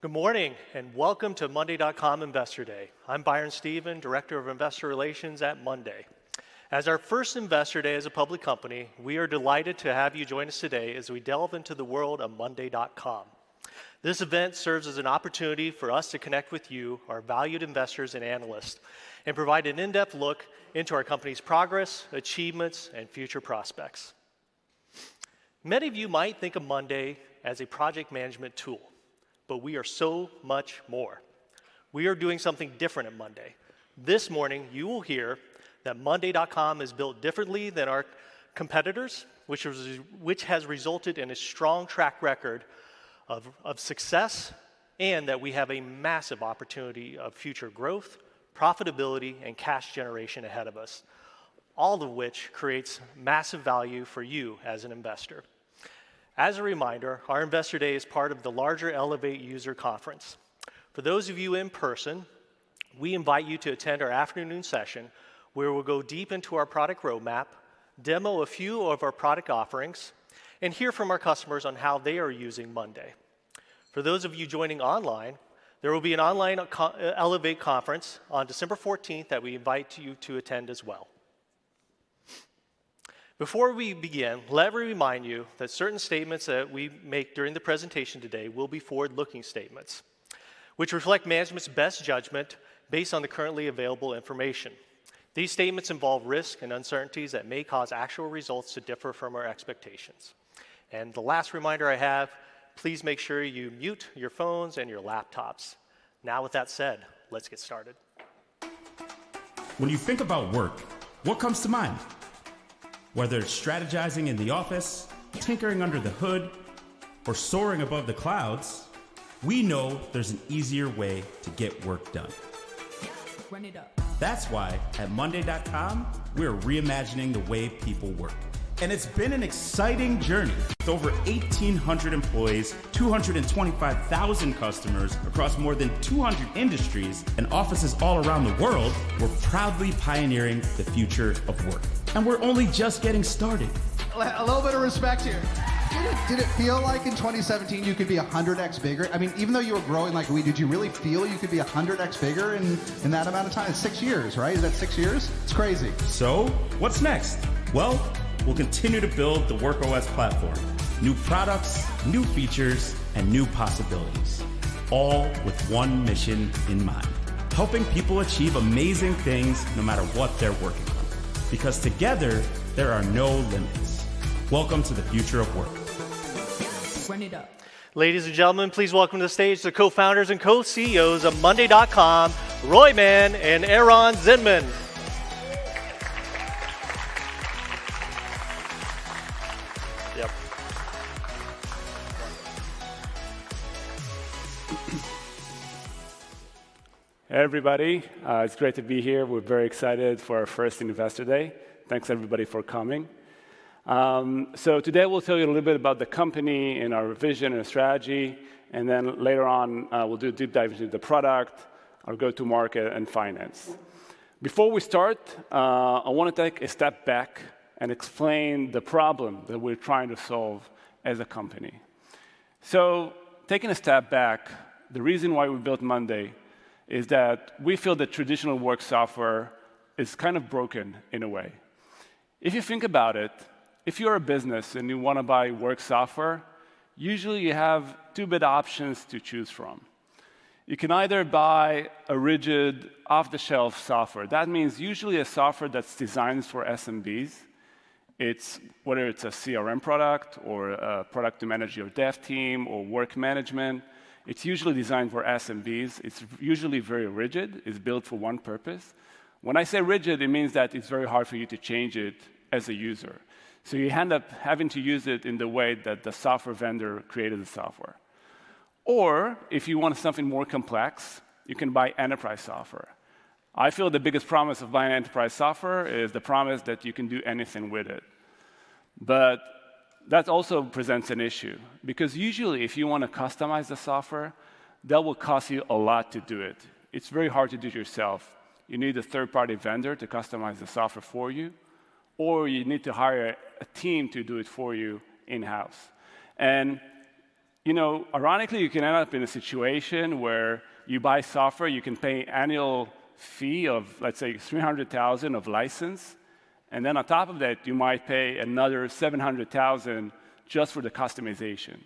Good morning, and welcome to Monday.com Investor Day. I'm Byron Stephen, Director of Investor Relations at Monday.com. As our first Investor Day as a public company, we are delighted to have you join us today as we delve into the world of Monday.com. This event serves as an opportunity for us to connect with you, our valued investors and analysts, and provide an in-depth look into our company's progress, achievements, and future prospects. Many of you might think of Monday.com as a project management tool, but we are so much more. We are doing something different at Monday.com. This morning, you will hear that Monday.com is built differently than our competitors, which has resulted in a strong track record of success, and that we have a massive opportunity of future growth, profitability, and cash generation ahead of us, all of which creates massive value for you as an investor. As a reminder, our Investor Day is part of the larger Elevate User Conference. For those of you in person, we invite you to attend our afternoon session, where we'll go deep into our product roadmap, demo a few of our product offerings, and hear from our customers on how they are using Monday.com. For those of you joining online, there will be an online Elevate conference on December fourteenth that we invite you to attend as well. Before we begin, let me remind you that certain statements that we make during the presentation today will be forward-looking statements, which reflect management's best judgment based on the currently available information. These statements involve risks and uncertainties that may cause actual results to differ from our expectations. The last reminder I have: please make sure you mute your phones and your laptops. Now, with that said, let's get started. When you think about work, what comes to mind? Whether it's strategizing in the office, tinkering under the hood, or soaring above the clouds, we know there's an easier way to get work done. Run it up. That's why at Monday.com, we're reimagining the way people work, and it's been an exciting journey. With over 1,800 employees, 225,000 customers across more than 200 industries, and offices all around the world, we're proudly pioneering the future of work, and we're only just getting started. Ah, a little bit of respect here. Did it feel like in 2017 you could be 100x bigger? I mean, even though you were growing like we, did you really feel you could be 100x bigger in that amount of time? Six years, right? Is that six years? It's crazy. What's next? Well, we'll continue to build the Work OS platform, new products, new features, and new possibilities, all with one mission in mind: helping people achieve amazing things, no matter what they're working on, because together, there are no limits. Welcome to the future of work. Run it up. Ladies and gentlemen, please welcome to the stage the co-founders and co-CEOs of Monday.com, Roy Mann and Eran Zinman. Yep. Hey, everybody. It's great to be here. We're very excited for our first Investor Day. Thanks, everybody, for coming. So today we'll tell you a little bit about the company and our vision and strategy, and then later on, we'll do a deep dive into the product, our go-to-market, and finance. Before we start, I wanna take a step back and explain the problem that we're trying to solve as a company. So taking a step back, the reason why we built Monday is that we feel that traditional work software is kind of broken in a way. If you think about it, if you're a business and you wanna buy work software, usually you have two bad options to choose from. You can either buy a rigid, off-the-shelf software. That means usually a software that's designed for SMBs. It's whether it's a CRM product or a product to manage your dev team or work management, it's usually designed for SMBs. It's usually very rigid. It's built for one purpose. When I say rigid, it means that it's very hard for you to change it as a user, so you end up having to use it in the way that the software vendor created the software. Or if you want something more complex, you can buy enterprise software. I feel the biggest promise of buying enterprise software is the promise that you can do anything with it. But that also presents an issue, because usually, if you wanna customize the software, that will cost you a lot to do it. It's very hard to do it yourself. You need a third-party vendor to customize the software for you, or you need to hire a team to do it for you in-house. And, you know, ironically, you can end up in a situation where you buy software, you can pay annual fee of $300,000 of license, and then on top of that, you might pay another $700,000 just for the customization.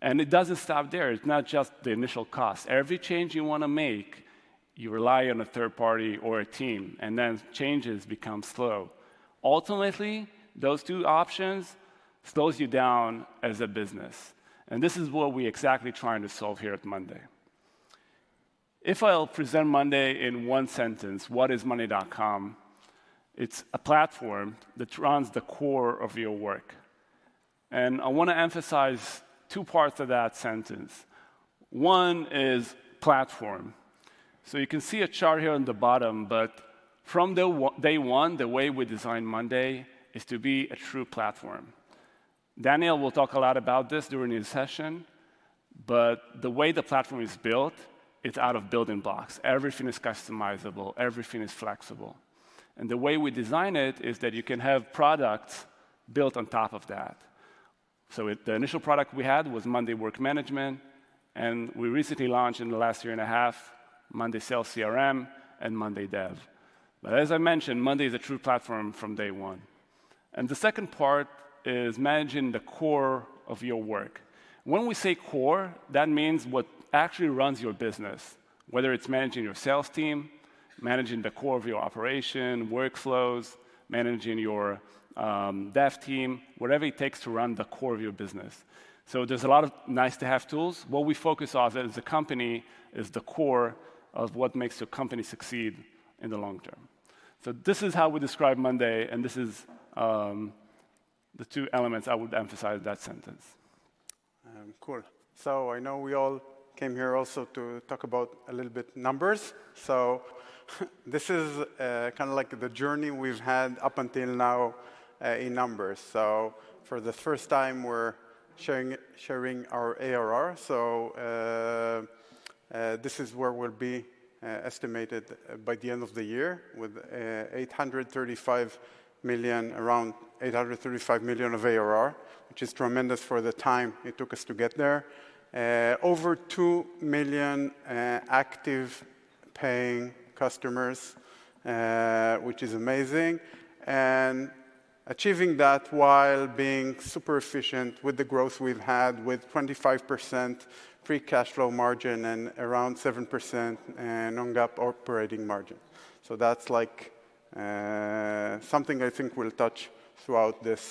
And it doesn't stop there. It's not just the initial cost. Every change you wanna make, you rely on a third party or a team, and then changes become slow. Ultimately, those two options slows you down as a business, and this is what we're exactly trying to solve here at Monday.com. If I'll present Monday.com in one sentence, what is Monday.com? It's a platform that runs the core of your work. And I wanna emphasize two parts of that sentence. One is platform. So you can see a chart here on the bottom, but from day one, the way we designed Monday.com is to be a true platform. Daniel will talk a lot about this during his session, but the way the platform is built, it's out of building blocks. Everything is customizable. Everything is flexible.... And the way we design it is that you can have products built on top of that. So it, the initial product we had was monday work management, and we recently launched in the last year and a half, monday sales CRM, and monday dev. But as I mentioned, Monday.com is a true platform from day one. And the second part is managing the core of your work. When we say core, that means what actually runs your business, whether it's managing your sales team, managing the core of your operation, workflows, managing your dev team, whatever it takes to run the core of your business. There's a lot of nice-to-have tools. What we focus on as a company is the core of what makes the company succeed in the long term. This is how we describe monday, and this is the two elements I would emphasize in that sentence. Cool. So I know we all came here also to talk about a little bit numbers. So, this is kinda like the journey we've had up until now in numbers. So for the first time, we're sharing our ARR, so this is where we'll be estimated by the end of the year, with $835 million, around $835 million of ARR, which is tremendous for the time it took us to get there. Over 2 million active paying customers, which is amazing, and achieving that while being super efficient with the growth we've had, with 25% free cash flow margin and around 7% non-GAAP operating margin. So that's like something I think we'll touch throughout this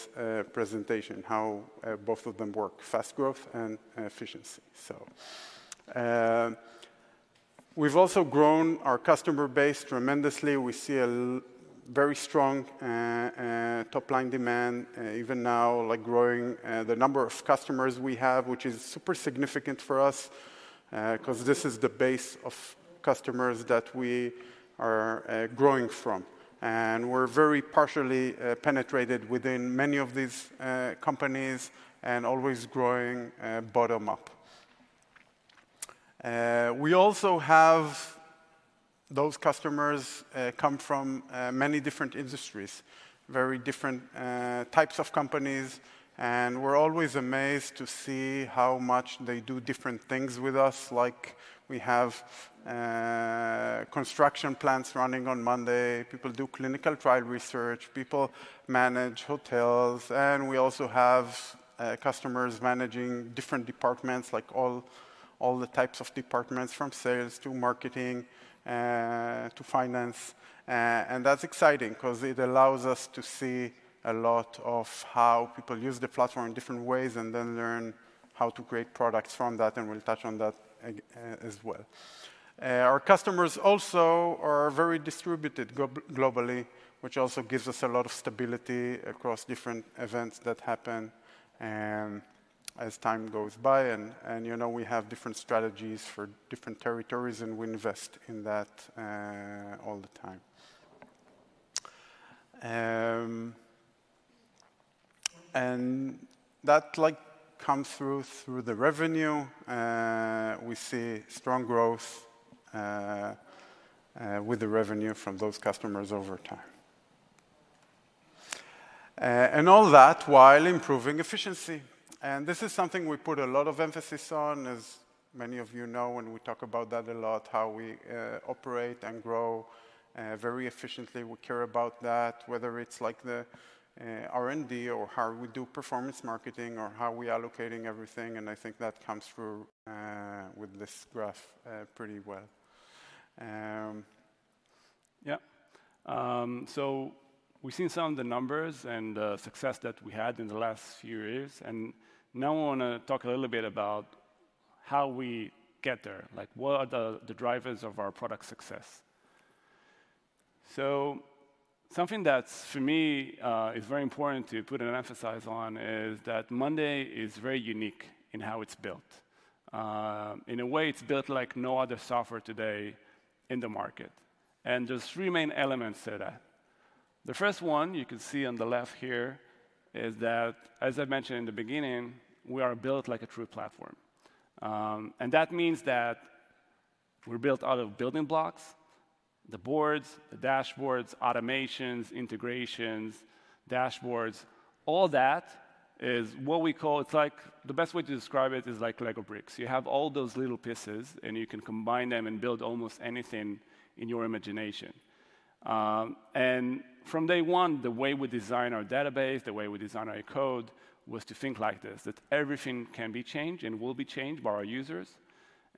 presentation, how both of them work: fast growth and efficiency. So, we've also grown our customer base tremendously. We see a very strong top-line demand, even now, like growing the number of customers we have, which is super significant for us, 'cause this is the base of customers that we are growing from. And we're very partially penetrated within many of these companies and always growing bottom up. We also have those customers come from many different industries, very different types of companies, and we're always amazed to see how much they do different things with us. Like, we have construction plans running on Monday, people do clinical trial research, people manage hotels, and we also have customers managing different departments, like all the types of departments, from sales to marketing to finance. And that's exciting 'cause it allows us to see a lot of how people use the platform in different ways and then learn how to create products from that, and we'll touch on that as well. Our customers also are very distributed globally, which also gives us a lot of stability across different events that happen and as time goes by, and, you know, we have different strategies for different territories, and we invest in that all the time. And that, like, comes through the revenue. We see strong growth with the revenue from those customers over time. And all that while improving efficiency. And this is something we put a lot of emphasis on, as many of you know, and we talk about that a lot, how we operate and grow very efficiently. We care about that, whether it's like the R&D or how we do performance marketing or how we are allocating everything, and I think that comes through with this graph pretty well. Yeah. So we've seen some of the numbers and success that we had in the last few years, and now I wanna talk a little bit about how we get there. Like, what are the drivers of our product success? So something that's, for me, is very important to put an emphasis on, is that Monday.com is very unique in how it's built. In a way, it's built like no other software today in the market, and there's three main elements to that. The first one you can see on the left here is that, as I mentioned in the beginning, we are built like a true platform. And that means that we're built out of building blocks, the boards, the dashboards, automations, integrations, dashboards, all that is what we call—it's like... The best way to describe it is like Lego bricks. You have all those little pieces, and you can combine them and build almost anything in your imagination. And from day one, the way we design our database, the way we design our code, was to think like this, that everything can be changed and will be changed by our users.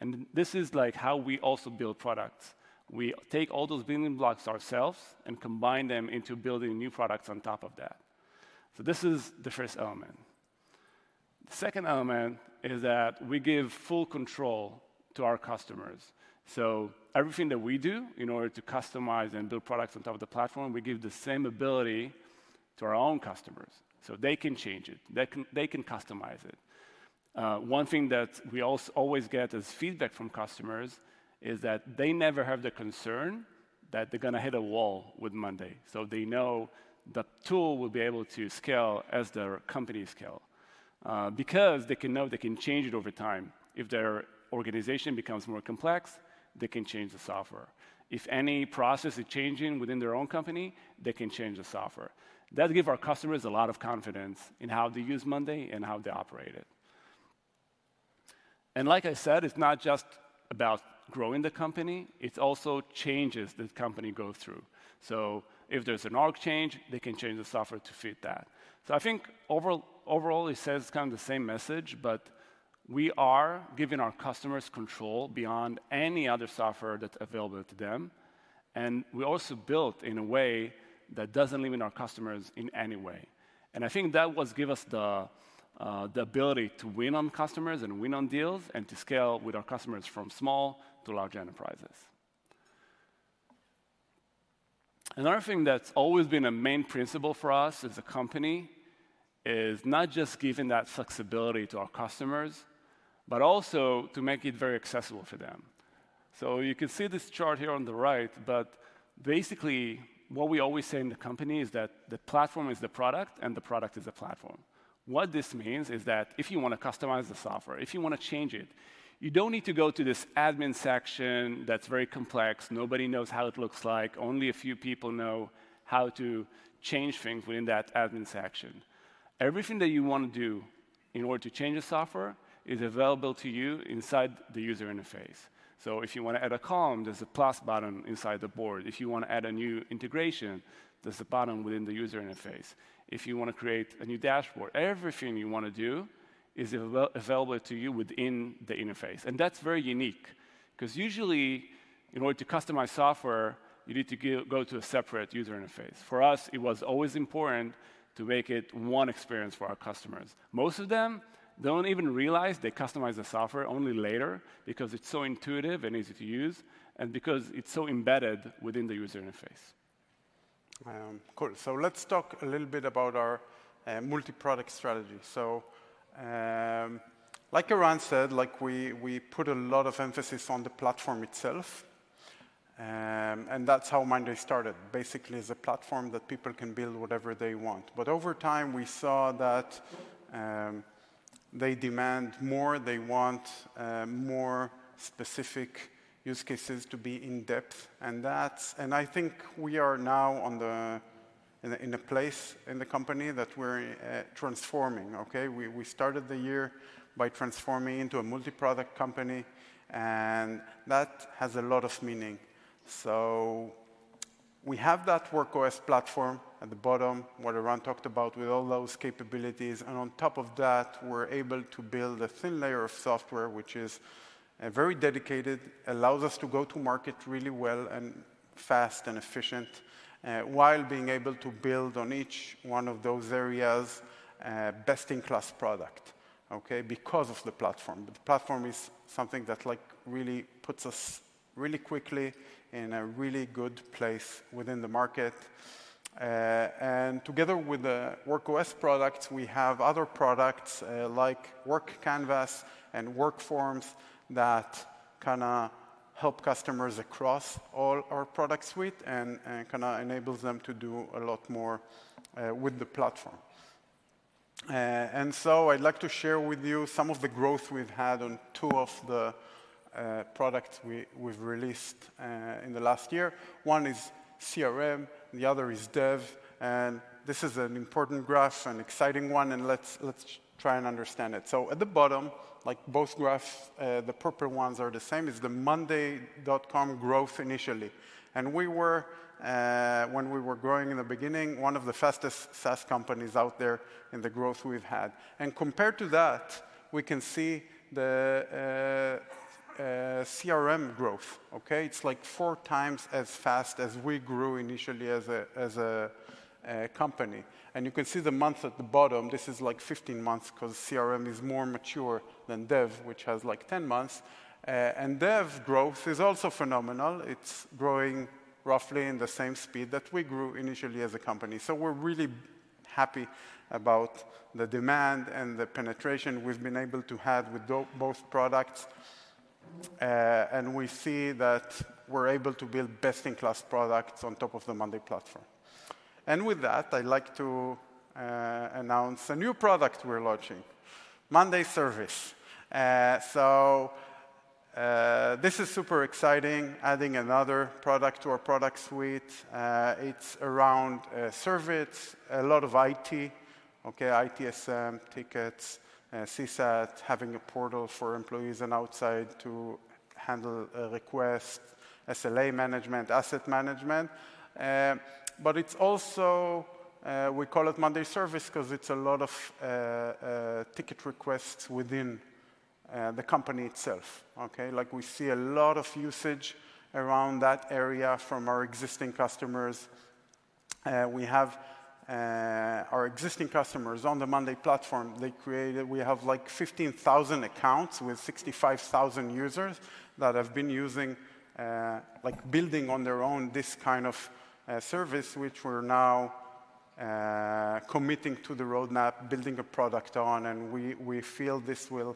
And this is, like, how we also build products. We take all those building blocks ourselves and combine them into building new products on top of that. So this is the first element. The second element is that we give full control to our customers. So everything that we do in order to customize and build products on top of the platform, we give the same ability to our own customers, so they can change it. They can, they can customize it. One thing that we always get as feedback from customers is that they never have the concern that they're gonna hit a wall with Monday.com. So they know the tool will be able to scale as their company scale, because they can know they can change it over time. If their organization becomes more complex, they can change the software. If any process is changing within their own company, they can change the software. That give our customers a lot of confidence in how they use Monday.com and how they operate it. And like I said, it's not just about growing the company, it's also changes the company go through. So if there's an org change, they can change the software to fit that. So I think overall, it says kind of the same message, but we are giving our customers control beyond any other software that's available to them, and we also built in a way that doesn't limit our customers in any way. And I think that what give us the the ability to win on customers and win on deals, and to scale with our customers from small to large enterprises. Another thing that's always been a main principle for us as a company is not just giving that flexibility to our customers, but also to make it very accessible for them. So you can see this chart here on the right, but basically what we always say in the company is that the platform is the product, and the product is the platform. What this means is that if you wanna customize the software, if you wanna change it, you don't need to go to this admin section that's very complex, nobody knows how it looks like. Only a few people know how to change things within that admin section. Everything that you wanna do in order to change the software is available to you inside the user interface. So if you wanna add a column, there's a plus button inside the board. If you wanna add a new integration, there's a button within the user interface. If you wanna create a new dashboard, everything you wanna do is available to you within the interface. And that's very unique, 'cause usually, in order to customize software, you need to go to a separate user interface. For us, it was always important to make it one experience for our customers. Most of them don't even realize they customize the software only later, because it's so intuitive and easy to use, and because it's so embedded within the user interface. Cool. So let's talk a little bit about our multi-product strategy. So, like Eran said, like, we, we put a lot of emphasis on the platform itself, and that's how Monday started, basically as a platform that people can build whatever they want. But over time, we saw that, they demand more, they want, more specific use cases to be in depth, and that's... And I think we are now on the, in a, in a place in the company that we're, transforming, okay? We, we started the year by transforming into a multi-product company, and that has a lot of meaning. So we have that Work OS platform at the bottom, what Eran talked about, with all those capabilities, and on top of that, we're able to build a thin layer of software, which is very dedicated, allows us to go to market really well and fast and efficient, while being able to build on each one of those areas, best-in-class product, okay? Because of the platform. The platform is something that, like, really puts us really quickly in a really good place within the market. And together with the Work OS products, we have other products, like WorkCanvas and WorkForms, that kinda help customers across all our product suite and kinda enables them to do a lot more with the platform. So I'd like to share with you some of the growth we've had on two of the products we've released in the last year. One is CRM, and the other is Dev. This is an important graph, an exciting one, and let's try and understand it. So at the bottom, like both graphs, the purple ones are the same, is the Monday.com growth initially. We were, when we were growing in the beginning, one of the fastest SaaS companies out there in the growth we've had. Compared to that, we can see the CRM growth, okay? It's like four times as fast as we grew initially as a company. And you can see the months at the bottom, this is, like, 15 months, 'cause CRM is more mature than Dev, which has, like, 10 months. And Dev's growth is also phenomenal. It's growing roughly in the same speed that we grew initially as a company. So we're really happy about the demand and the penetration we've been able to have with both products. And we see that we're able to build best-in-class products on top of the monday platform. And with that, I'd like to announce a new product we're launching, monday service. So, this is super exciting, adding another product to our product suite. It's around service, a lot of IT, okay, ITSM, tickets, CSAT, having a portal for employees and outside to handle requests, SLA management, asset management. But it's also, we call it monday service 'cause it's a lot of, ticket requests within, the company itself, okay? Like, we see a lot of usage around that area from our existing customers. We have, our existing customers on the monday platform, they created... We have, like, 15,000 accounts with 65,000 users that have been using, like, building on their own, this kind of, service, which we're now, committing to the roadmap, building a product on, and we, we feel this will,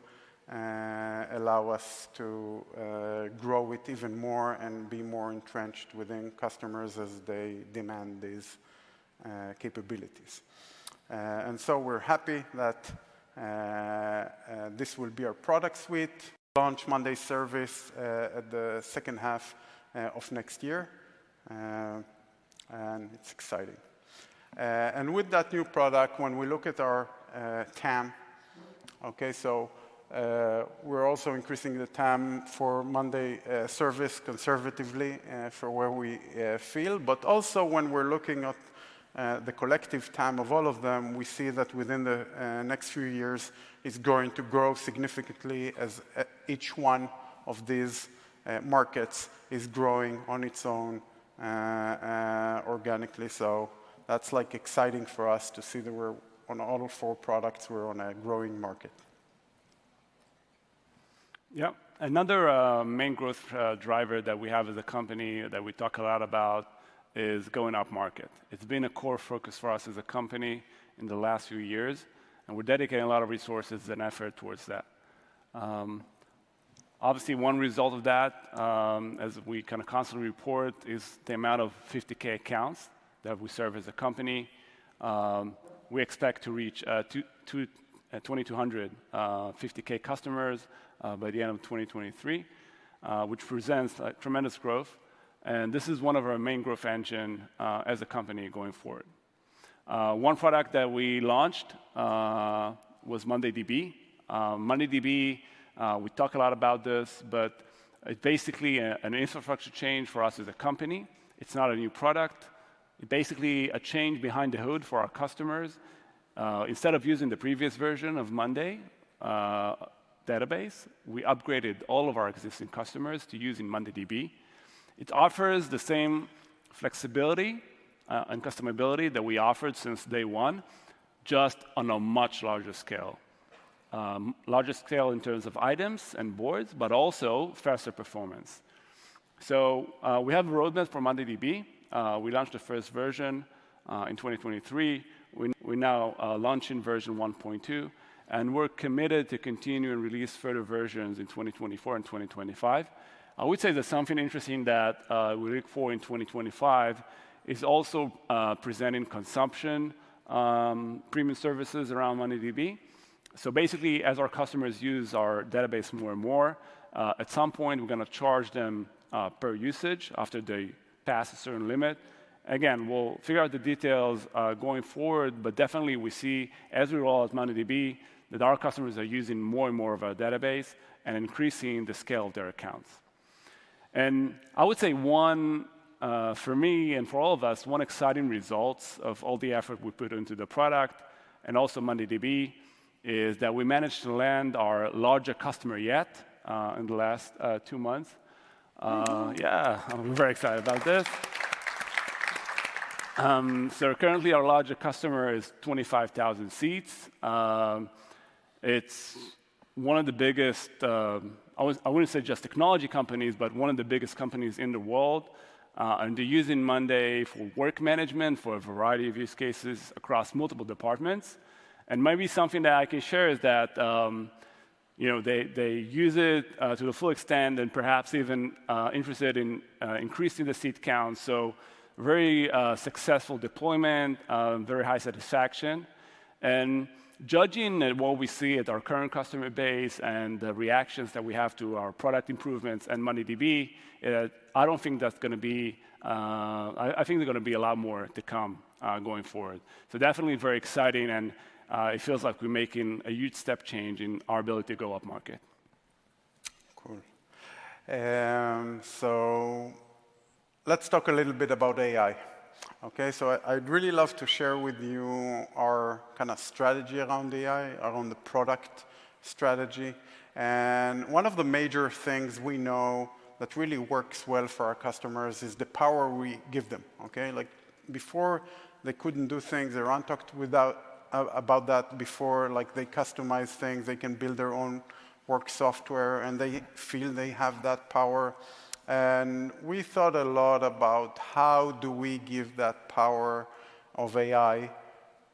allow us to, grow it even more and be more entrenched within customers as they demand these, capabilities.... And so we're happy that, this will be our product suite, launch monday service, at the second half, of next year. And it's exciting. And with that new product, when we look at our TAM, okay, so we're also increasing the TAM for monday service conservatively for where we feel. But also when we're looking at the collective TAM of all of them, we see that within the next few years, it's going to grow significantly as each one of these markets is growing on its own organically. So that's, like, exciting for us to see that we're on all four products, we're on a growing market. Yeah. Another main growth driver that we have as a company that we talk a lot about is going upmarket. It's been a core focus for us as a company in the last few years, and we're dedicating a lot of resources and effort towards that. Obviously, one result of that, as we kinda constantly report, is the amount of 50K accounts that we serve as a company. We expect to reach 2,200 50K customers by the end of 2023, which presents a tremendous growth, and this is one of our main growth engine as a company going forward. One product that we launched was mondayDB. mondayDB, we talk a lot about this, but it's basically an infrastructure change for us as a company. It's not a new product. Basically, a change under the hood for our customers. Instead of using the previous version of monday database, we upgraded all of our existing customers to using mondayDB. It offers the same flexibility and customizability that we offered since day one, just on a much larger scale. Larger scale in terms of items and boards, but also faster performance. So, we have a roadmap for mondayDB. We launched the first version in 2023. We now launching version 1.2, and we're committed to continue and release further versions in 2024 and 2025. I would say that something interesting that we look for in 2025 is also presenting consumption premium services around mondayDB. So basically, as our customers use our database more and more, at some point, we're gonna charge them per usage after they pass a certain limit. Again, we'll figure out the details going forward, but definitely we see, as we roll out mondayDB, that our customers are using more and more of our database and increasing the scale of their accounts. And I would say one, for me and for all of us, one exciting results of all the effort we put into the product, and also mondayDB, is that we managed to land our larger customer yet in the last two months. Yeah, I'm very excited about this. So currently, our larger customer is 25,000 seats. It's one of the biggest. I would, I wouldn't say just technology companies, but one of the biggest companies in the world. They're using monday for work management, for a variety of use cases across multiple departments. Maybe something that I can share is that, you know, they, they use it to the full extent and perhaps even interested in increasing the seat count. So very successful deployment, very high satisfaction. Judging at what we see at our current customer base and the reactions that we have to our product improvements and mondayDB, I don't think that's gonna be... I, I think there're gonna be a lot more to come going forward. So definitely very exciting, and it feels like we're making a huge step change in our ability to go upmarket. Of course. So let's talk a little bit about AI. Okay, so I'd really love to share with you our kind of strategy around AI, around the product strategy. And one of the major things we know that really works well for our customers is the power we give them, okay? Like, before, they couldn't do things. Eran talked about that before. Like, they customize things, they can build their own work software, and they feel they have that power. And we thought a lot about: how do we give that power of AI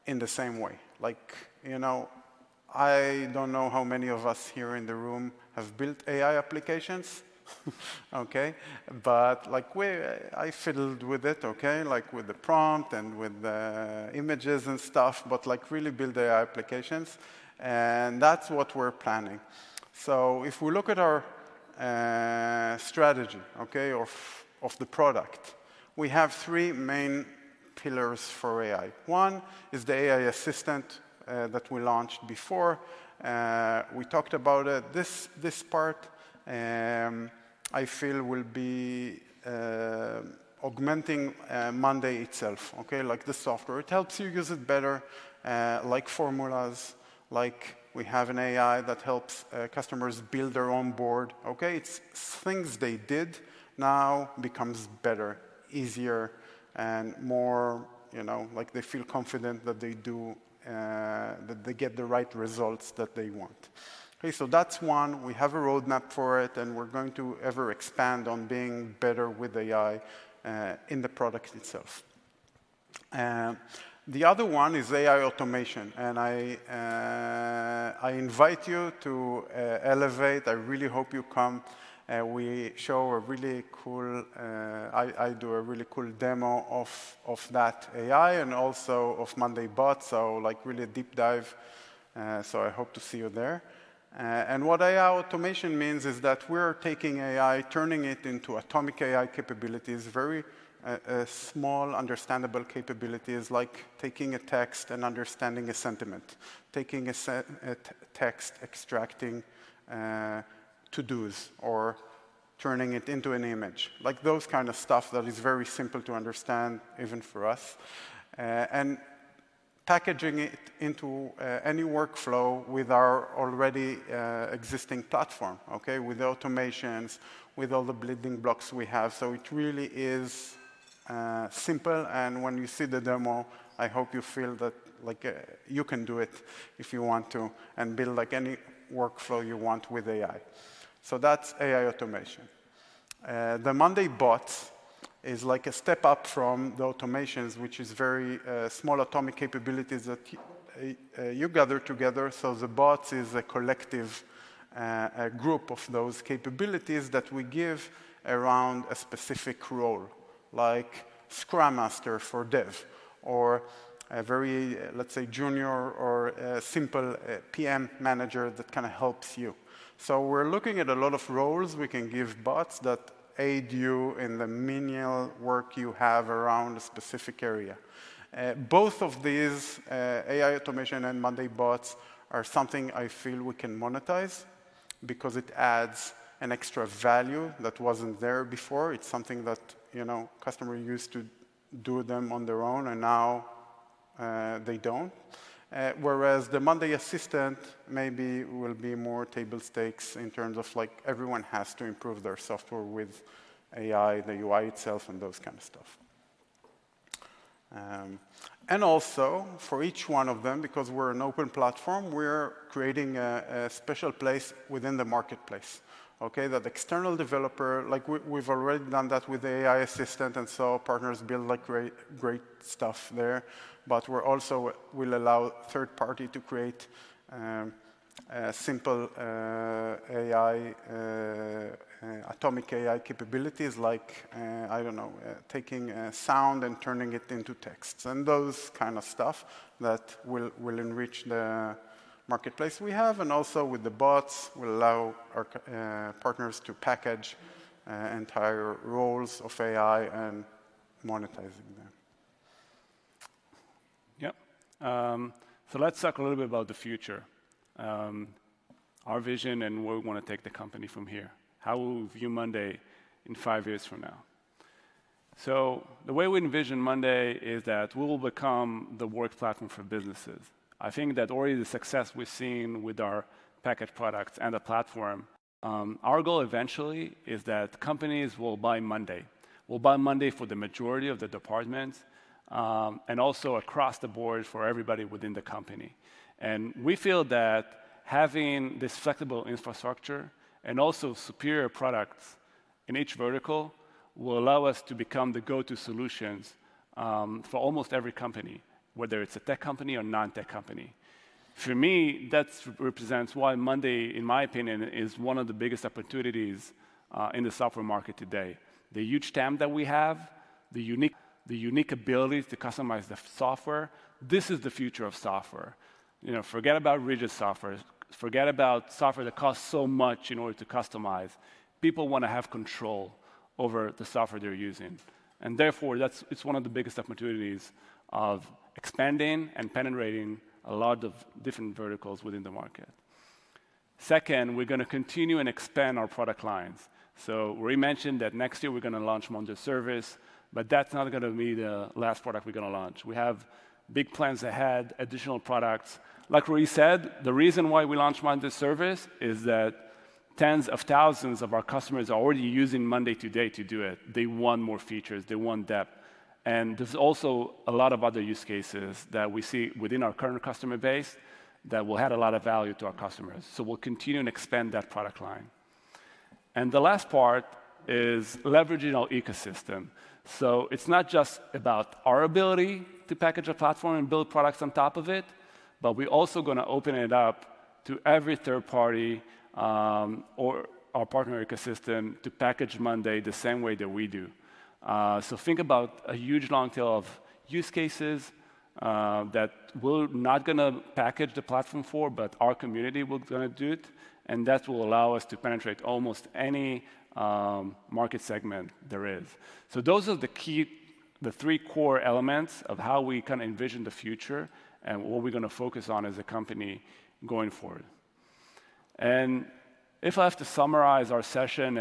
in the same way? Like, you know, I don't know how many of us here in the room have built AI applications, okay? But, like, I fiddled with it, okay, like, with the prompt and with the images and stuff, but, like, really build AI applications, and that's what we're planning. So if we look at our strategy, okay, of the product, we have three main pillars for AI. One is the AI assistant that we launched before. We talked about it. This part I feel will be augmenting Monday itself, okay? Like the software. It helps you use it better, like formulas, like we have an AI that helps customers build their own board, okay? It's things they did now becomes better, easier, and more, you know, like they feel confident that they do that they get the right results that they want. Okay, so that's one. We have a roadmap for it, and we're going to ever expand on being better with AI in the product itself. The other one is AI automation, and I invite you to Elevate. I really hope you come, and we show a really cool, I do a really cool demo of that AI, and also of monday bots, so like really a deep dive, so I hope to see you there. And what AI automation means is that we're taking AI, turning it into atomic AI capabilities, very small, understandable capabilities, like taking a text and understanding a sentiment, taking a text, extracting to-dos, or turning it into an image. Like those kind of stuff that is very simple to understand, even for us. And packaging it into any workflow with our already existing platform, okay? With automations, with all the building blocks we have. So it really is, simple, and when you see the demo, I hope you feel that, like, you can do it if you want to, and build, like, any workflow you want with AI. So that's AI automation. The monday bots is like a step up from the automations, which is very, small atomic capabilities that you gather together. So the bots is a collective, a group of those capabilities that we give around a specific role, like Scrum Master for dev, or a very, let's say, junior or a simple, PM manager that kind of helps you. So we're looking at a lot of roles we can give bots that aid you in the menial work you have around a specific area. Both of these, AI automation and monday bots, are something I feel we can monetize because it adds an extra value that wasn't there before. It's something that, you know, customer used to do them on their own, and now, they don't. Whereas the monday assistant maybe will be more table stakes in terms of, like, everyone has to improve their software with AI, the UI itself, and those kind of stuff. And also, for each one of them, because we're an open platform, we're creating a special place within the marketplace, okay? That external developer... Like, we've already done that with AI assistant, and so partners build, like, great, great stuff there. But we're also will allow third party to create a simple AI atomic AI capabilities like I don't know taking sound and turning it into text, and those kind of stuff that will will enrich the marketplace we have. And also with the bots, we'll allow our partners to package entire roles of AI and monetizing them. Yeah. So let's talk a little bit about the future, our vision, and where we wanna take the company from here. How will we view Monday in five years from now? The way we envision Monday is that we will become the work platform for businesses. I think that already the success we've seen with our packaged products and the platform, our goal eventually is that companies will buy Monday. Will buy Monday for the majority of the departments, and also across the board for everybody within the company. We feel that having this flexible infrastructure and also superior products in each vertical, will allow us to become the go-to solutions, for almost every company, whether it's a tech company or non-tech company. For me, that represents why Monday, in my opinion, is one of the biggest opportunities in the software market today. The huge TAM that we have, the unique abilities to customize the software, this is the future of software. You know, forget about rigid softwares. Forget about software that costs so much in order to customize. People wanna have control over the software they're using, and therefore, that's, it's one of the biggest opportunities of expanding and penetrating a lot of different verticals within the market. Second, we're gonna continue and expand our product lines. So Roy mentioned that next year we're gonna launch monday service, but that's not gonna be the last product we're gonna launch. We have big plans ahead, additional products. Like Roy said, the reason why we launched monday service is that tens of thousands of our customers are already using monday today to do it. They want more features, they want depth. There's also a lot of other use cases that we see within our current customer base that will add a lot of value to our customers, so we'll continue and expand that product line. The last part is leveraging our ecosystem. It's not just about our ability to package a platform and build products on top of it, but we're also gonna open it up to every third party, or our partner ecosystem, to package monday the same way that we do. So think about a huge long tail of use cases that we're not gonna package the platform for, but our community will gonna do it, and that will allow us to penetrate almost any market segment there is. So those are the key, the three core elements of how we kinda envision the future, and what we're gonna focus on as a company going forward. If I have to summarize our session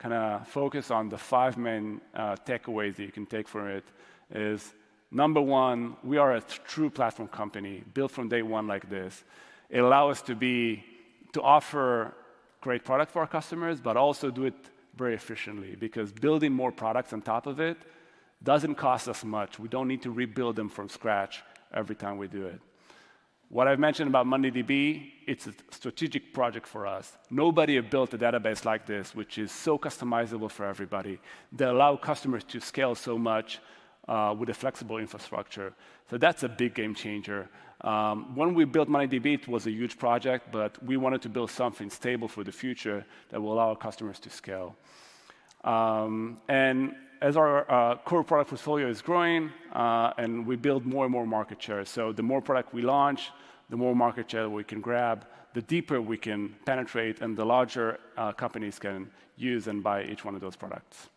and kinda focus on the five main takeaways that you can take from it is, number one, we are a true platform company, built from day one like this. It allow us to be, to offer great product for our customers, but also do it very efficiently, because building more products on top of it doesn't cost us much. We don't need to rebuild them from scratch every time we do it. What I've mentioned about mondayDB, it's a strategic project for us. Nobody have built a database like this, which is so customizable for everybody, that allow customers to scale so much, with a flexible infrastructure. So that's a big game changer. When we built mondayDB, it was a huge project, but we wanted to build something stable for the future that will allow our customers to scale, and as our, core product portfolio is growing, and we build more and more market share. So the more product we launch, the more market share we can grab, the deeper we can penetrate, and the larger, companies can use and buy each one of those products.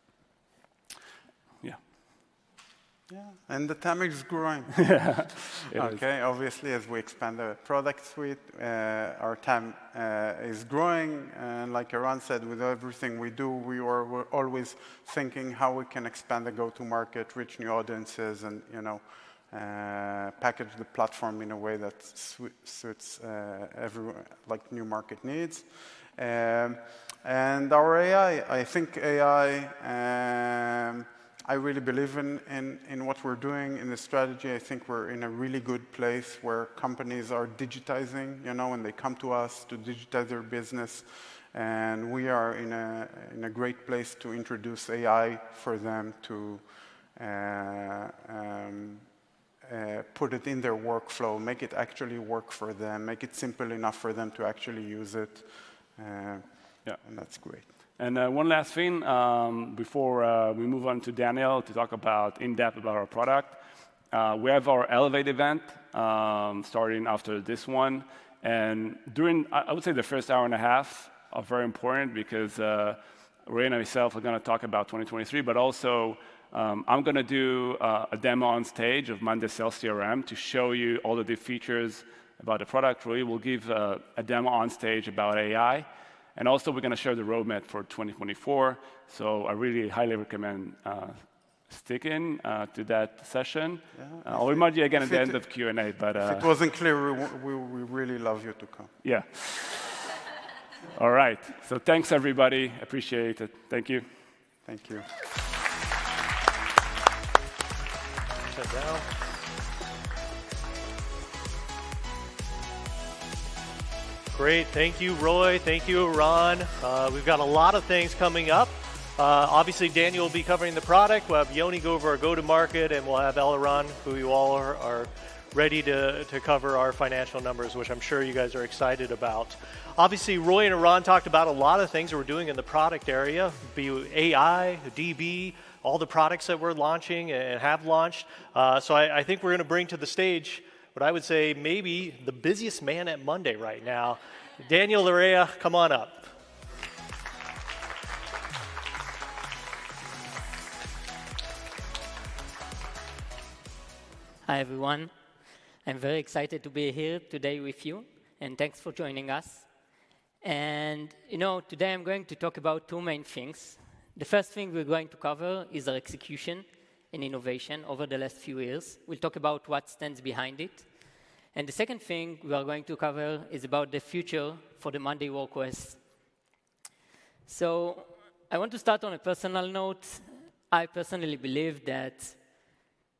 Yeah. Yeah, and the TAM is growing. Yeah, it is. Okay, obviously, as we expand the product suite, our TAM is growing. Like Eran said, with everything we do, we are always thinking how we can expand the go-to-market, reach new audiences and, you know, package the platform in a way that suits every, like, new market needs. And our AI, I think AI, I really believe in, in, in what we're doing, in the strategy. I think we're in a really good place where companies are digitizing, you know, and they come to us to digitize their business, and we are in a great place to introduce AI for them to put it in their workflow, make it actually work for them, make it simple enough for them to actually use it. Yeah, and that's great. One last thing, before we move on to Daniel to talk about in depth about our product. We have our Elevate event, starting after this one, and during, I would say the first hour and a half are very important because, Roy and myself are gonna talk about 2023, but also, I'm gonna do a demo on stage of monday sales CRM to show you all of the features about the product. Roy will give a demo on stage about AI, and also we're gonna share the roadmap for 2024. So I really highly recommend sticking to that session. Yeah. I'll remind you again at the end of Q&A, but, If it wasn't clear, we really love you to come. Yeah. All right. So thanks, everybody. Appreciate it. Thank you. Thank you. ... Great. Thank you, Roy. Thank you, Eran. We've got a lot of things coming up. Obviously, Daniel will be covering the product. We'll have Yoni go over our go-to-market, and we'll have Eliran, who you all are ready to cover our financial numbers, which I'm sure you guys are excited about. Obviously, Roy and Eran talked about a lot of things that we're doing in the product area, be AI, DB, all the products that we're launching and have launched. So I think we're going to bring to the stage what I would say may be the busiest man at Monday.com right now. Daniel Lereya, come on up. Hi, everyone. I'm very excited to be here today with you, and thanks for joining us. You know, today I'm going to talk about two main things. The first thing we're going to cover is our execution and innovation over the last few years. We'll talk about what stands behind it. The second thing we are going to cover is about the future for the monday Work OS. I want to start on a personal note. I personally believe that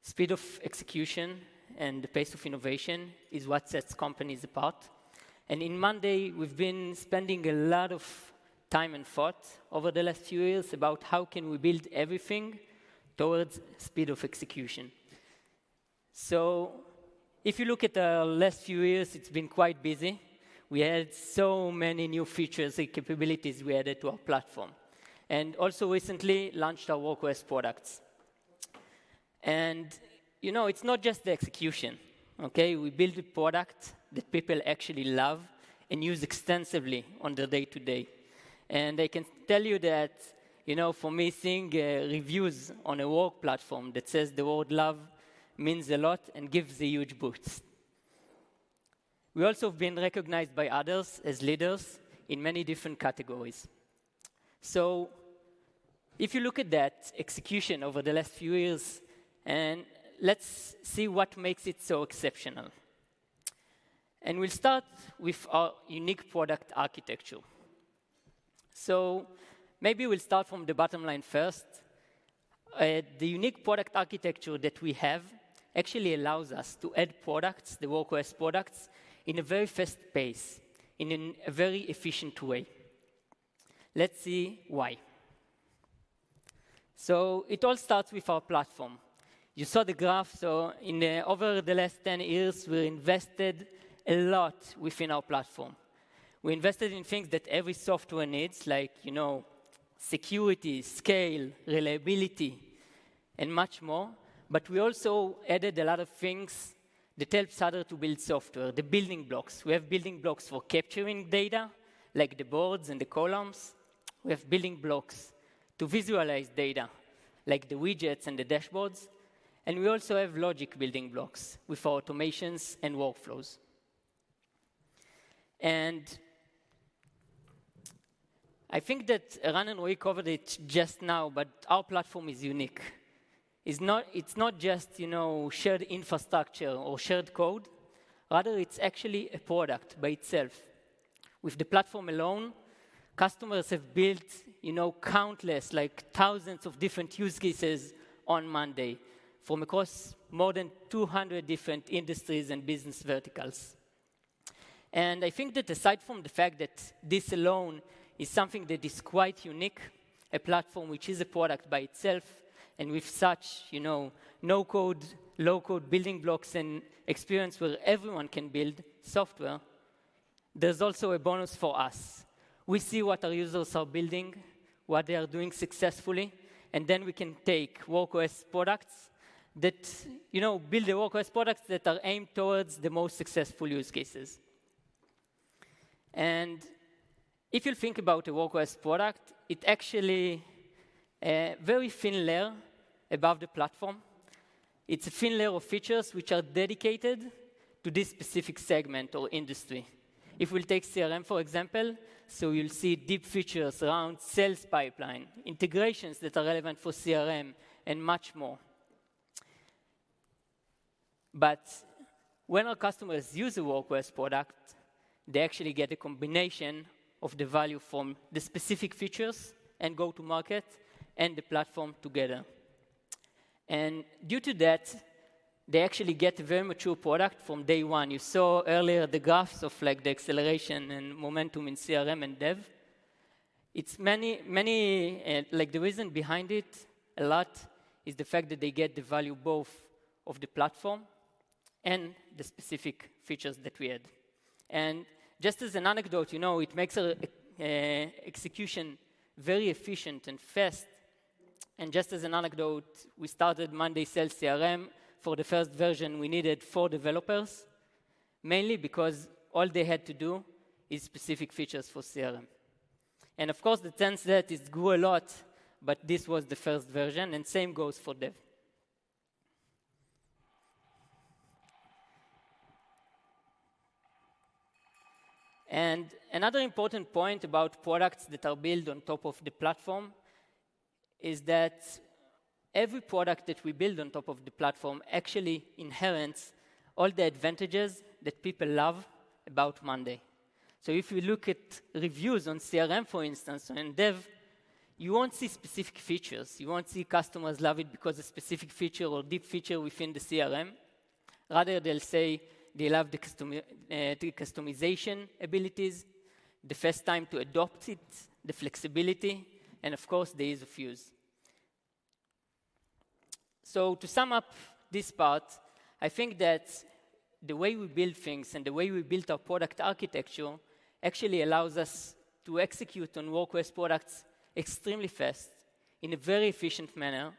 speed of execution and the pace of innovation is what sets companies apart. In monday, we've been spending a lot of time and thought over the last few years about how can we build everything towards speed of execution. If you look at the last few years, it's been quite busy. We added so many new features and capabilities we added to our platform, and also recently launched our Work OS products. And, you know, it's not just the execution, okay? We built a product that people actually love and use extensively on their day-to-day. And I can tell you that, you know, for me, seeing reviews on a work platform that says the word "love" means a lot and gives a huge boost. We also have been recognized by others as leaders in many different categories. So if you look at that execution over the last few years, and let's see what makes it so exceptional. And we'll start with our unique product architecture. So maybe we'll start from the bottom line first. The unique product architecture that we have actually allows us to add products, the Work OS products, in a very fast pace, in a very efficient way. Let's see why. So it all starts with our platform. You saw the graph, so in over the last 10 years, we invested a lot within our platform. We invested in things that every software needs, like, you know, security, scale, reliability, and much more. But we also added a lot of things that helps other to build software, the building blocks. We have building blocks for capturing data, like the boards and the columns. We have building blocks to visualize data, like the widgets and the dashboards, and we also have logic building blocks with automations and workflows. And I think that Eran and Roy covered it just now, but our platform is unique. It's not, it's not just, you know, shared infrastructure or shared code, rather, it's actually a product by itself. With the platform alone, customers have built, you know, countless, like, thousands of different use cases on Monday, from across more than 200 different industries and business verticals. And I think that aside from the fact that this alone is something that is quite unique, a platform which is a product by itself and with such, you know, no-code, low-code building blocks and experience where everyone can build software... There's also a bonus for us. We see what our users are building, what they are doing successfully, and then we can take Work OS products that, you know, build the Work OS products that are aimed towards the most successful use cases. And if you think about a Work OS product, it actually a very thin layer above the platform. It's a thin layer of features which are dedicated to this specific segment or industry. If we'll take CRM, for example, so you'll see deep features around sales pipeline, integrations that are relevant for CRM, and much more. But when our customers use a Work OS product, they actually get a combination of the value from the specific features, and go to market, and the platform together. And due to that, they actually get a very mature product from day one. You saw earlier the graphs of, like, the acceleration and momentum in CRM and Dev. It's many, many, like, the reason behind it, a lot, is the fact that they get the value both of the platform and the specific features that we add. And just as an anecdote, you know, it makes a execution very efficient and fast. Just as an anecdote, we started monday sales CRM. For the first version, we needed four developers, mainly because all they had to do is specific features for CRM. And of course, since then, it's grown a lot, but this was the first version, and same goes for monday dev. And another important point about products that are built on top of the platform is that every product that we build on top of the platform actually inherits all the advantages that people love about monday. So if you look at reviews on CRM, for instance, and Dev, you won't see specific features. You won't see customers love it because a specific feature or deep feature within the CRM. Rather, they'll say they love the customization abilities, the first time to adopt it, the flexibility, and of course, the ease of use. So to sum up this part, I think that the way we build things and the way we built our product architecture actually allows us to execute on Work OS products extremely fast, in a very efficient manner,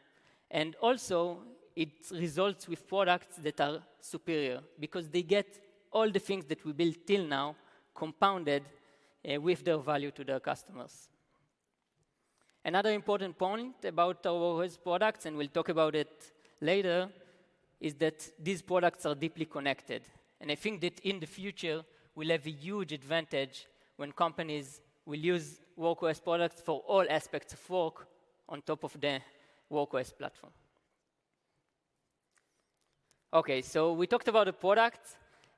and also it results with products that are superior, because they get all the things that we built till now, compounded, with their value to their customers. Another important point about our Work OS products, and we'll talk about it later, is that these products are deeply connected, and I think that in the future, we'll have a huge advantage when companies will use Work OS products for all aspects of work on top of the Work OS platform. Okay, so we talked about the product,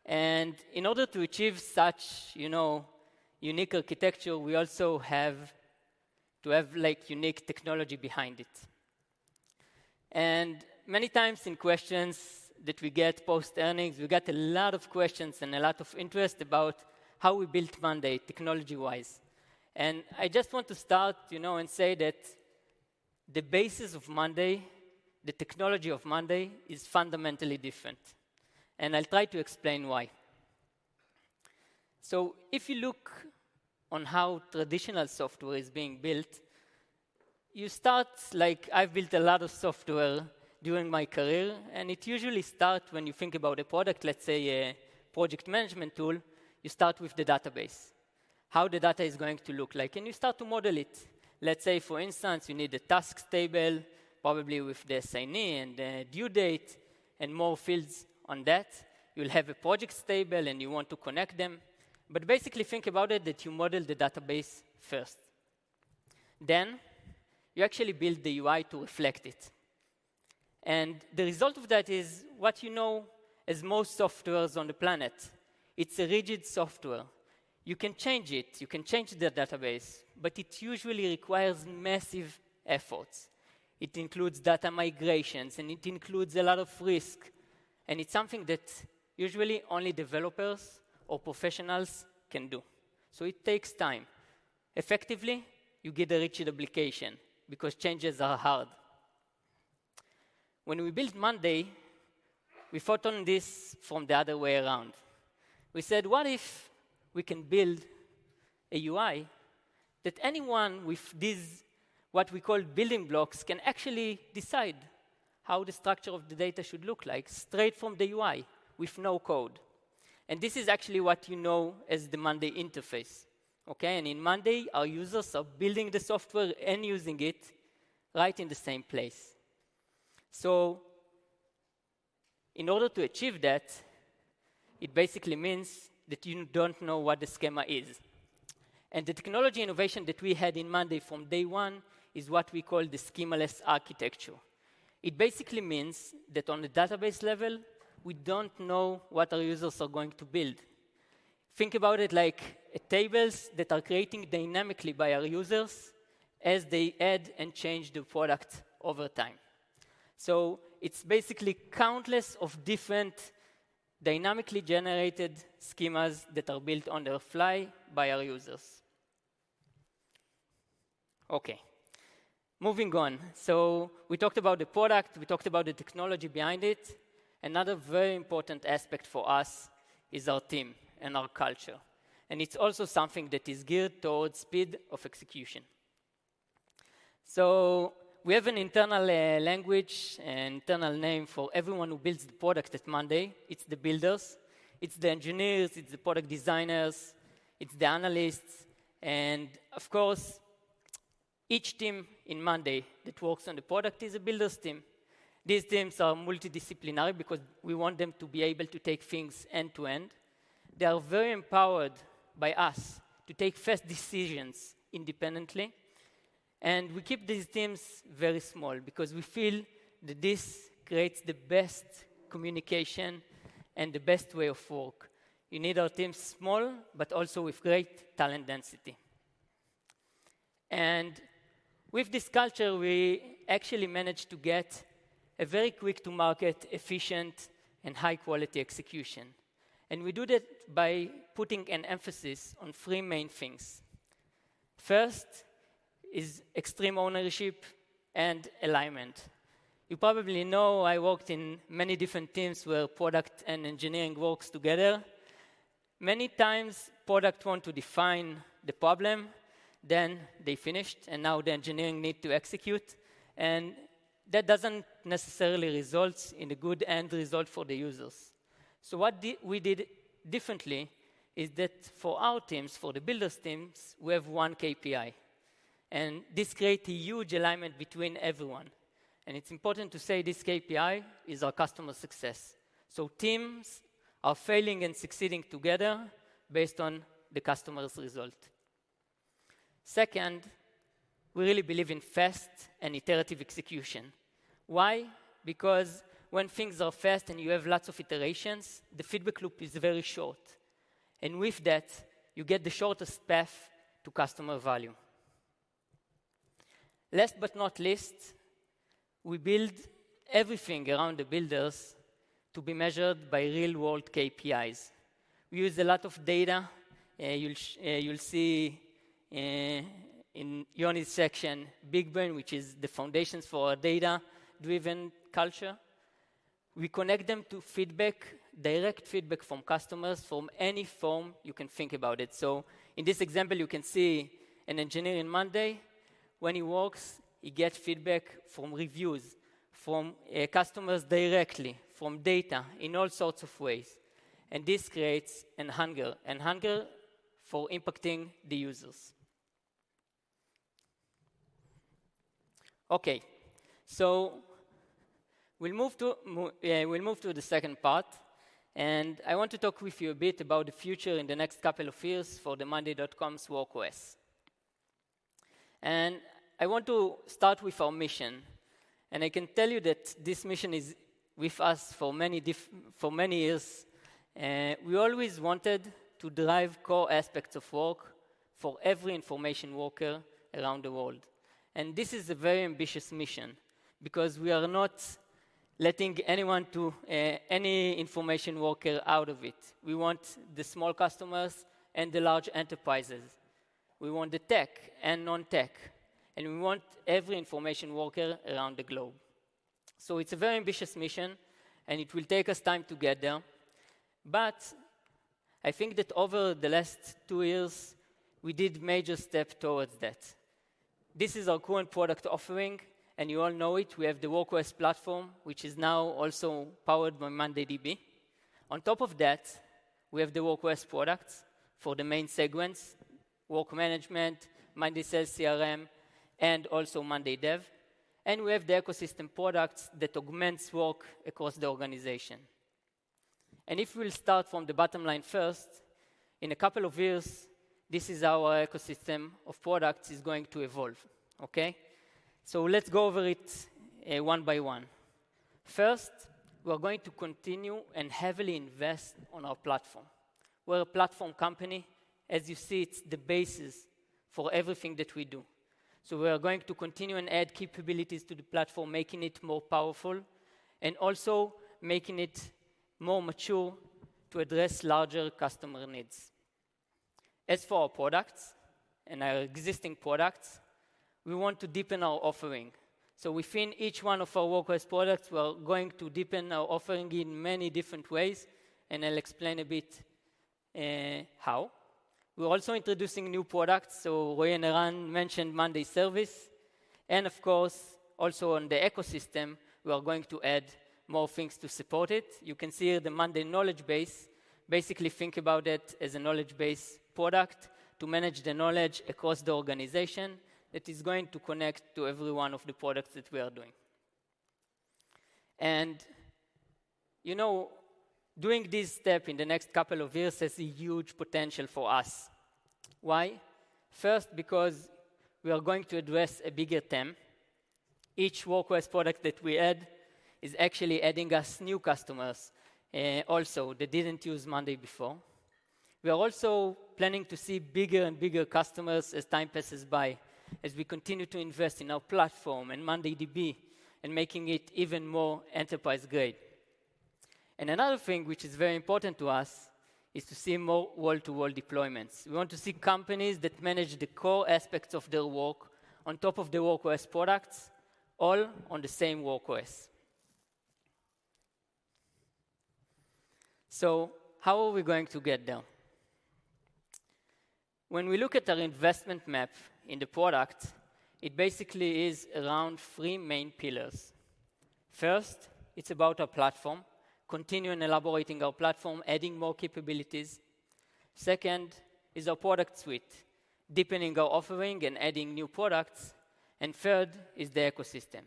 and in order to achieve such, you know, unique architecture, we also have to have, like, unique technology behind it. Many times in questions that we get post-earnings, we get a lot of questions and a lot of interest about how we built Monday.com, technology-wise. I just want to start, you know, and say that the basis of Monday.com, the technology of Monday.com, is fundamentally different, and I'll try to explain why. If you look on how traditional software is being built, you start... Like, I've built a lot of software during my career, and it usually start when you think about a product, let's say a project management tool, you start with the database, how the data is going to look like, and you start to model it. Let's say, for instance, you need a task table, probably with the assignee and a due date, and more fields on that. You'll have a projects table, and you want to connect them. But basically, think about it, that you model the database first. Then, you actually build the UI to reflect it. And the result of that is what you know as most software on the planet. It's a rigid software. You can change it, you can change the database, but it usually requires massive efforts. It includes data migrations, and it includes a lot of risk, and it's something that usually only developers or professionals can do. So it takes time. Effectively, you get a rigid application because changes are hard. When we built Monday.com, we thought on this from the other way around. We said, "What if we can build a UI that anyone with these, what we call building blocks, can actually decide how the structure of the data should look like straight from the UI with no code?" This is actually what you know as the monday interface. Okay? In monday, our users are building the software and using it right in the same place. So in order to achieve that, it basically means that you don't know what the schema is. The technology innovation that we had in monday from day one is what we call the schemaless architecture. It basically means that on the database level, we don't know what our users are going to build. Think about it like tables that are creating dynamically by our users as they add and change the product over time. So it's basically countless of different dynamically generated schemas that are built on the fly by our users.... Okay, moving on. So we talked about the product, we talked about the technology behind it. Another very important aspect for us is our team and our culture, and it's also something that is geared towards speed of execution. So we have an internal language, internal name for everyone who builds the product at Monday. It's the builders, it's the engineers, it's the product designers, it's the analysts, and of course, each team in Monday that works on the product is a builders team. These teams are multidisciplinary because we want them to be able to take things end to end. They are very empowered by us to take fast decisions independently, and we keep these teams very small because we feel that this creates the best communication and the best way of work. We need our teams small, but also with great talent density. And with this culture, we actually managed to get a very quick-to-market, efficient, and high-quality execution. And we do that by putting an emphasis on three main things. First is extreme ownership and alignment. You probably know, I worked in many different teams where product and engineering works together. Many times product want to define the problem, then they finished, and now the engineering need to execute, and that doesn't necessarily result in a good end result for the users. So what we did differently is that for our teams, for the builders teams, we have one KPI, and this create a huge alignment between everyone, and it's important to say this KPI is our customer success. So teams are failing and succeeding together based on the customer's result. Second, we really believe in fast and iterative execution. Why? Because when things are fast and you have lots of iterations, the feedback loop is very short, and with that, you get the shortest path to customer value. Last but not least, we build everything around the builders to be measured by real-world KPIs. We use a lot of data, you'll see in Yoni's section, BigBrain, which is the foundations for our data-driven culture. We connect them to feedback, direct feedback from customers, from any form you can think about it. So in this example, you can see an engineer in Monday.com, when he works, he gets feedback from reviews, from customers directly, from data in all sorts of ways. And this creates a hunger for impacting the users. Okay, so we'll move to the second part, and I want to talk with you a bit about the future in the next couple of years for the Monday.com's Work OS. And I want to start with our mission, and I can tell you that this mission is with us for many years. We always wanted to drive core aspects of work for every information worker around the world. And this is a very ambitious mission, because we are not letting anyone to any information worker out of it. We want the small customers and the large enterprises. We want the tech and non-tech, and we want every information worker around the globe. So it's a very ambitious mission, and it will take us time to get there. But I think that over the last two years, we did major step towards that. This is our current product offering, and you all know it. We have the Work OS platform, which is now also powered by mondayDB. On top of that, we have the Work OS products for the main segments, work management, monday sales CRM, and also monday dev. And we have the ecosystem products that augments work across the organization. And if we will start from the bottom line first, in a couple of years, this is our ecosystem of products is going to evolve. Okay? So let's go over it, one by one. First, we are going to continue and heavily invest on our platform. We're a platform company. As you see, it's the basis for everything that we do. So we are going to continue and add capabilities to the platform, making it more powerful and also making it more mature to address larger customer needs. As for our products and our existing products, we want to deepen our offering, so within each one of our Work OS products, we are going to deepen our offering in many different ways, and I'll explain a bit, how. We're also introducing new products, so Roy and Eran mentioned monday service, and of course, also on the ecosystem, we are going to add more things to support it. You can see the monday knowledge base. Basically, think about it as a knowledge-based product to manage the knowledge across the organization that is going to connect to every one of the products that we are doing. And, you know, doing this step in the next couple of years has a huge potential for us. Why? First, because we are going to address a bigger TAM. Each Work OS product that we add is actually adding us new customers, also, that didn't use Monday.com before. We are also planning to see bigger and bigger customers as time passes by, as we continue to invest in our platform and mondayDB and making it even more enterprise-grade. And another thing which is very important to us is to see more wall-to-wall deployments. We want to see companies that manage the core aspects of their work on top of the Work OS products, all on the same Work OS. So how are we going to get there? When we look at our investment map in the product, it basically is around three main pillars. First, it's about our platform, continuing elaborating our platform, adding more capabilities. Second, is our product suite, deepening our offering and adding new products. And third, is the ecosystem.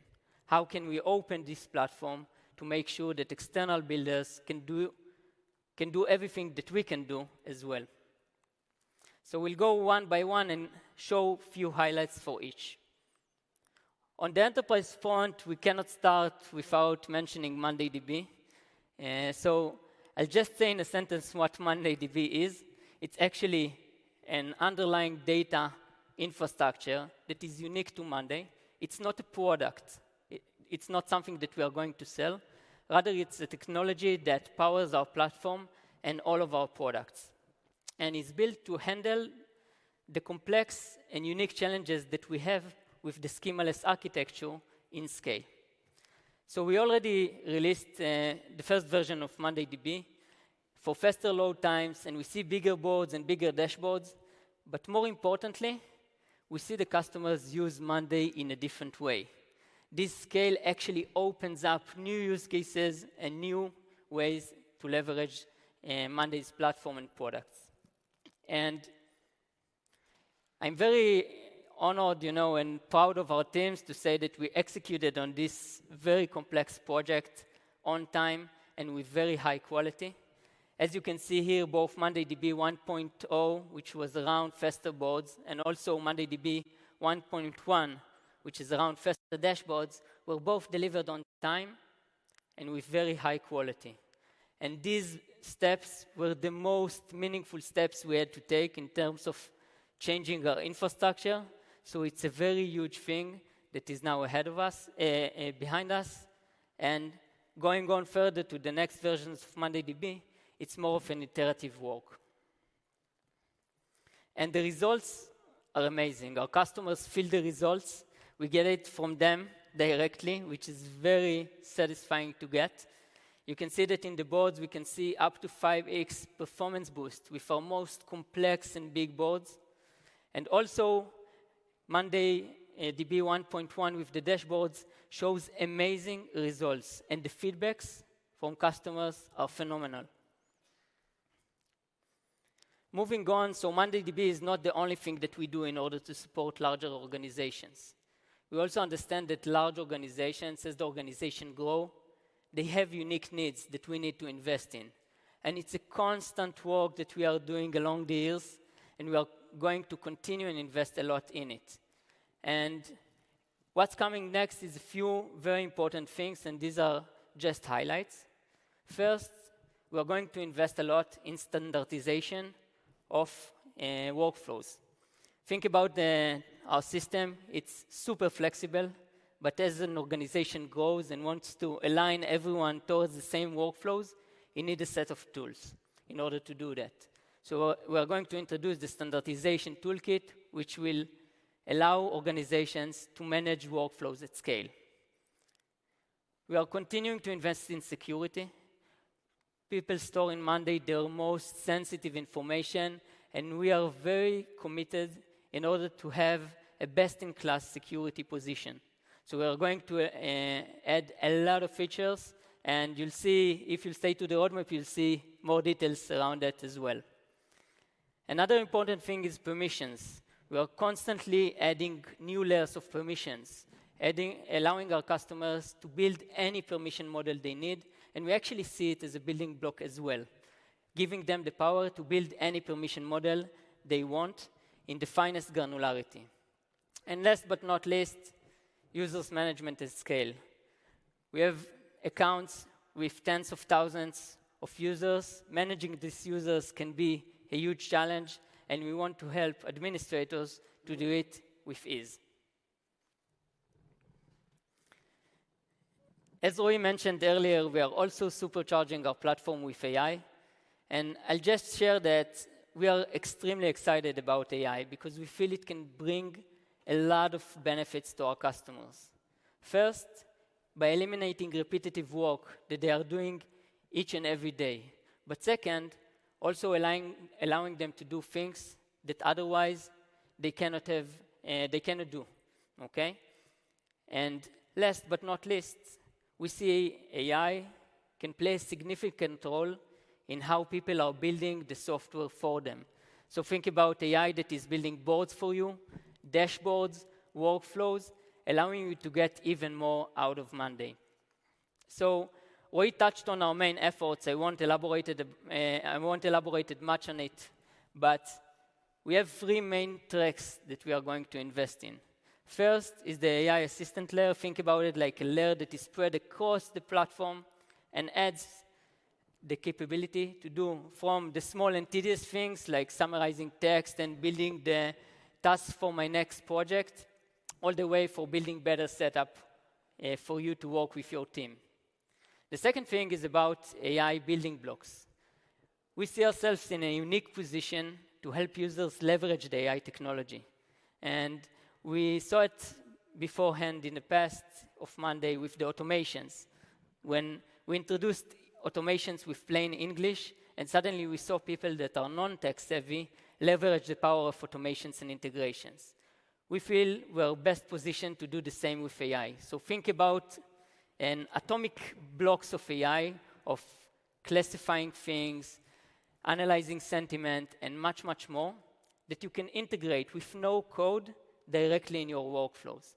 How can we open this platform to make sure that external builders can do everything that we can do as well? So we'll go one by one and show a few highlights for each. On the enterprise front, we cannot start without mentioning mondayDB. So I'll just say in a sentence what mondayDB is. It's actually an underlying data infrastructure that is unique to monday. It's not a product. It's not something that we are going to sell. Rather, it's the technology that powers our platform and all of our products, and it's built to handle the complex and unique challenges that we have with the schemaless architecture in scale. So we already released the first version of mondayDB for faster load times, and we see bigger boards and bigger dashboards, but more importantly, we see the customers use monday in a different way. This scale actually opens up new use cases and new ways to leverage monday's platform and products. And I'm very honored, you know, and proud of our teams to say that we executed on this very complex project on time and with very high quality. As you can see here, both mondayDB 1.0, which was around faster boards, and also mondayDB 1.1, which is around faster dashboards, were both delivered on time and with very high quality. These steps were the most meaningful steps we had to take in terms of changing our infrastructure. So it's a very huge thing that is now ahead of us, behind us, and going on further to the next versions of mondayDB, it's more of an iterative work. And the results are amazing. Our customers feel the results. We get it from them directly, which is very satisfying to get. You can see that in the boards, we can see up to 5x performance boost with our most complex and big boards. And also, mondayDB 1.1 with the dashboards, shows amazing results, and the feedbacks from customers are phenomenal. Moving on, so mondayDB is not the only thing that we do in order to support larger organizations. We also understand that large organizations, as the organization grow, they have unique needs that we need to invest in, and it's a constant work that we are doing along the years, and we are going to continue and invest a lot in it. What's coming next is a few very important things, and these are just highlights. First, we are going to invest a lot in standardization of workflows. Think about our system, it's super flexible, but as an organization grows and wants to align everyone towards the same workflows, you need a set of tools in order to do that. So we're, we're going to introduce the standardization toolkit, which will allow organizations to manage workflows at scale. We are continuing to invest in security. People store in Monday their most sensitive information, and we are very committed in order to have a best-in-class security position. So we are going to add a lot of features, and you'll see, if you stay to the roadmap, you'll see more details around that as well. Another important thing is permissions. We are constantly adding new layers of permissions, allowing our customers to build any permission model they need, and we actually see it as a building block as well, giving them the power to build any permission model they want in the finest granularity. And last but not least, users management at scale. We have accounts with tens of thousands of users. Managing these users can be a huge challenge, and we want to help administrators to do it with ease. As Roy mentioned earlier, we are also supercharging our platform with AI, and I'll just share that we are extremely excited about AI because we feel it can bring a lot of benefits to our customers. First, by eliminating repetitive work that they are doing each and every day, but second, also allowing them to do things that otherwise they cannot have, they cannot do. Okay? And last but not least, we see AI can play a significant role in how people are building the software for them. So think about AI that is building boards for you, dashboards, workflows, allowing you to get even more out of Monday. So Roy touched on our main efforts. I won't elaborate it, I won't elaborated much on it, but we have three main tracks that we are going to invest in. First is the AI assistant layer. Think about it like a layer that is spread across the platform and adds the capability to do, from the small and tedious things, like summarizing text and building the tasks for my next project, all the way for building better setup, for you to work with your team. The second thing is about AI building blocks. We see ourselves in a unique position to help users leverage the AI technology, and we saw it beforehand in the past of monday with the automations. When we introduced automations with plain English, and suddenly we saw people that are non-tech-savvy leverage the power of automations and integrations. We feel we're best positioned to do the same with AI. So think about an atomic blocks of AI, of classifying things, analyzing sentiment, and much, much more, that you can integrate with no code directly in your workflows.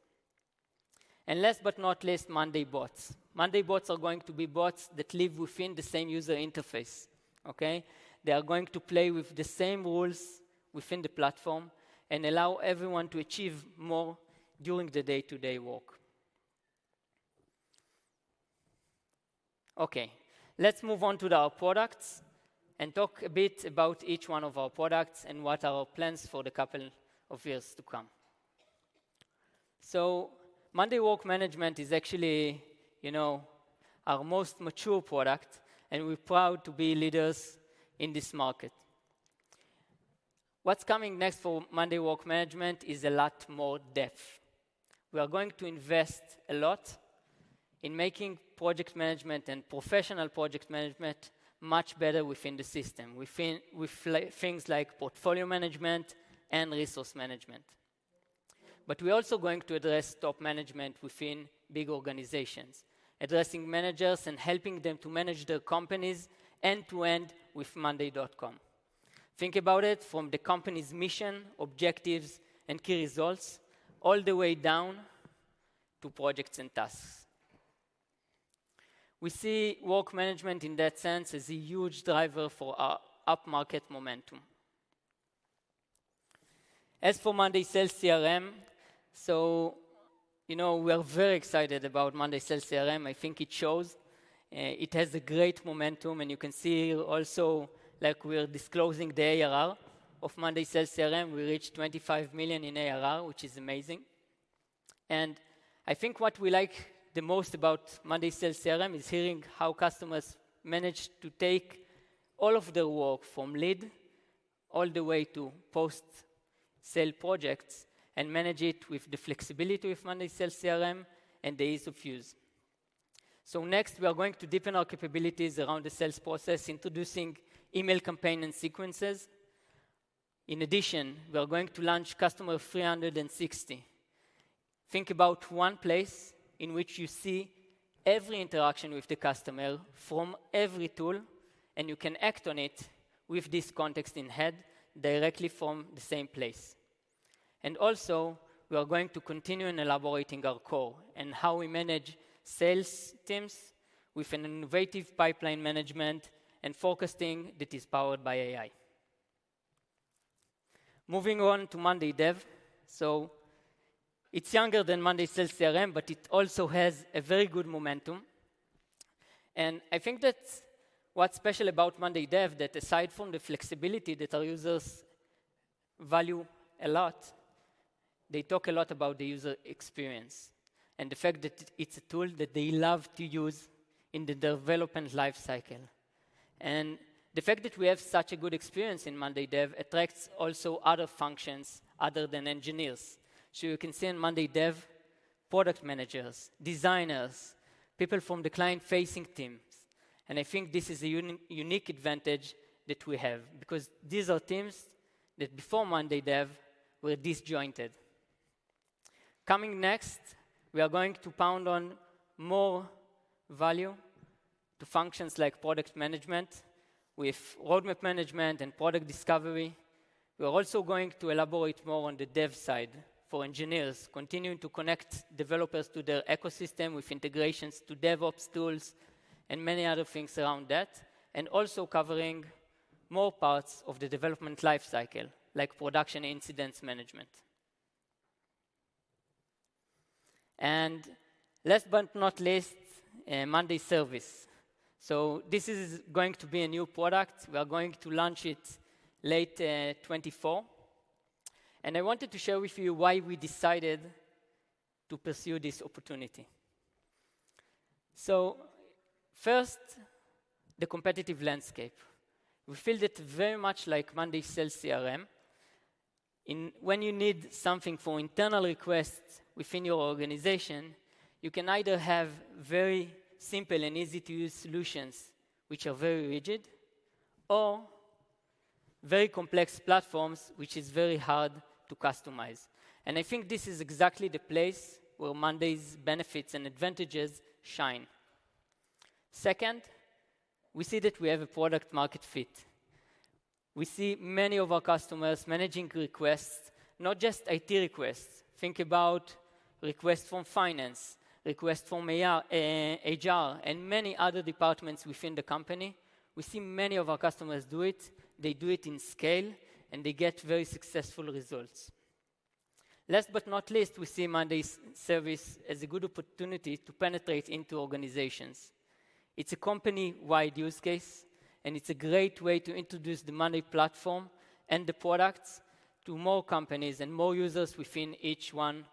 Last but not least, monday bots. monday bots are going to be bots that live within the same user interface, okay? They are going to play with the same rules within the platform and allow everyone to achieve more during the day-to-day work. Okay, let's move on to our products and talk a bit about each one of our products and what are our plans for the couple of years to come. So monday Work Management is actually, you know, our most mature product, and we're proud to be leaders in this market. What's coming next for monday Work Management is a lot more depth. We are going to invest a lot in making project management and professional project management much better within the system with things like portfolio management and resource management. But we're also going to address top management within big organizations, addressing managers and helping them to manage their companies end-to-end with Monday.com. Think about it from the company's mission, objectives, and key results, all the way down to projects and tasks. We see work management in that sense, as a huge driver for our up-market momentum. As for monday sales CRM, so, you know, we are very excited about monday sales CRM. I think it shows, it has a great momentum, and you can see also, like, we are disclosing the ARR of monday sales CRM. We reached $25 million in ARR, which is amazing. And I think what we like the most about monday sales CRM is hearing how customers manage to take all of their work, from lead all the way to post-sale projects, and manage it with the flexibility with monday sales CRM and the ease of use. So next, we are going to deepen our capabilities around the sales process, introducing email campaign and sequences. In addition, we are going to launch Customer 360. Think about one place in which you see every interaction with the customer from every tool, and you can act on it with this context in hand, directly from the same place. And also, we are going to continue in elaborating our core and how we manage sales teams with an innovative pipeline management and forecasting that is powered by AI. Moving on to monday dev. So it's younger than monday sales CRM, but it also has a very good momentum, and I think that's what's special about monday dev, that aside from the flexibility that our users value a lot, they talk a lot about the user experience and the fact that it's a tool that they love to use in the development life cycle. And the fact that we have such a good experience in monday dev attracts also other functions other than engineers. So you can see in monday dev, product managers, designers, people from the client-facing teams, and I think this is a unique advantage that we have, because these are teams that before monday dev, were disjointed. Coming next, we are going to pound on more value to functions like product management with roadmap management and product discovery. We are also going to elaborate more on the dev side for engineers, continuing to connect developers to their ecosystem with integrations to DevOps tools and many other things around that, and also covering more parts of the development life cycle, like production incident management. Last but not least, monday service. So this is going to be a new product. We are going to launch it late 2024, and I wanted to share with you why we decided to pursue this opportunity. So first, the competitive landscape. We feel that very much like monday Sales CRM, when you need something for internal requests within your organization, you can either have very simple and easy-to-use solutions, which are very rigid, or very complex platforms, which is very hard to customize. And I think this is exactly the place where monday's benefits and advantages shine. Second, we see that we have a product market fit. We see many of our customers managing requests, not just IT requests. Think about requests from finance, requests from AR, HR, and many other departments within the company. We see many of our customers do it. They do it in scale, and they get very successful results. Last but not least, we see monday service as a good opportunity to penetrate into organizations. It's a company-wide use case, and it's a great way to introduce the monday platform and the products to more companies and more users within each one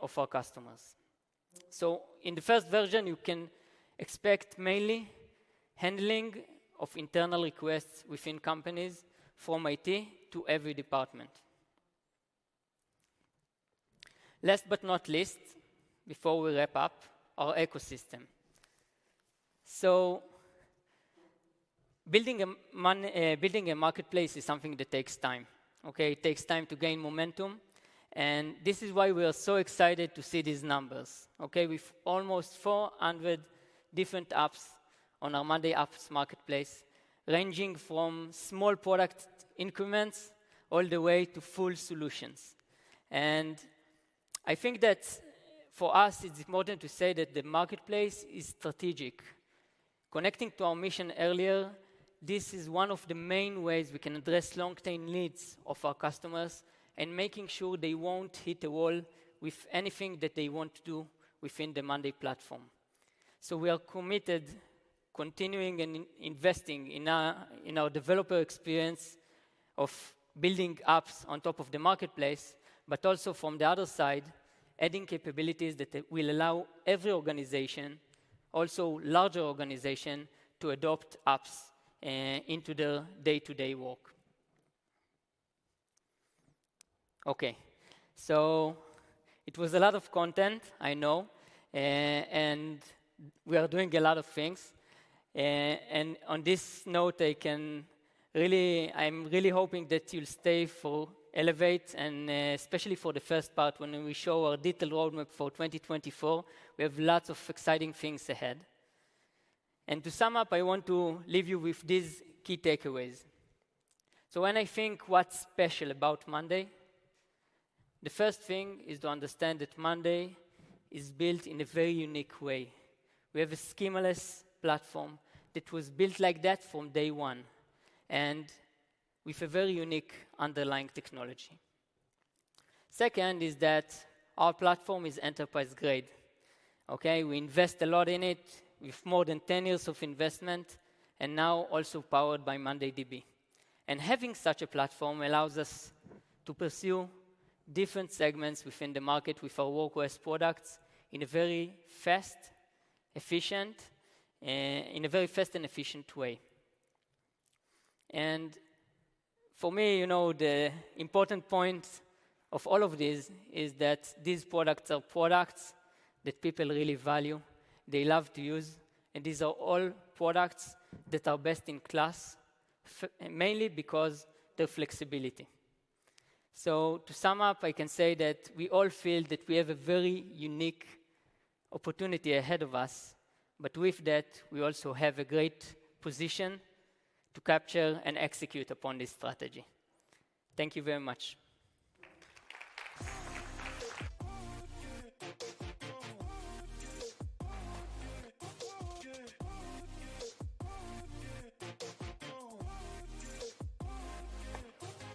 of our customers. So in the first version, you can expect mainly handling of internal requests within companies from IT to every department. Last but not least, before we wrap up, our ecosystem. So building a marketplace is something that takes time, okay? It takes time to gain momentum, and this is why we are so excited to see these numbers, okay? With almost 400 different apps on our monday Apps Marketplace, ranging from small product increments all the way to full solutions. And I think that for us, it's important to say that the marketplace is strategic. Connecting to our mission earlier, this is one of the main ways we can address long-term needs of our customers, and making sure they won't hit a wall with anything that they want to do within the monday platform. So we are committed, continuing and investing in our developer experience of building apps on top of the marketplace, but also from the other side, adding capabilities that will allow every organization, also larger organization, to adopt apps into their day-to-day work. Okay, so it was a lot of content, I know, and we are doing a lot of things. And on this note, I can really... I'm really hoping that you'll stay for Elevate, and, especially for the first part, when we show our detailed roadmap for 2024. We have lots of exciting things ahead. And to sum up, I want to leave you with these key takeaways. So when I think what's special about monday, the first thing is to understand that monday is built in a very unique way. We have a schemaless platform that was built like that from day one, and with a very unique underlying technology. Second is that our platform is enterprise-grade, okay? We invest a lot in it, with more than 10 years of investment, and now also powered by mondayDB. Having such a platform allows us to pursue different segments within the market with our Work OS products in a very fast and efficient way. For me, you know, the important point of all of this is that these products are products that people really value, they love to use, and these are all products that are best-in-class, mainly because their flexibility. To sum up, I can say that we all feel that we have a very unique opportunity ahead of us, but with that, we also have a great position to capture and execute upon this strategy. Thank you very much.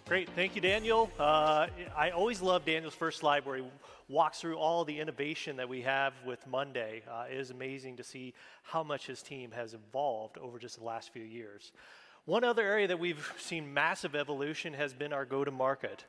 Great. Thank you, Daniel. I always love Daniel's first slide, where he walks through all the innovation that we have with Monday.com. It is amazing to see how much his team has evolved over just the last few years. One other area that we've seen massive evolution has been our go-to-market.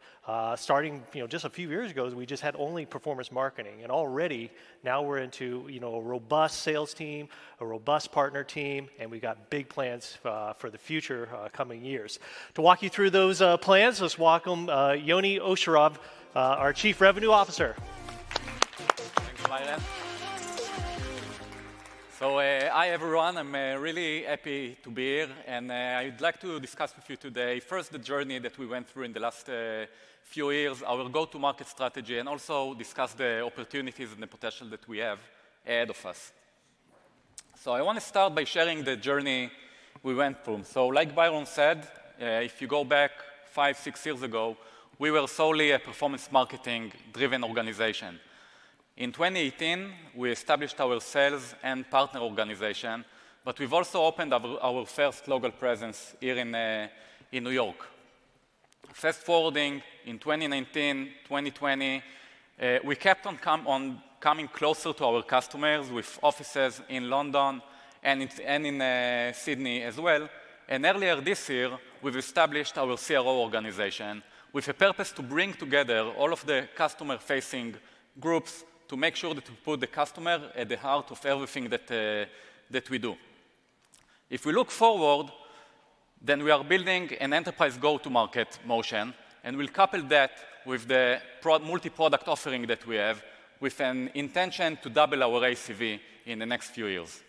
Starting, you know, just a few years ago, we just had only performance marketing, and already now we're into, you know, a robust sales team, a robust partner team, and we've got big plans for the future coming years. To walk you through those plans, let's welcome Yoni Osherov, our Chief Revenue Officer. Thank you, Byron. Hi, everyone. I'm really happy to be here, and I'd like to discuss with you today, first, the journey that we went through in the last few years, our go-to-market strategy, and also discuss the opportunities and the potential that we have ahead of us. I want to start by sharing the journey we went through. Like Byron said, if you go back five, six years ago, we were solely a performance marketing-driven organization. In 2018, we established our sales and partner organization, but we've also opened up our first local presence here in New York. Fast-forwarding, in 2019, 2020, we kept on coming closer to our customers with offices in London and in Sydney as well. Earlier this year, we've established our CRO organization, with a purpose to bring together all of the customer-facing groups to make sure that we put the customer at the heart of everything that we do. If we look forward, then we are building an enterprise go-to-market motion, and we'll couple that with the multi-product offering that we have, with an intention to double our ACV in the next few years.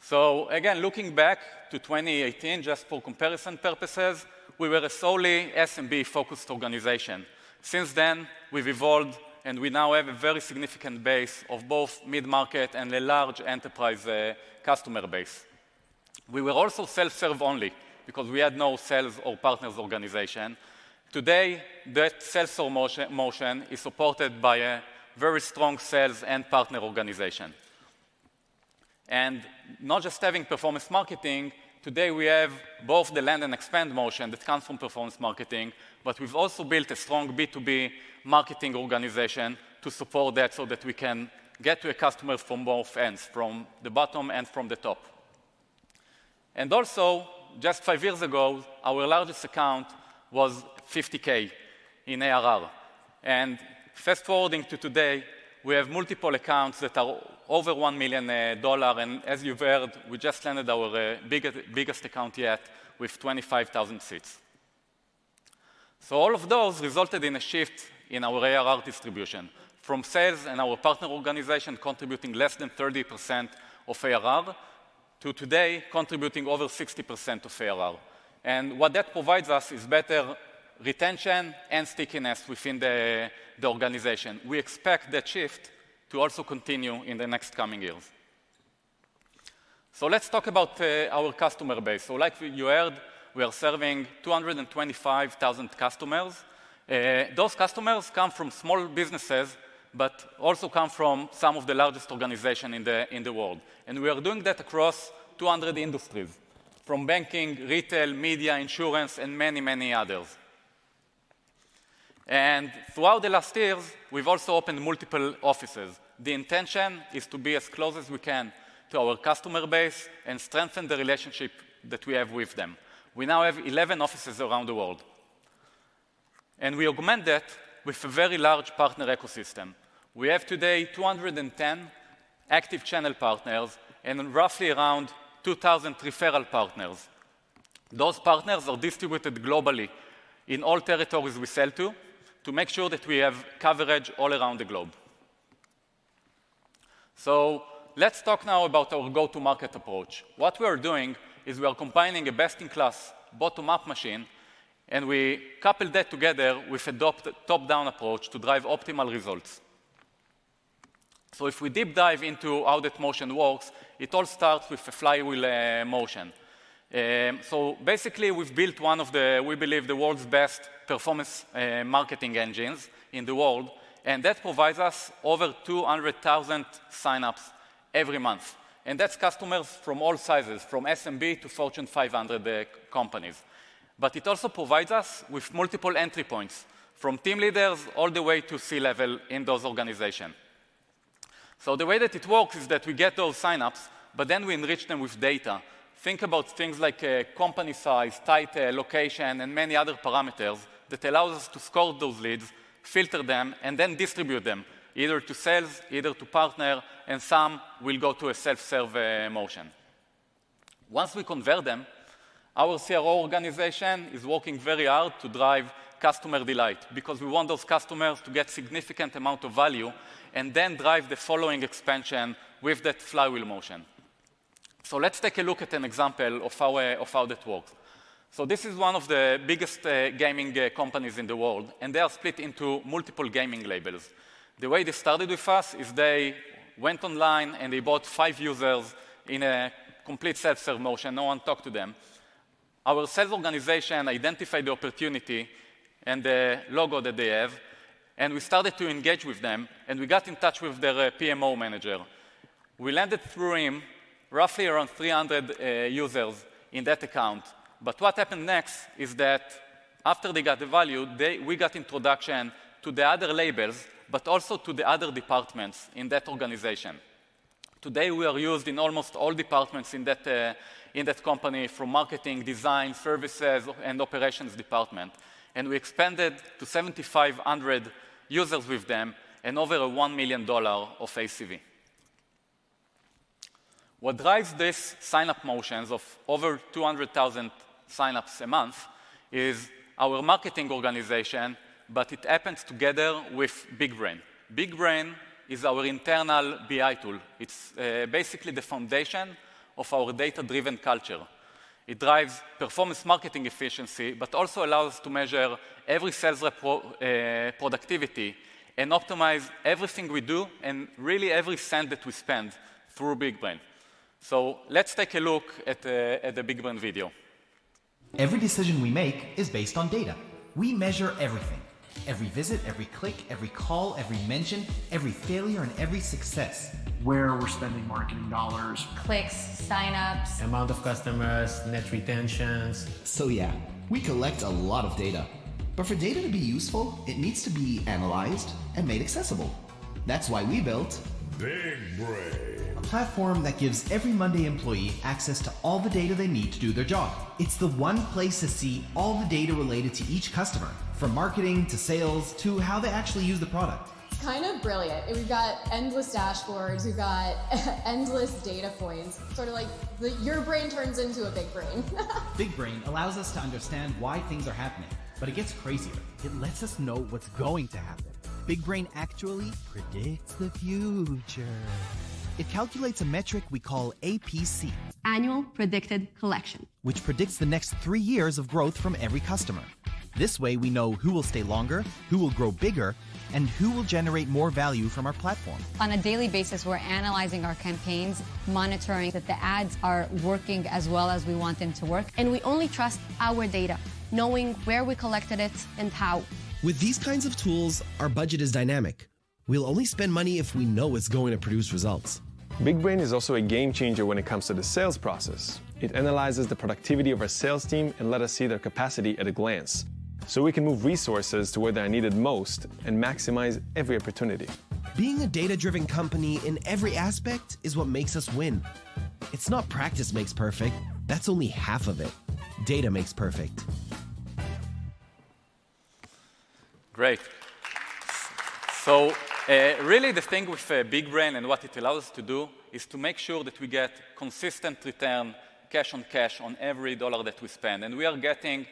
So again, looking back to 2018, just for comparison purposes, we were a solely SMB-focused organization. Since then, we've evolved, and we now have a very significant base of both mid-market and a large enterprise customer base. We were also self-serve only because we had no sales or partners organization. Today, that self-serve motion is supported by a very strong sales and partner organization. And not just having performance marketing, today we have both the land and expand motion that comes from performance marketing, but we've also built a strong B2B marketing organization to support that, so that we can get to a customer from both ends, from the bottom and from the top. And also, just five years ago, our largest account was $50K in ARR. And fast-forwarding to today, we have multiple accounts that are over $1 million, and as you've heard, we just landed our biggest account yet with 25,000 seats. So all of those resulted in a shift in our ARR distribution, from sales and our partner organization contributing less than 30% of ARR, to today, contributing over 60% of ARR. And what that provides us is better retention and stickiness within the organization. We expect that shift to also continue in the next coming years. So let's talk about our customer base. So like you heard, we are serving 225,000 customers. Those customers come from small businesses, but also come from some of the largest organizations in the world, and we are doing that across 200 industries, from banking, retail, media, insurance, and many, many others. And throughout the last years, we've also opened multiple offices. The intention is to be as close as we can to our customer base and strengthen the relationship that we have with them. We now have 11 offices around the world, and we augment that with a very large partner ecosystem. We have today 210 active channel partners, and then roughly around 2,000 referral partners. Those partners are distributed globally in all territories we sell to, to make sure that we have coverage all around the globe. So let's talk now about our go-to-market approach. What we are doing is we are combining a best-in-class bottom-up machine, and we couple that together with a top, top-down approach to drive optimal results. So if we deep dive into how that motion works, it all starts with a flywheel motion. So basically, we've built one of the, we believe, the world's best performance marketing engines in the world, and that provides us over 200,000 signups every month. And that's customers from all sizes, from SMB to Fortune 500 companies. But it also provides us with multiple entry points, from team leaders all the way to C-level in those organization. So the way that it works is that we get those signups, but then we enrich them with data. Think about things like, company size, title, location, and many other parameters that allow us to score those leads, filter them, and then distribute them, either to sales, either to partner, and some will go to a self-serve motion. Once we convert them, our CRO organization is working very hard to drive customer delight, because we want those customers to get significant amount of value and then drive the following expansion with that flywheel motion. So let's take a look at an example of how that works. So this is one of the biggest gaming companies in the world, and they are split into multiple gaming labels. The way they started with us is they went online, and they bought 5 users in a complete self-serve motion. No one talked to them. Our sales organization identified the opportunity and the logo that they have, and we started to engage with them, and we got in touch with their PMO manager. We landed through him, roughly around 300 users in that account. But what happened next is that after they got the value, they... We got introduction to the other labels, but also to the other departments in that organization. Today, we are used in almost all departments in that company, from marketing, design, services, and operations department, and we expanded to 7,500 users with them and over $1 million of ACV. What drives this signup motions of over 200,000 signups a month is our marketing organization, but it happens together with Big Brain. Big Brain is our internal BI tool. It's basically the foundation of our data-driven culture. It drives performance marketing efficiency, but also allows us to measure every sales rep productivity and optimize everything we do and really every cent that we spend through Big Brain. So let's take a look at the Big Brain video. Every decision we make is based on data. We measure everything: every visit, every click, every call, every mention, every failure, and every success. Where we're spending marketing dollars-... Clicks, signups- Amount of customers, net retentions. So yeah, we collect a lot of data, but for data to be useful, it needs to be analyzed and made accessible. That's why we built- Big Brain. A platform that gives every Monday employee access to all the data they need to do their job. It's the one place to see all the data related to each customer, from marketing to sales, to how they actually use the product. Kind of brilliant. We've got endless dashboards. We've got endless data points. Sort of like the... Your brain turns into a big brain. Big Brain allows us to understand why things are happening, but it gets crazier. It lets us know what's going to happen. Big Brain actually predicts the future. It calculates a metric we call APC. Annual Predicted Collection. Which predicts the next three years of growth from every customer. This way, we know who will stay longer, who will grow bigger, and who will generate more value from our platform. On a daily basis, we're analyzing our campaigns, monitoring that the ads are working as well as we want them to work, and we only trust our data, knowing where we collected it and how. With these kinds of tools, our budget is dynamic. ... We'll only spend money if we know it's going to produce results. Big Brain is also a game changer when it comes to the sales process. It analyzes the productivity of our sales team and let us see their capacity at a glance, so we can move resources to where they are needed most and maximize every opportunity. Being a data-driven company in every aspect is what makes us win. It's not practice makes perfect, that's only half of it. Data makes perfect. Great. So, really the thing with Big Brain and what it allows us to do is to make sure that we get consistent return, cash on cash, on every dollar that we spend. And we are getting,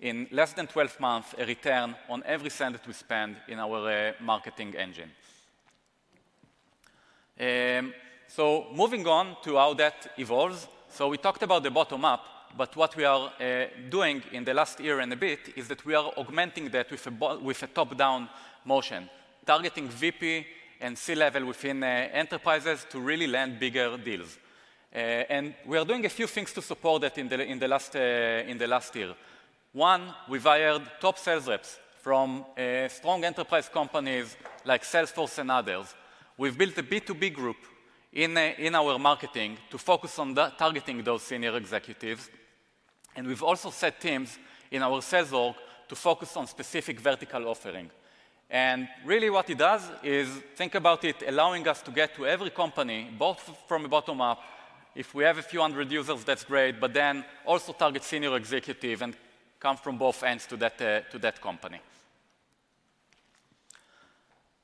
in less than 12 months, a return on every cent that we spend in our marketing engine. So moving on to how that evolves. We talked about the bottom up, but what we are doing in the last year and a bit is that we are augmenting that with a top-down motion, targeting VP and C-level within enterprises to really land bigger deals. And we are doing a few things to support that in the last year. One, we've hired top sales reps from strong enterprise companies like Salesforce and others. We've built a B2B group in our marketing to focus on the targeting those senior executives. And we've also set teams in our sales org to focus on specific vertical offering. And really what it does is, think about it, allowing us to get to every company, both from a bottom up, if we have a few hundred users, that's great, but then also target senior executive and come from both ends to that company.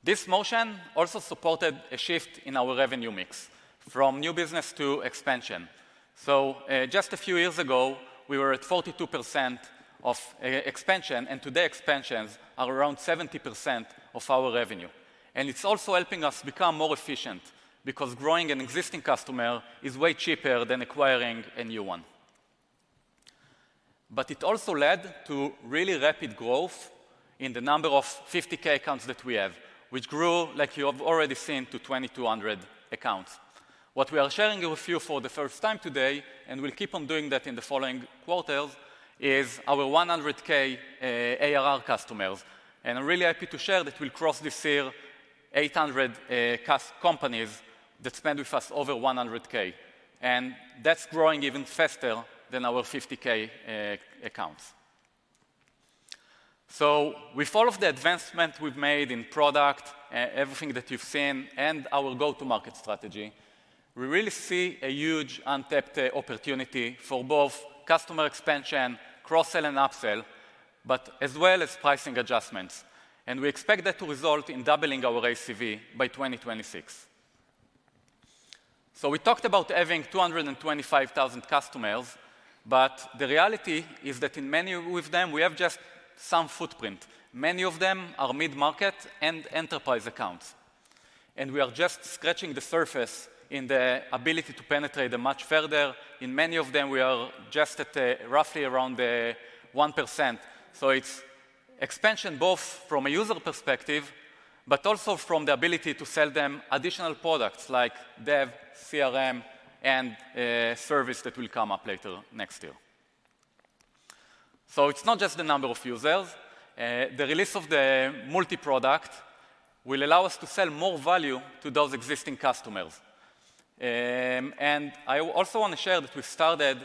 This motion also supported a shift in our revenue mix from new business to expansion. So, just a few years ago, we were at 42% of expansion, and today, expansions are around 70% of our revenue. And it's also helping us become more efficient, because growing an existing customer is way cheaper than acquiring a new one. But it also led to really rapid growth in the number of 50K accounts that we have, which grew, like you have already seen, to 2,200 accounts. What we are sharing with you for the first time today, and we'll keep on doing that in the following quarters, is our 100K ARR customers. And I'm really happy to share that we'll cross this year, 800 companies that spend with us over 100K, and that's growing even faster than our 50K accounts. So with all of the advancement we've made in product, everything that you've seen, and our go-to-market strategy, we really see a huge untapped opportunity for both customer expansion, cross-sell, and upsell, but as well as pricing adjustments. And we expect that to result in doubling our ACV by 2026. So we talked about having 225,000 customers, but the reality is that in many of them, we have just some footprint. Many of them are mid-market and enterprise accounts, and we are just scratching the surface in the ability to penetrate them much further. In many of them, we are just at, roughly around, 1%. So it's expansion, both from a user perspective, but also from the ability to sell them additional products like Dev, CRM, and service that will come up later next year. So it's not just the number of users. The release of the multi-product will allow us to sell more value to those existing customers. And I also want to share that we started,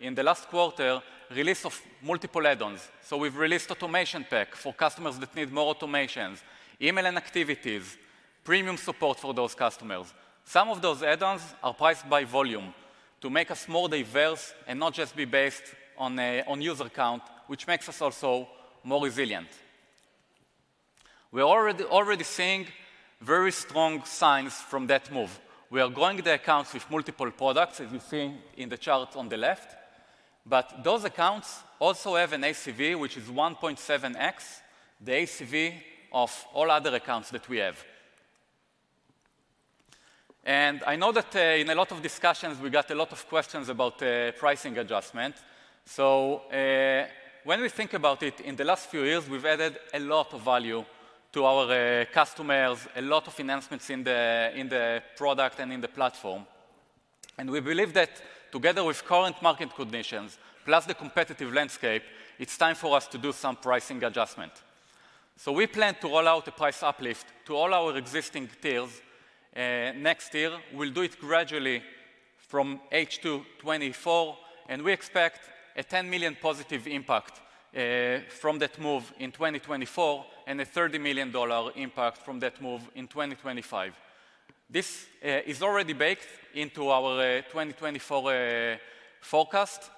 in the last quarter, release of multiple add-ons. So we've released automation pack for customers that need more automations, email and activities, premium support for those customers. Some of those add-ons are priced by volume to make us more diverse and not just be based on user count, which makes us also more resilient. We are already seeing very strong signs from that move. We are growing the accounts with multiple products, as you see in the chart on the left, but those accounts also have an ACV, which is 1.7x the ACV of all other accounts that we have. And I know that in a lot of discussions, we got a lot of questions about pricing adjustment. So, when we think about it, in the last few years, we've added a lot of value to our customers, a lot of enhancements in the product and in the platform. And we believe that together with current market conditions, plus the competitive landscape, it's time for us to do some pricing adjustment. So we plan to roll out a price uplift to all our existing tiers next year. We'll do it gradually from H2 2024, and we expect a $10 million positive impact from that move in 2024, and a $30 million impact from that move in 2025. This is already baked into our 2024 forecast.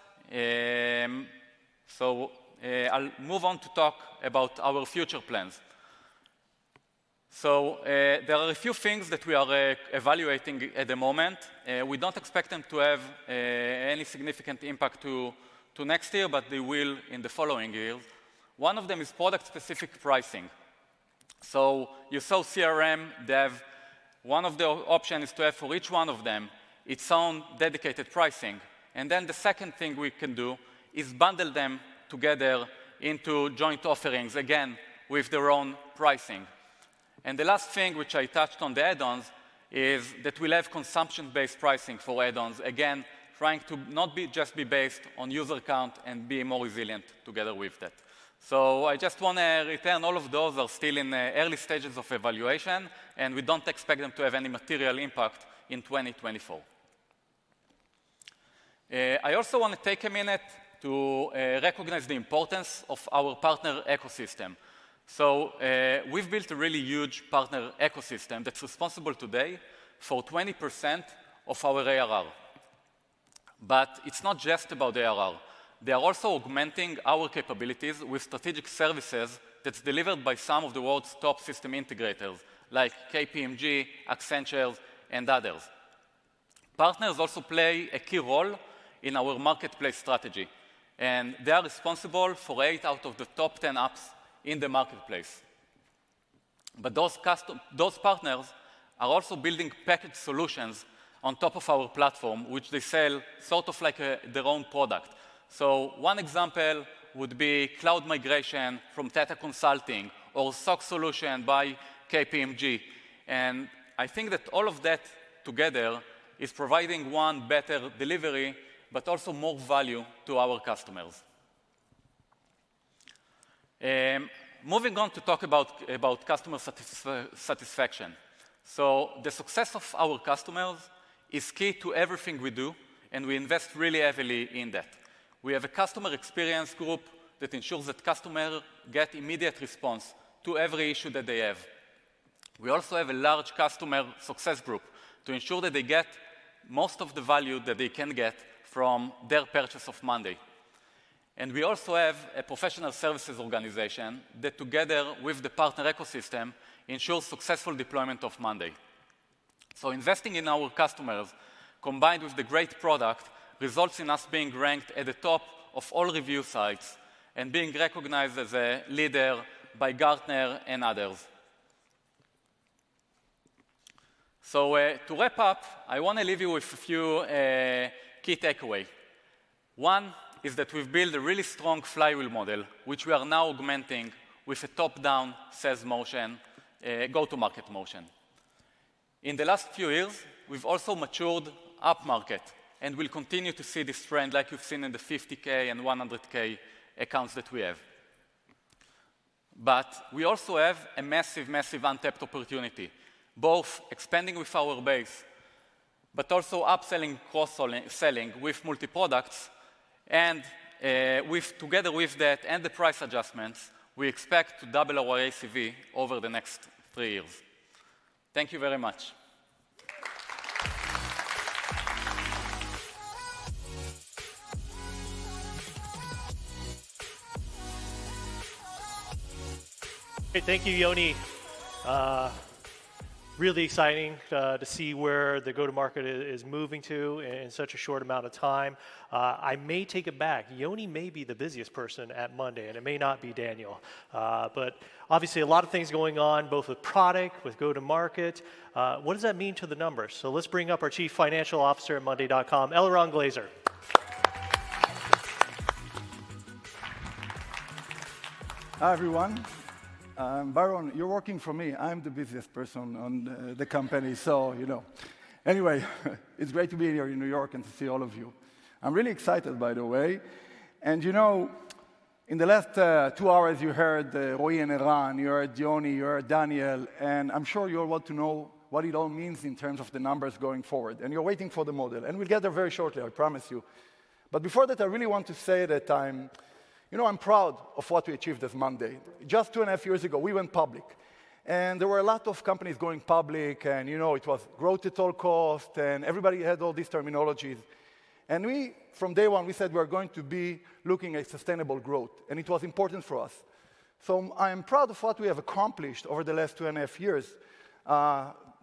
So, I'll move on to talk about our future plans. So, there are a few things that we are evaluating at the moment. We don't expect them to have any significant impact to next year, but they will in the following year. One of them is product-specific pricing. So you sell CRM, Dev, one of the options is to have for each one of them, its own dedicated pricing. And then the second thing we can do is bundle them together into joint offerings, again, with their own pricing. And the last thing, which I touched on the add-ons is that we'll have consumption-based pricing for add-ons, again, trying to not just be based on user count and be more resilient together with that. So I just wanna repeat, all of those are still in the early stages of evaluation, and we don't expect them to have any material impact in 2024. I also wanna take a minute to recognize the importance of our partner ecosystem. So, we've built a really huge partner ecosystem that's responsible today for 20% of our ARR. But it's not just about ARR, they are also augmenting our capabilities with strategic services that's delivered by some of the world's top system integrators, like KPMG, Accenture, and others. Partners also play a key role in our marketplace strategy, and they are responsible for 8 out of the top 10 apps in the marketplace. But those partners are also building package solutions on top of our platform, which they sell sort of like their own product. So one example would be cloud migration from Tata Consulting or SOC solution by KPMG. And I think that all of that together is providing, one, better delivery, but also more value to our customers. Moving on to talk about customer satisfaction. So the success of our customers is key to everything we do, and we invest really heavily in that. We have a customer experience group that ensures that customer get immediate response to every issue that they have. We also have a large customer success group to ensure that they get most of the value that they can get from their purchase of Monday. And we also have a professional services organization that, together with the partner ecosystem, ensures successful deployment of Monday. So investing in our customers, combined with the great product, results in us being ranked at the top of all review sites and being recognized as a leader by Gartner and others. So, to wrap up, I wanna leave you with a few key takeaway. One is that we've built a really strong flywheel model, which we are now augmenting with a top-down sales motion, go-to-market motion. In the last few years, we've also matured upmarket, and we'll continue to see this trend like you've seen in the 50K and 100K accounts that we have. But we also have a massive, massive untapped opportunity, both expanding with our base, but also upselling, cross selling, with multiproducts, and, with together with that and the price adjustments, we expect to double our ACV over the next 3 years. Thank you very much. Thank you, Yoni. Really exciting to see where the go-to-market is moving to in such a short amount of time. I may take it back. Yoni may be the busiest person at Monday.com, and it may not be Daniel. But obviously a lot of things going on, both with product, with go-to-market. What does that mean to the numbers? So let's bring up our Chief Financial Officer at Monday.com, Eliran Glazer. Hi, everyone. Byron, you're working for me. I'm the busiest person on the company, so, you know. Anyway, it's great to be here in New York and to see all of you. I'm really excited, by the way, and you know, in the last two hours, you heard Roy and Eran, you heard Yoni, you heard Daniel, and I'm sure you all want to know what it all means in terms of the numbers going forward, and you're waiting for the model, and we'll get there very shortly, I promise you. But before that, I really want to say that I'm, you know, I'm proud of what we achieved as Monday. Just 2.5 years ago, we went public, and there were a lot of companies going public, and, you know, it was growth at all cost, and everybody had all these terminologies. We, from day one, we said we're going to be looking at sustainable growth, and it was important for us. So I'm proud of what we have accomplished over the last 2.5 years,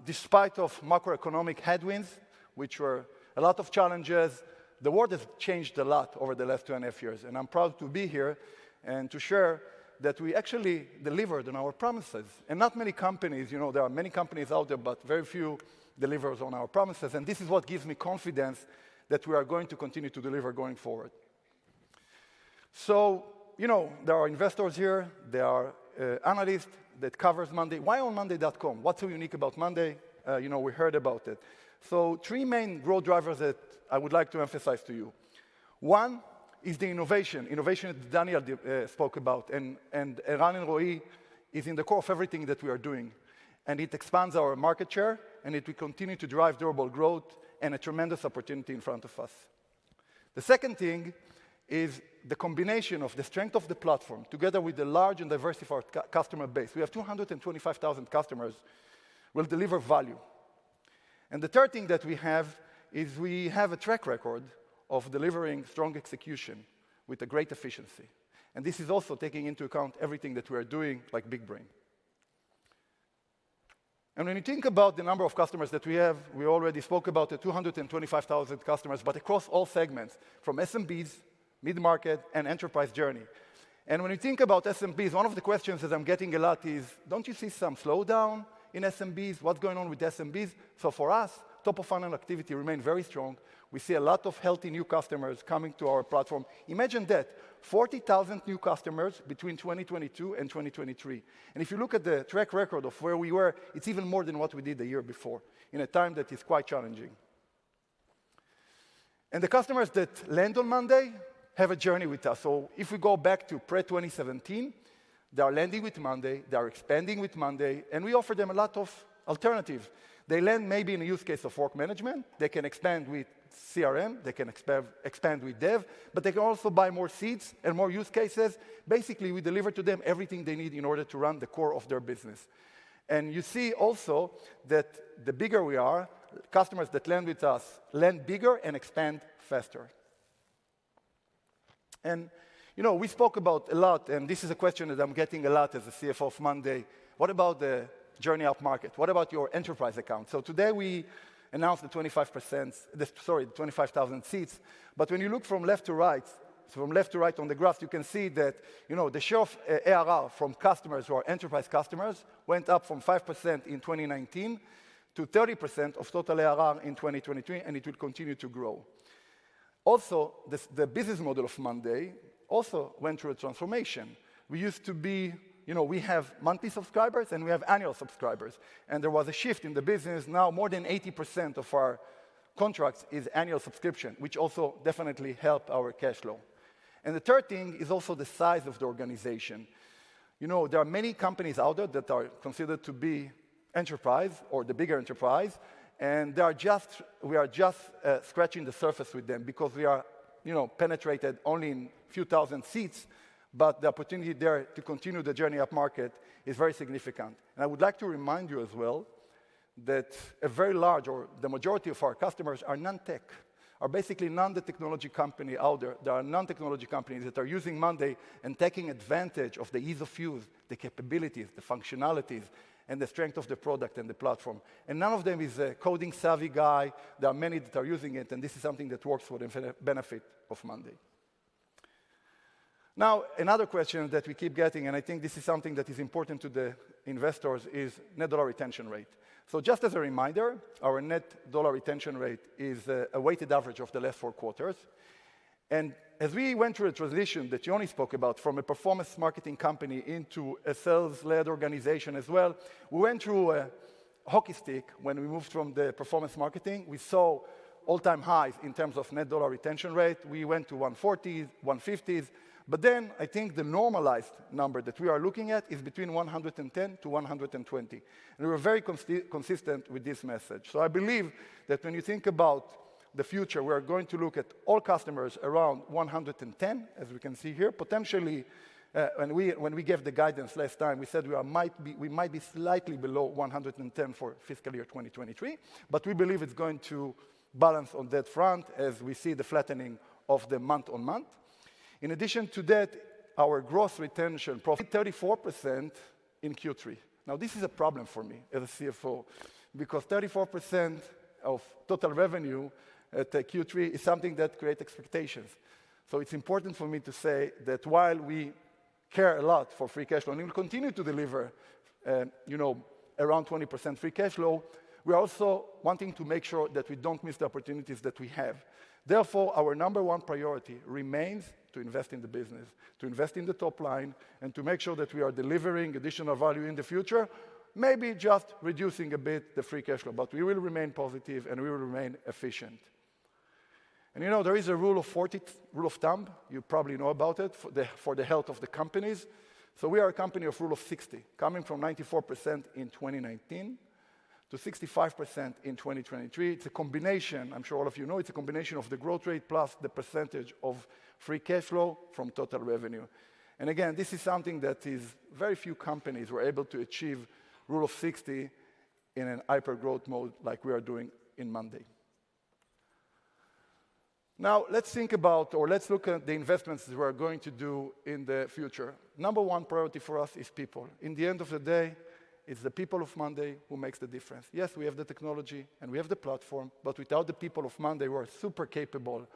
despite of macroeconomic headwinds, which were a lot of challenges. The world has changed a lot over the last 2.5 years, and I'm proud to be here and to share that we actually delivered on our promises. Not many companies, you know, there are many companies out there, but very few delivers on our promises, and this is what gives me confidence that we are going to continue to deliver going forward. So, you know, there are investors here, there are analysts that covers Monday.com. Why on Monday.com? What's so unique about Monday.com? You know, we heard about it. So three main growth drivers that I would like to emphasize to you. One is the innovation, innovation that Daniel spoke about, and, and Eran and Roy is in the core of everything that we are doing, and it expands our market share, and it will continue to drive durable growth and a tremendous opportunity in front of us. The second thing is the combination of the strength of the platform together with the large and diversified customer base, we have 225,000 customers, will deliver value. And the third thing that we have is we have a track record of delivering strong execution with a great efficiency, and this is also taking into account everything that we are doing, like Big Brain. When you think about the number of customers that we have, we already spoke about the 225,000 customers, but across all segments, from SMBs, mid-market, and enterprise journey. When you think about SMBs, one of the questions that I'm getting a lot is: Don't you see some slowdown in SMBs? What's going on with SMBs? For us, top-of-funnel activity remained very strong. We see a lot of healthy new customers coming to our platform. Imagine that, 40,000 new customers between 2022 and 2023. If you look at the track record of where we were, it's even more than what we did the year before in a time that is quite challenging... The customers that land on Monday have a journey with us. So if we go back to pre-2017, they are landing with Monday, they are expanding with Monday, and we offer them a lot of alternative. They land maybe in a use case of work management, they can expand with CRM, they can expand, expand with dev, but they can also buy more seats and more use cases. Basically, we deliver to them everything they need in order to run the core of their business. And you see also that the bigger we are, customers that land with us land bigger and expand faster. And, you know, we spoke about a lot, and this is a question that I'm getting a lot as a CFO of Monday: what about the journey up market? What about your enterprise account? So today we announced the 25%... Sorry, the 25,000 seats, but when you look from left to right, from left to right on the graph, you can see that, you know, the share of ARR from customers who are enterprise customers went up from 5% in 2019 to 30% of total ARR in 2023, and it will continue to grow. Also, the, the business model of Monday.com also went through a transformation. We used to be, you know, we have monthly subscribers, and we have annual subscribers, and there was a shift in the business. Now, more than 80% of our contracts is annual subscription, which also definitely helped our cash flow. And the third thing is also the size of the organization. You know, there are many companies out there that are considered to be enterprise or the bigger enterprise, and they are just- we are just scratching the surface with them because we are, you know, penetrated only in few thousand seats, but the opportunity there to continue the journey up market is very significant. And I would like to remind you as well, that a very large, or the majority of our customers are non-tech, are basically non the technology company out there. There are non-technology companies that are using Monday and taking advantage of the ease of use, the capabilities, the functionalities, and the strength of the product and the platform, and none of them is a coding savvy guy. There are many that are using it, and this is something that works for the benefit of Monday. Now, another question that we keep getting, and I think this is something that is important to the investors, is net dollar retention rate. Just as a reminder, our net dollar retention rate is a weighted average of the last four quarters. As we went through a transition that Yoni spoke about, from a performance marketing company into a sales-led organization as well, we went through a hockey stick when we moved from the performance marketing. We saw all-time highs in terms of net dollar retention rate. We went to 140, 150s, but then I think the normalized number that we are looking at is between 110-120, and we were very consistent with this message. I believe that when you think about the future, we are going to look at all customers around 110, as we can see here. Potentially, when we gave the guidance last time, we said we might be slightly below 110 for fiscal year 2023, but we believe it's going to balance on that front as we see the flattening of the month-on-month. In addition to that, our growth retention profit 34% in Q3. Now, this is a problem for me as a CFO, because 34% of total revenue at Q3 is something that create expectations. So it's important for me to say that while we care a lot for free cash flow, and we will continue to deliver, you know, around 20% free cash flow, we are also wanting to make sure that we don't miss the opportunities that we have. Therefore, our number one priority remains to invest in the business, to invest in the top line, and to make sure that we are delivering additional value in the future. Maybe just reducing a bit the free cash flow, but we will remain positive, and we will remain efficient. And you know, there is a Rule of 40, rule of thumb, you probably know about it, for the, for the health of the companies. So we are a company of Rule of 60, coming from 94% in 2019 to 65% in 2023. It's a combination, I'm sure all of you know, it's a combination of the growth rate plus the percentage of free cash flow from total revenue. And again, this is something that is very few companies were able to achieve rule of sixty in an hyper growth mode like we are doing in Monday. Now, let's think about or let's look at the investments we are going to do in the future. Number one priority for us is people. In the end of the day, it's the people of Monday who makes the difference. Yes, we have the technology, and we have the platform, but without the people of Monday, who are super capable,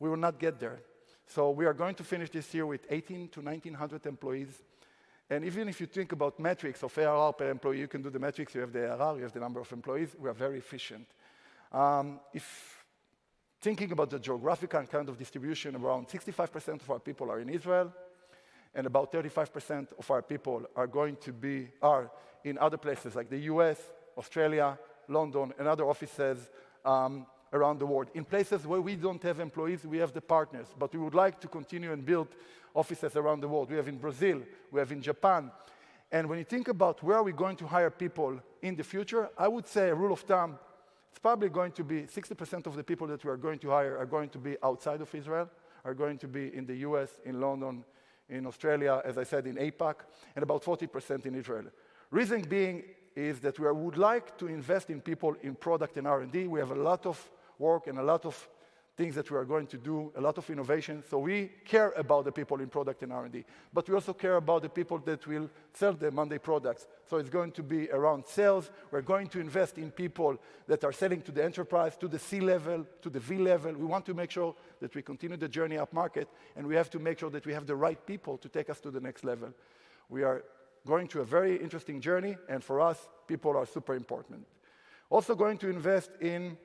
we will not get there. So we are going to finish this year with 1,800-1,900 employees. And even if you think about metrics of ARR per employee, you can do the metrics. You have the ARR, you have the number of employees. We are very efficient. If thinking about the geographic and kind of distribution, around 65% of our people are in Israel, and about 35% of our people are in other places like the US, Australia, London, and other offices around the world. In places where we don't have employees, we have the partners, but we would like to continue and build offices around the world. We have in Brazil, we have in Japan, and when you think about where are we going to hire people in the future, I would say a rule of thumb, it's probably going to be 60% of the people that we are going to hire are going to be outside of Israel, are going to be in the U.S., in London, in Australia, as I said, in APAC, and about 40% in Israel. Reason being is that we would like to invest in people, in product, in R&D. We have a lot of work and a lot of things that we are going to do, a lot of innovation. So we care about the people in product and R&D, but we also care about the people that will sell the monday products. So it's going to be around sales. We're going to invest in people that are selling to the enterprise, to the C-level, to the V level. We want to make sure that we continue the journey up market, and we have to make sure that we have the right people to take us to the next level. We are going through a very interesting journey, and for us, people are super important. Also going to invest in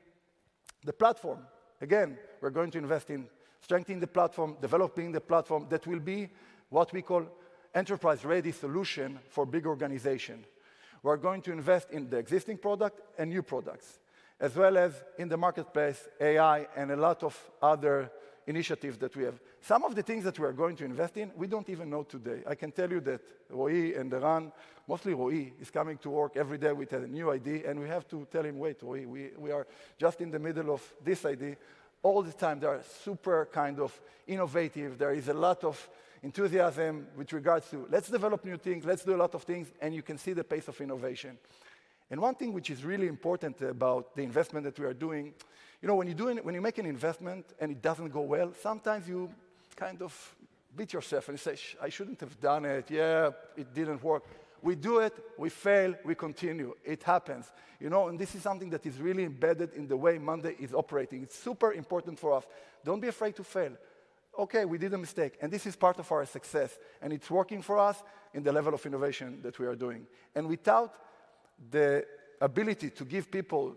the platform. Again, we're going to invest in strengthening the platform, developing the platform. That will be what we call enterprise-ready solution for big organization. We're going to invest in the existing product and new products, as well as in the marketplace, AI, and a lot of other initiatives that we have. Some of the things that we are going to invest in, we don't even know today. I can tell you that Roy and Eran, mostly Roy, is coming to work every day with a new idea, and we have to tell him, "Wait, Roy, we, we are just in the middle of this idea." All the time, they are super kind of innovative. There is a lot of enthusiasm with regards to, "Let's develop new things. Let's do a lot of things," and you can see the pace of innovation. And one thing which is really important about the investment that we are doing, you know, when you're doing... When you make an investment and it doesn't go well, sometimes you kind of beat yourself and say, "I shouldn't have done it. Yeah, it didn't work." We do it, we fail, we continue. It happens, you know, and this is something that is really embedded in the way Monday.com is operating. It's super important for us. Don't be afraid to fail. Okay, we did a mistake, and this is part of our success, and it's working for us in the level of innovation that we are doing. And without the ability to give people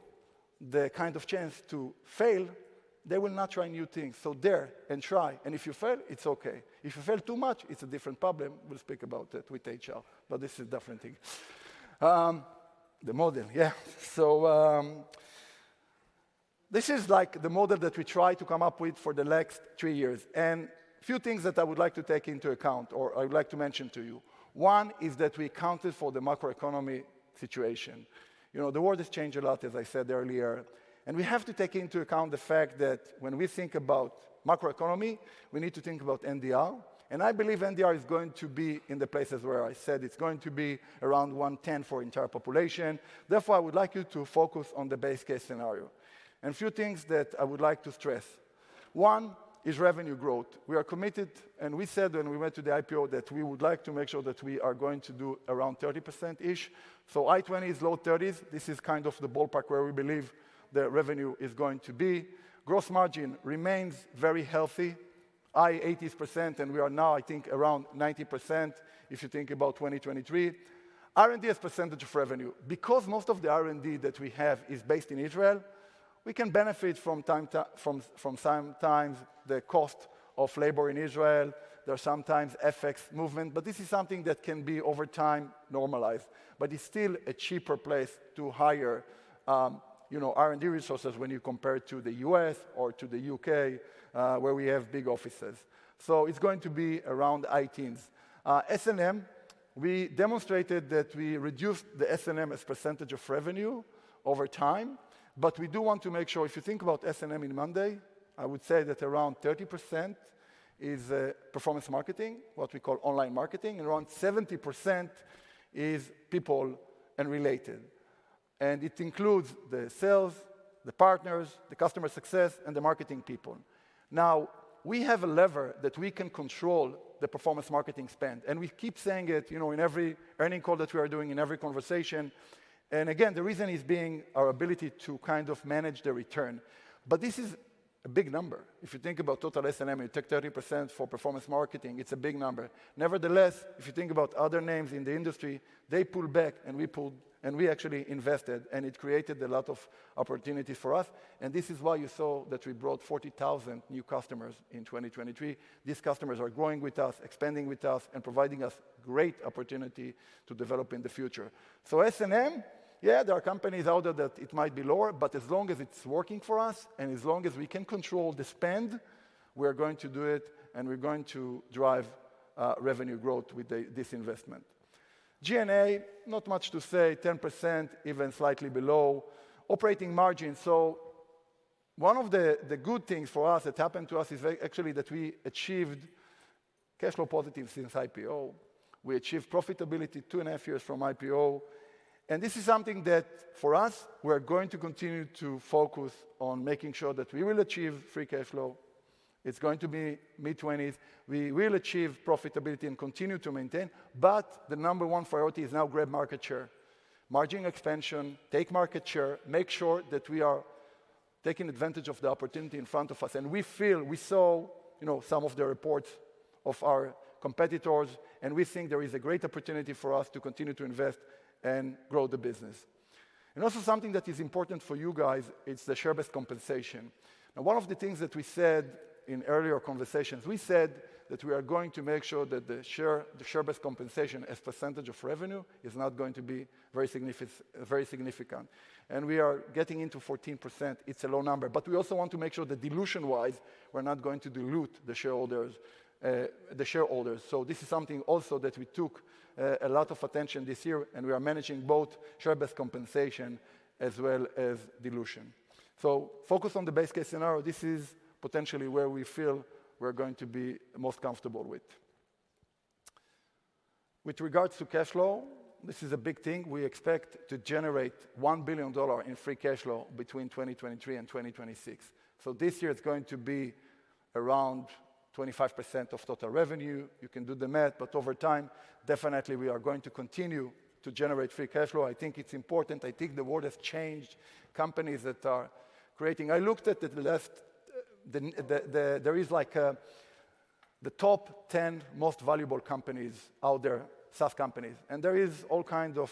the kind of chance to fail, they will not try new things. So dare and try, and if you fail, it's okay. If you fail too much, it's a different problem. We'll speak about that with HR, but this is a different thing. The model, yeah. So, this is, like, the model that we try to come up with for the next three years, and few things that I would like to take into account or I would like to mention to you. One is that we accounted for the macroeconomy situation. You know, the world has changed a lot, as I said earlier, and we have to take into account the fact that when we think about macroeconomy, we need to think about NDR. I believe NDR is going to be in the places where I said it's going to be, around 110 for entire population. Therefore, I would like you to focus on the base case scenario. A few things that I would like to stress. One is revenue growth. We are committed, and we said when we went to the IPO, that we would like to make sure that we are going to do around 30%-ish. So high 20s to low 30s. This is kind of the ballpark where we believe the revenue is going to be. Gross margin remains very healthy, high 80s%, and we are now, I think, around 90% if you think about 2023. R&D as percentage of revenue. Because most of the R&D that we have is based in Israel, we can benefit from time to time from sometimes the cost of labor in Israel. There are sometimes FX movement, but this is something that can be, over time, normalized, but it's still a cheaper place to hire, you know, R&D resources when you compare it to the US or to the U.K., where we have big offices. So it's going to be around high teens%. S&M, we demonstrated that we reduced the S&M as percentage of revenue over time, but we do want to make sure... If you think about S&M in monday, I would say that around 30% is performance marketing, what we call online marketing, and around 70% is people and related. It includes the sales, the partners, the customer success, and the marketing people. Now, we have a lever that we can control the performance marketing spend, and we keep saying it, you know, in every earnings call that we are doing, in every conversation. Again, the reason is being our ability to kind of manage the return. But this is a big number. If you think about total S&M, and you take 30% for performance marketing, it's a big number. Nevertheless, if you think about other names in the industry, they pulled back, and we pulled, and we actually invested, and it created a lot of opportunities for us. This is why you saw that we brought 40,000 new customers in 2023. These customers are growing with us, expanding with us, and providing us great opportunity to develop in the future. So S&M, yeah, there are companies out there that it might be lower, but as long as it's working for us and as long as we can control the spend, we're going to do it, and we're going to drive revenue growth with this investment. G&A, not much to say, 10%, even slightly below. Operating margin, so one of the good things for us that happened to us is actually that we achieved cash flow positive since IPO. We achieved profitability 2.5 years from IPO, and this is something that, for us, we're going to continue to focus on making sure that we will achieve free cash flow. It's going to be mid-20s. We will achieve profitability and continue to maintain, but the number one priority is now grab market share. Margin expansion, take market share, make sure that we are taking advantage of the opportunity in front of us, and we feel... We saw, you know, some of the reports of our competitors, and we think there is a great opportunity for us to continue to invest and grow the business. And also something that is important for you guys, it's the share-based compensation. Now, one of the things that we said in earlier conversations, we said that we are going to make sure that the share, the share-based compensation as percentage of revenue is not going to be very significant, and we are getting into 14%. It's a low number, but we also want to make sure that dilution-wise, we're not going to dilute the shareholders, the shareholders. So this is something also that we took a lot of attention this year, and we are managing both share-based compensation as well as dilution. So focus on the base case scenario. This is potentially where we feel we're going to be most comfortable with. With regards to cash flow, this is a big thing. We expect to generate $1 billion in free cash flow between 2023 and 2026. So this year, it's going to be around 25% of total revenue. You can do the math, but over time, definitely we are going to continue to generate free cash flow. I think it's important. I think the world has changed. Companies that are creating... I looked at the last, the... There is, like, a, the top 10 most valuable companies out there, SaaS companies, and there is all kinds of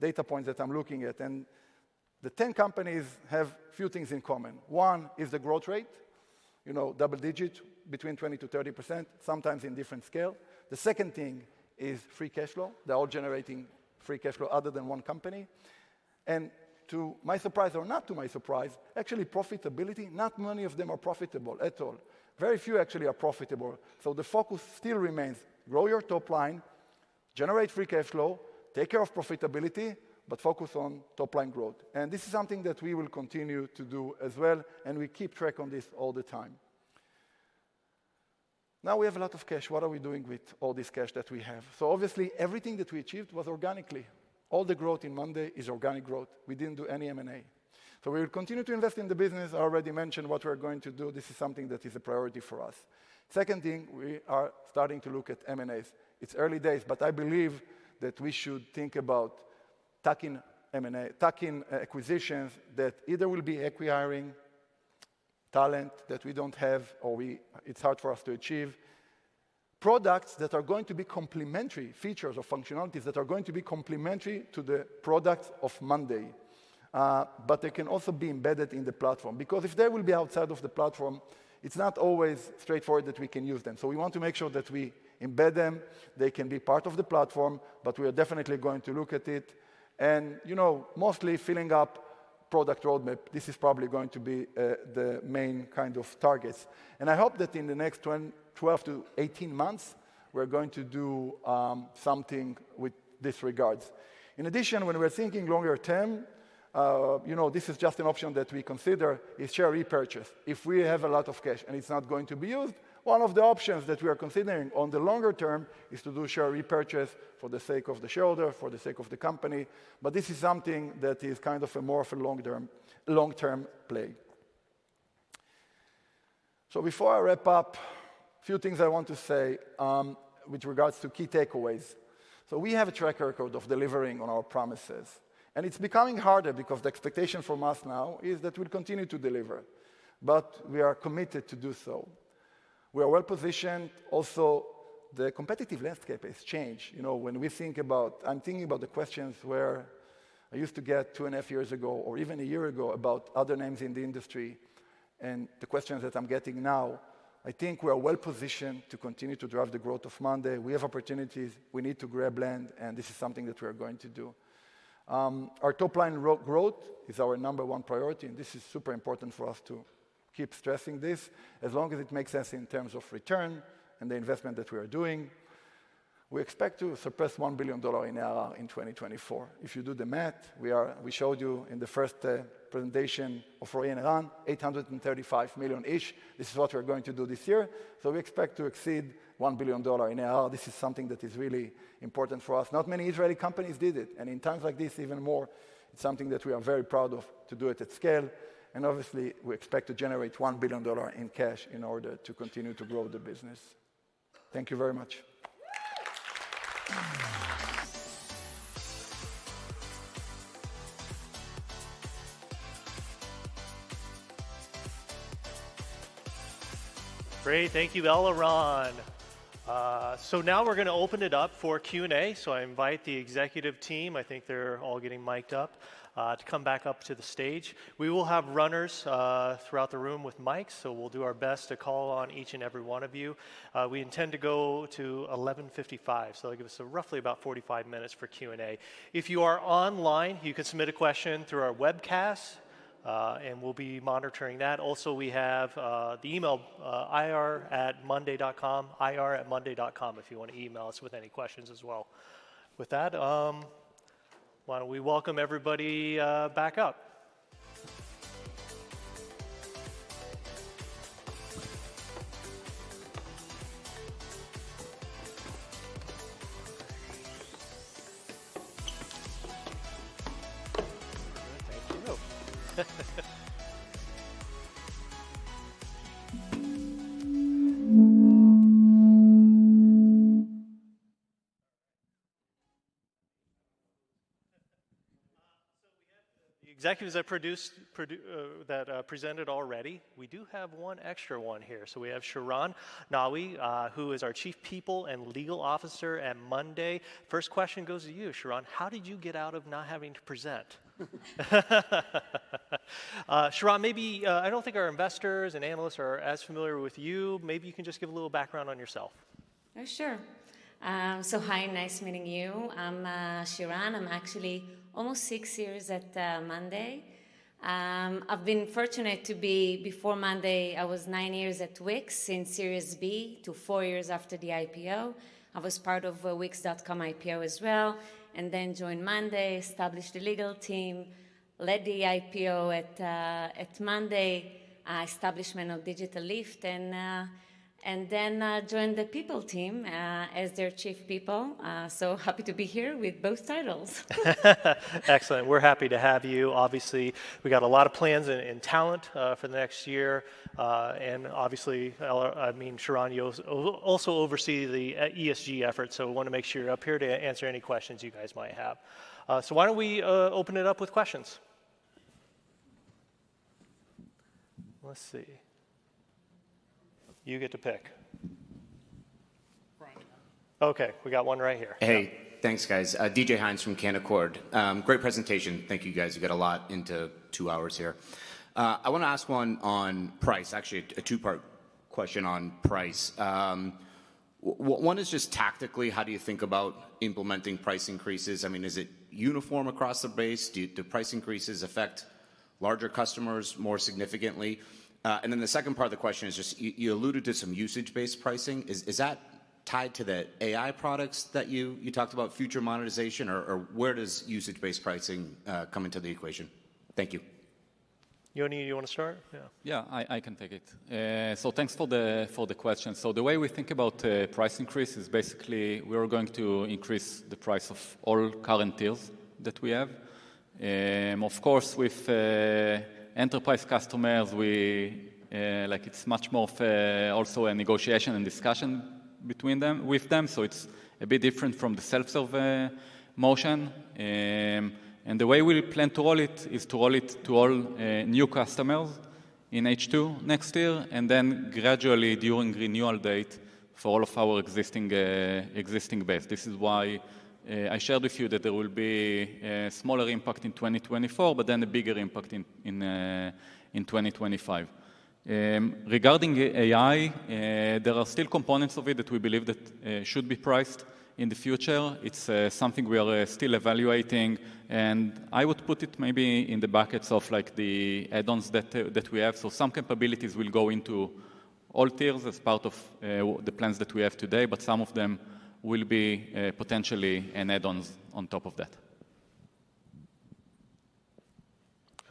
data points that I'm looking at, and the 10 companies have a few things in common. One is the growth rate.... you know, double-digit, between 20%-30%, sometimes in different scale. The second thing is free cash flow. They're all generating free cash flow other than one company. And to my surprise or not to my surprise, actually profitability, not many of them are profitable at all. Very few actually are profitable. So the focus still remains: grow your top line, generate free cash flow, take care of profitability, but focus on top-line growth. And this is something that we will continue to do as well, and we keep track on this all the time. Now we have a lot of cash. What are we doing with all this cash that we have? So obviously, everything that we achieved was organically. All the growth in Monday.com is organic growth. We didn't do any M&A. So we will continue to invest in the business. I already mentioned what we are going to do. This is something that is a priority for us. Second thing, we are starting to look at M&As. It's early days, but I believe that we should think about tuck-in M&A acquisitions that either will be acqui-hiring talent that we don't have or it's hard for us to achieve. Products that are going to be complementary, features or functionalities that are going to be complementary to the product of monday, but they can also be embedded in the platform. Because if they will be outside of the platform, it's not always straightforward that we can use them. So we want to make sure that we embed them, they can be part of the platform, but we are definitely going to look at it. And, you know, mostly filling up product roadmap, this is probably going to be the main kind of targets. And I hope that in the next 12-18 months, we're going to do something with this regards. In addition, when we're thinking longer term, you know, this is just an option that we consider, is share repurchase. If we have a lot of cash and it's not going to be used, one of the options that we are considering on the longer term is to do share repurchase for the sake of the shareholder, for the sake of the company. But this is something that is kind of a more of a long-term, long-term play. So before I wrap up, a few things I want to say, with regards to key takeaways. So we have a track record of delivering on our promises, and it's becoming harder because the expectation from us now is that we'll continue to deliver, but we are committed to do so. We are well-positioned. Also, the competitive landscape has changed. You know, when we think about... I'm thinking about the questions where I used to get two and a half years ago or even a year ago, about other names in the industry, and the questions that I'm getting now. I think we are well-positioned to continue to drive the growth of Monday.com. We have opportunities, we need to grab land, and this is something that we are going to do. Our top-line growth is our number one priority, and this is super important for us to keep stressing this, as long as it makes sense in terms of return and the investment that we are doing. We expect to surpass $1 billion in ARR in 2024. If you do the math, we showed you in the first presentation of Roy and Eran, $835 million each. This is what we're going to do this year. We expect to exceed $1 billion in ARR. This is something that is really important for us. Not many Israeli companies did it, and in times like this, even more, it's something that we are very proud of to do it at scale. And obviously, we expect to generate $1 billion in cash in order to continue to grow the business. Thank you very much. Great. Thank you, Eliran. So now we're gonna open it up for Q&A. So I invite the executive team, I think they're all getting mic'd up, to come back up to the stage. We will have runners, throughout the room with mics, so we'll do our best to call on each and every one of you. We intend to go to 11:55, so that'll give us roughly about 45 minutes for Q&A. If you are online, you can submit a question through our webcast, and we'll be monitoring that. Also, we have the email, ir@Monday.com, ir@Monday.com, if you want to email us with any questions as well. With that, why don't we welcome everybody, back up? Thank you. So we have the executives that presented already. We do have one extra one here. So we have Shiran Nawi, who is our Chief People and Legal Officer at Monday.com. First question goes to you, Shiran: How did you get out of not having to present? Shiran, maybe, I don't think our investors and analysts are as familiar with you. Maybe you can just give a little background on yourself. Oh, sure. So hi, nice meeting you. I'm Shiran. I'm actually almost six years at Monday. I've been fortunate to be... Before Monday, I was nine years at Wix, in Series B to four years after the IPO. I was part of Wix.com IPO as well, and then joined Monday, established the legal team, led the IPO at Monday, establishment of Digital Lift, and then joined the people team as their Chief People. So happy to be here with both titles. Excellent. We're happy to have you. Obviously, we got a lot of plans and, and talent for the next year. And obviously, Elro- I mean, Shiran, you'll also, also oversee the ESG effort, so we wanna make sure you're up here to answer any questions you guys might have. So why don't we open it up with questions? Let's see. You get to pick.... Okay, we got one right here. Hey, thanks, guys. DJ Hynes from Canaccord. Great presentation. Thank you, guys. You got a lot into two hours here. I wanna ask one on price, actually, a two-part question on price. One is just tactically, how do you think about implementing price increases? I mean, is it uniform across the base? Do price increases affect larger customers more significantly? And then the second part of the question is just, you alluded to some usage-based pricing. Is that tied to the AI products that you talked about future monetization, or where does usage-based pricing come into the equation? Thank you. Yoni, you wanna start? Yeah. Yeah, I can take it. So thanks for the question. So the way we think about price increase is basically we are going to increase the price of all current deals that we have. Of course, with enterprise customers, we like, it's much more of a also a negotiation and discussion between them with them, so it's a bit different from the self-serve motion. And the way we plan to roll it is to roll it to all new customers in H2 next year, and then gradually during renewal date for all of our existing base. This is why I shared with you that there will be a smaller impact in 2024, but then a bigger impact in 2025. Regarding AI, there are still components of it that we believe that should be priced in the future. It's something we are still evaluating, and I would put it maybe in the buckets of, like, the add-ons that that we have. So some capabilities will go into all tiers as part of the plans that we have today, but some of them will be potentially an add-ons on top of that.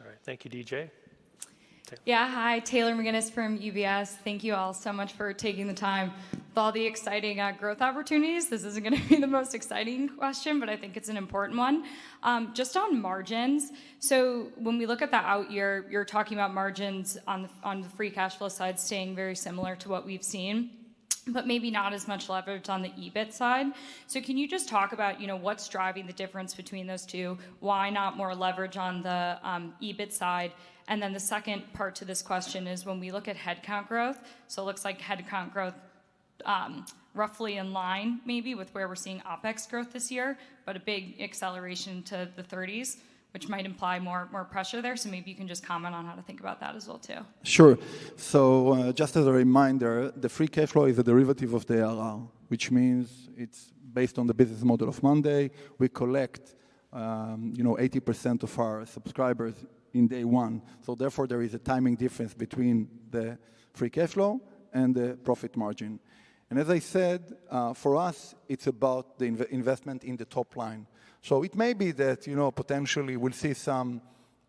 All right. Thank you, DJ. Taylor. Yeah, hi, Taylor McGinnis from UBS. Thank you all so much for taking the time. With all the exciting growth opportunities, this isn't gonna be the most exciting question, but I think it's an important one. Just on margins, so when we look at the out year, you're talking about margins on the free cash flow side staying very similar to what we've seen, but maybe not as much leverage on the EBIT side. So can you just talk about, you know, what's driving the difference between those two? Why not more leverage on the EBIT side? And then the second part to this question is when we look at headcount growth, so it looks like headcount growth roughly in line maybe with where we're seeing OpEx growth this year, but a big acceleration to the thirties, which might imply more pressure there. Maybe you can just comment on how to think about that as well, too. Sure. So, just as a reminder, the free cash flow is a derivative of the ARR, which means it's based on the business model of Monday.com. We collect, you know, 80% of our subscribers in day one, so therefore there is a timing difference between the free cash flow and the profit margin. And as I said, for us, it's about the investment in the top line. So it may be that, you know, potentially we'll see some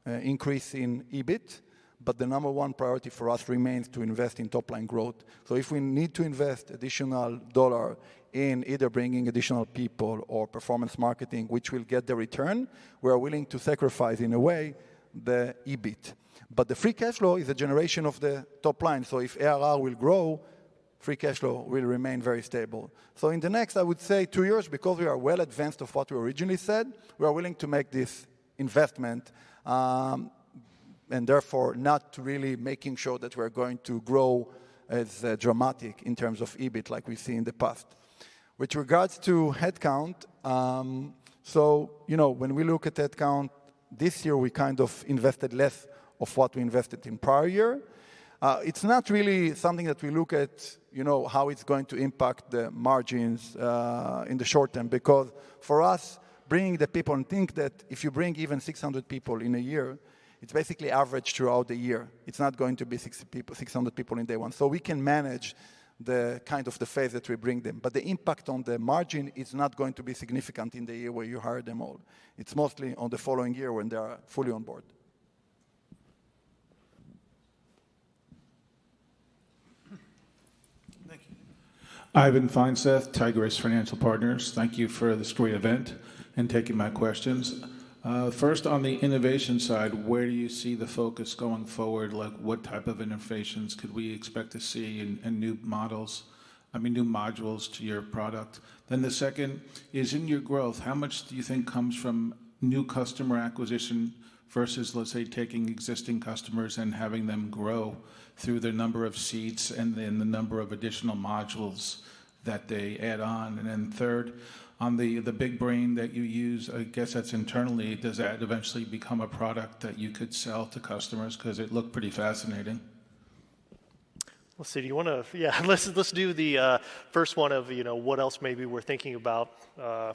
increase in EBIT, but the number one priority for us remains to invest in top-line growth. So if we need to invest additional dollar in either bringing additional people or performance marketing, which will get the return, we are willing to sacrifice, in a way, the EBIT. But the free cash flow is a generation of the top line, so if ARR will grow, free cash flow will remain very stable. In the next, I would say two years, because we are well advanced of what we originally said, we are willing to make this investment, and therefore not really making sure that we're going to grow as dramatic in terms of EBIT like we've seen in the past. With regards to headcount, you know, when we look at headcount, this year we kind of invested less of what we invested in prior year. It's not really something that we look at, you know, how it's going to impact the margins, in the short term, because for us, bringing the people and think that if you bring even 600 people in a year, it's basically average throughout the year. It's not going to be 6 people- 600 people in day one. So we can manage the kind of the phase that we bring them, but the impact on the margin is not going to be significant in the year where you hire them all. It's mostly on the following year when they are fully on board. Thank you. Ivan Feinseth, Tigress Financial Partners. Thank you for this great event and taking my questions. First, on the innovation side, where do you see the focus going forward? Like, what type of innovations could we expect to see and, and new models, I mean, new modules to your product? Then the second is, in your growth, how much do you think comes from new customer acquisition versus, let's say, taking existing customers and having them grow through the number of seats and then the number of additional modules that they add on? And then third, on the, the Big Brain that you use, I guess that's internally, does that eventually become a product that you could sell to customers? 'Cause it looked pretty fascinating. Let's see. Do you wanna... Yeah, let's do the first one of, you know, what else maybe we're thinking about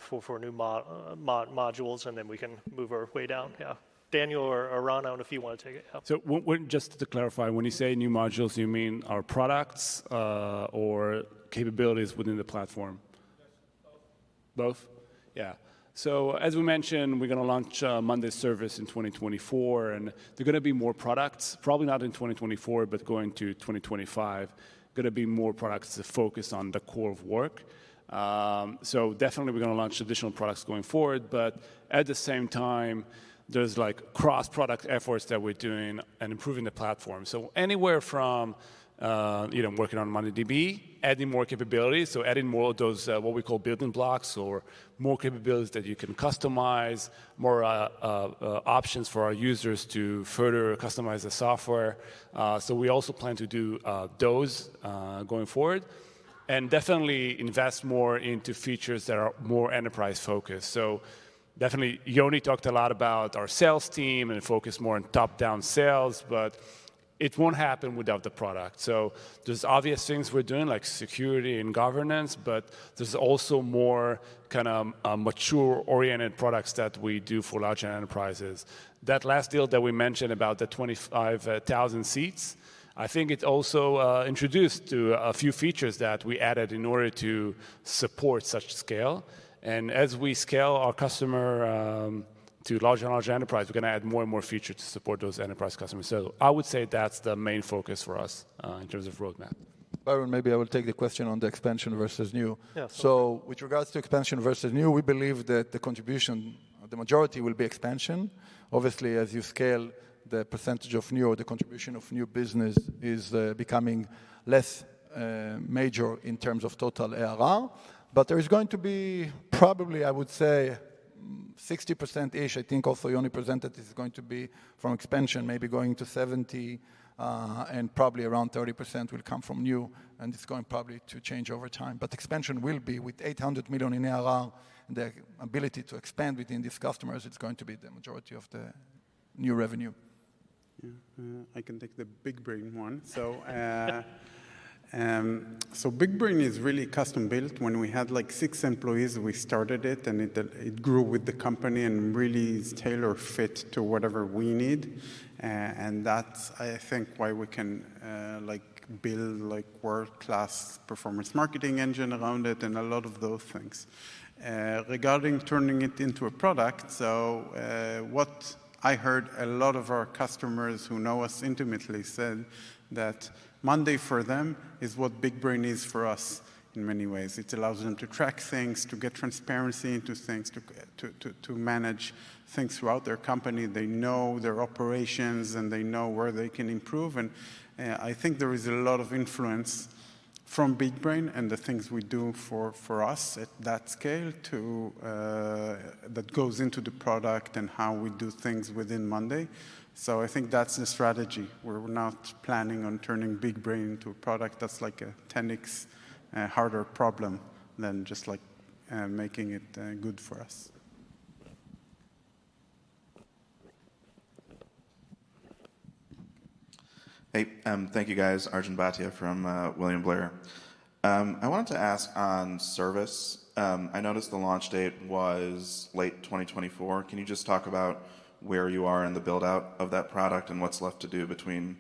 for new modules, and then we can move our way down. Yeah. Daniel or Eran, I don't know if you want to take it. Yeah. So just to clarify, when you say new modules, you mean our products, or capabilities within the platform? Yes, both. Both? Yeah. So as we mentioned, we're gonna launch monday service in 2024, and there are gonna be more products, probably not in 2024, but going to 2025. Gonna be more products that focus on the core of work. So definitely we're gonna launch additional products going forward, but at the same time, there's like cross-product efforts that we're doing and improving the platform. So anywhere from, you know, working on mondayDB, adding more capabilities, so adding more of those, what we call building blocks or more capabilities that you can customize, more options for our users to further customize the software. So we also plan to do those going forward, and definitely invest more into features that are more enterprise-focused. So definitely, Yoni talked a lot about our sales team and focus more on top-down sales, but... It won't happen without the product. So there's obvious things we're doing, like security and governance, but there's also more kinda, mature-oriented products that we do for large enterprises. That last deal that we mentioned about the 25,000 seats, I think it also introduced to a few features that we added in order to support such scale. And as we scale our customer to large and large enterprise, we're gonna add more and more features to support those enterprise customers. So I would say that's the main focus for us in terms of roadmap. Byron, maybe I will take the question on the expansion versus new. Yes. So with regards to expansion versus new, we believe that the contribution, the majority will be expansion. Obviously, as you scale, the percentage of new or the contribution of new business is, becoming less, major in terms of total ARR. But there is going to be probably, I would say, 60%ish, I think also Yoni presented, is going to be from expansion, maybe going to 70, and probably around 30% will come from new, and it's going probably to change over time. But expansion will be, with $800 million in ARR, the ability to expand within these customers, it's going to be the majority of the new revenue. Yeah. I can take the Big Brain one. So, Big Brain is really custom-built. When we had, like, six employees, we started it, and it grew with the company and really is tailor-fit to whatever we need. And that's, I think, why we can, like, build, like, world-class performance marketing engine around it and a lot of those things. Regarding turning it into a product, so, what I heard a lot of our customers who know us intimately said that monday for them is what Big Brain is for us in many ways. It allows them to track things, to get transparency into things, to manage things throughout their company. They know their operations, and they know where they can improve, and I think there is a lot of influence from Big Brain and the things we do for us at that scale that goes into the product and how we do things within Monday. So I think that's the strategy. We're not planning on turning Big Brain into a product. That's like a 10x harder problem than just like making it good for us. Hey, thank you, guys. Arjun Bhatia from William Blair. I wanted to ask on service. I noticed the launch date was late 2024. Can you just talk about where you are in the build-out of that product and what's left to do between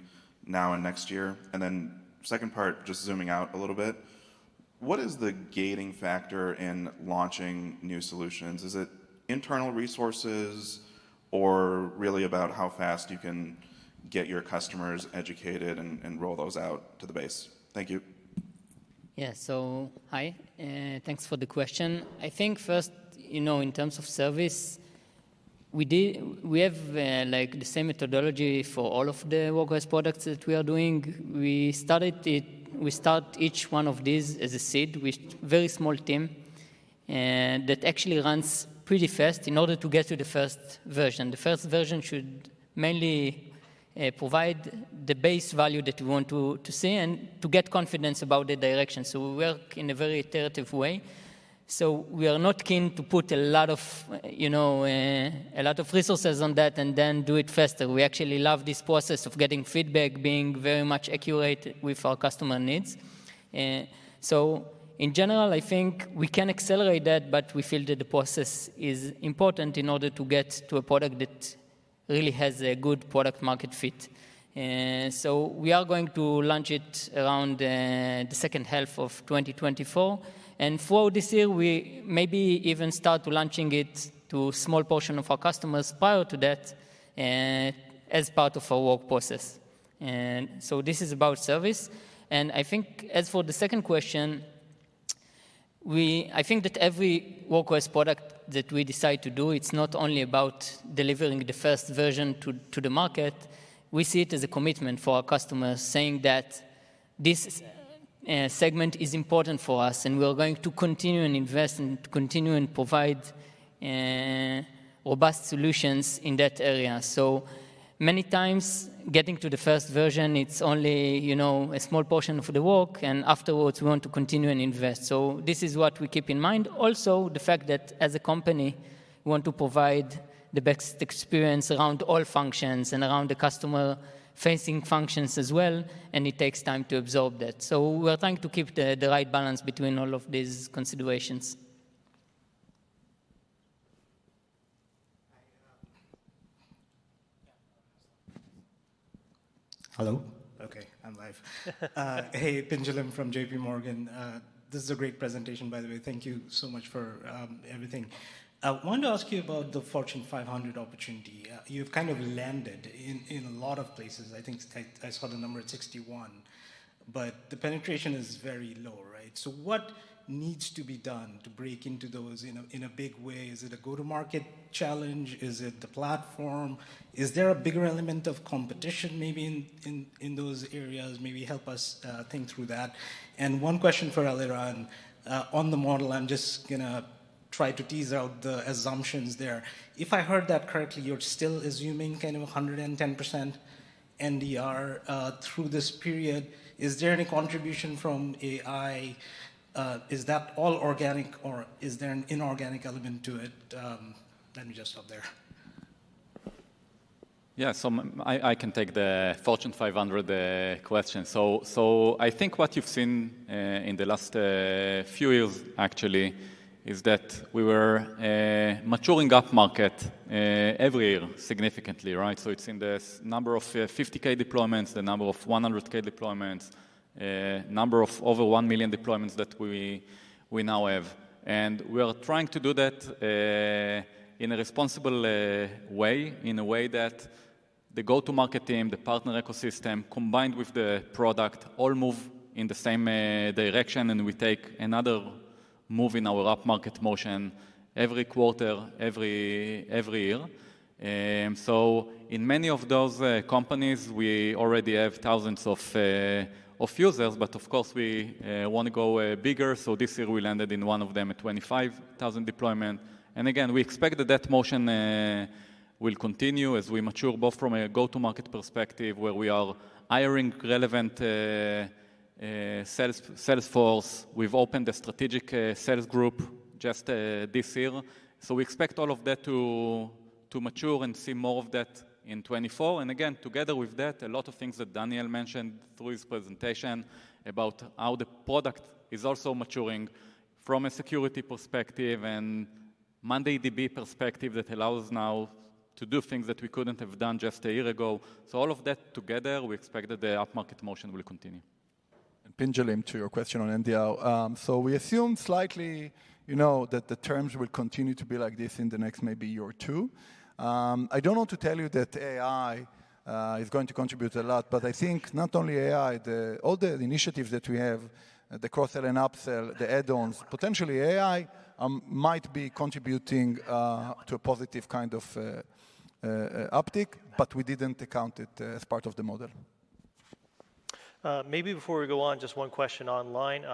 now and next year? And then second part, just zooming out a little bit, what is the gating factor in launching new solutions? Is it internal resources, or really about how fast you can get your customers educated and, and roll those out to the base? Thank you. Yeah. So hi, thanks for the question. I think first, you know, in terms of service, we have, like, the same methodology for all of the work-based products that we are doing. We start each one of these as a seed with very small team, that actually runs pretty fast in order to get to the first version. The first version should mainly provide the base value that we want to, to see and to get confidence about the direction. So we work in a very iterative way. So we are not keen to put a lot of, you know, a lot of resources on that and then do it faster. We actually love this process of getting feedback, being very much accurate with our customer needs. So in general, I think we can accelerate that, but we feel that the process is important in order to get to a product that really has a good product market fit. So we are going to launch it around the second half of 2024. And for this year, we maybe even start launching it to a small portion of our customers prior to that, as part of our work process. So this is about service. And I think as for the second question, we, I think that every work-based product that we decide to do, it's not only about delivering the first version to the market. We see it as a commitment for our customers, saying that this segment is important for us, and we are going to continue and invest and continue and provide robust solutions in that area. So many times, getting to the first version, it's only, you know, a small portion of the work, and afterwards, we want to continue and invest. So this is what we keep in mind. Also, the fact that as a company, we want to provide the best experience around all functions and around the customer-facing functions as well, and it takes time to absorb that. So we are trying to keep the, the right balance between all of these considerations. Hi, um... Hello? Okay, I'm live. Hey, Pinjalim from JP Morgan. This is a great presentation, by the way. Thank you so much for everything. I want to ask you about the Fortune 500 opportunity. You've kind of landed in a lot of places. I think I saw the number at 61, but the penetration is very low, right? So what needs to be done to break into those in a big way? Is it a go-to-market challenge? Is it the platform? Is there a bigger element of competition maybe in those areas? Maybe help us think through that. And one question for Eliran, on the model, I'm just gonna try to tease out the assumptions there. If I heard that correctly, you're still assuming kind of 110% NDR through this period. Is there any contribution from AI? Is that all organic, or is there an inorganic element to it? Let me just stop there.... Yeah, so I can take the Fortune 500 question. So I think what you've seen in the last few years actually is that we were maturing upmarket every year significantly, right? So it's in the number of $50K deployments, the number of $100K deployments, number of over $1 million deployments that we now have. And we are trying to do that in a responsible way, in a way that the go-to-market team, the partner ecosystem, combined with the product, all move in the same direction, and we take another move in our upmarket motion every quarter, every year. So in many of those companies, we already have thousands of users, but of course, we want to go bigger. So this year we landed in one of them, a 25,000 deployment. And again, we expect that that motion will continue as we mature, both from a go-to-market perspective, where we are hiring relevant sales, sales force. We've opened a strategic sales group just this year. So we expect all of that to mature and see more of that in 2024. And again, together with that, a lot of things that Daniel mentioned through his presentation about how the product is also maturing from a security perspective and mondayDB perspective, that allows us now to do things that we couldn't have done just a year ago. So all of that together, we expect that the upmarket motion will continue. Pinjalal, to your question on NDR. We assume slightly, you know, that the terms will continue to be like this in the next maybe year or two. I don't want to tell you that AI is going to contribute a lot, but I think not only AI, all the initiatives that we have, the cross-sell and upsell, the add-ons, potentially AI, might be contributing to a positive kind of uptick, but we didn't account it as part of the model. Maybe before we go on, just one question online.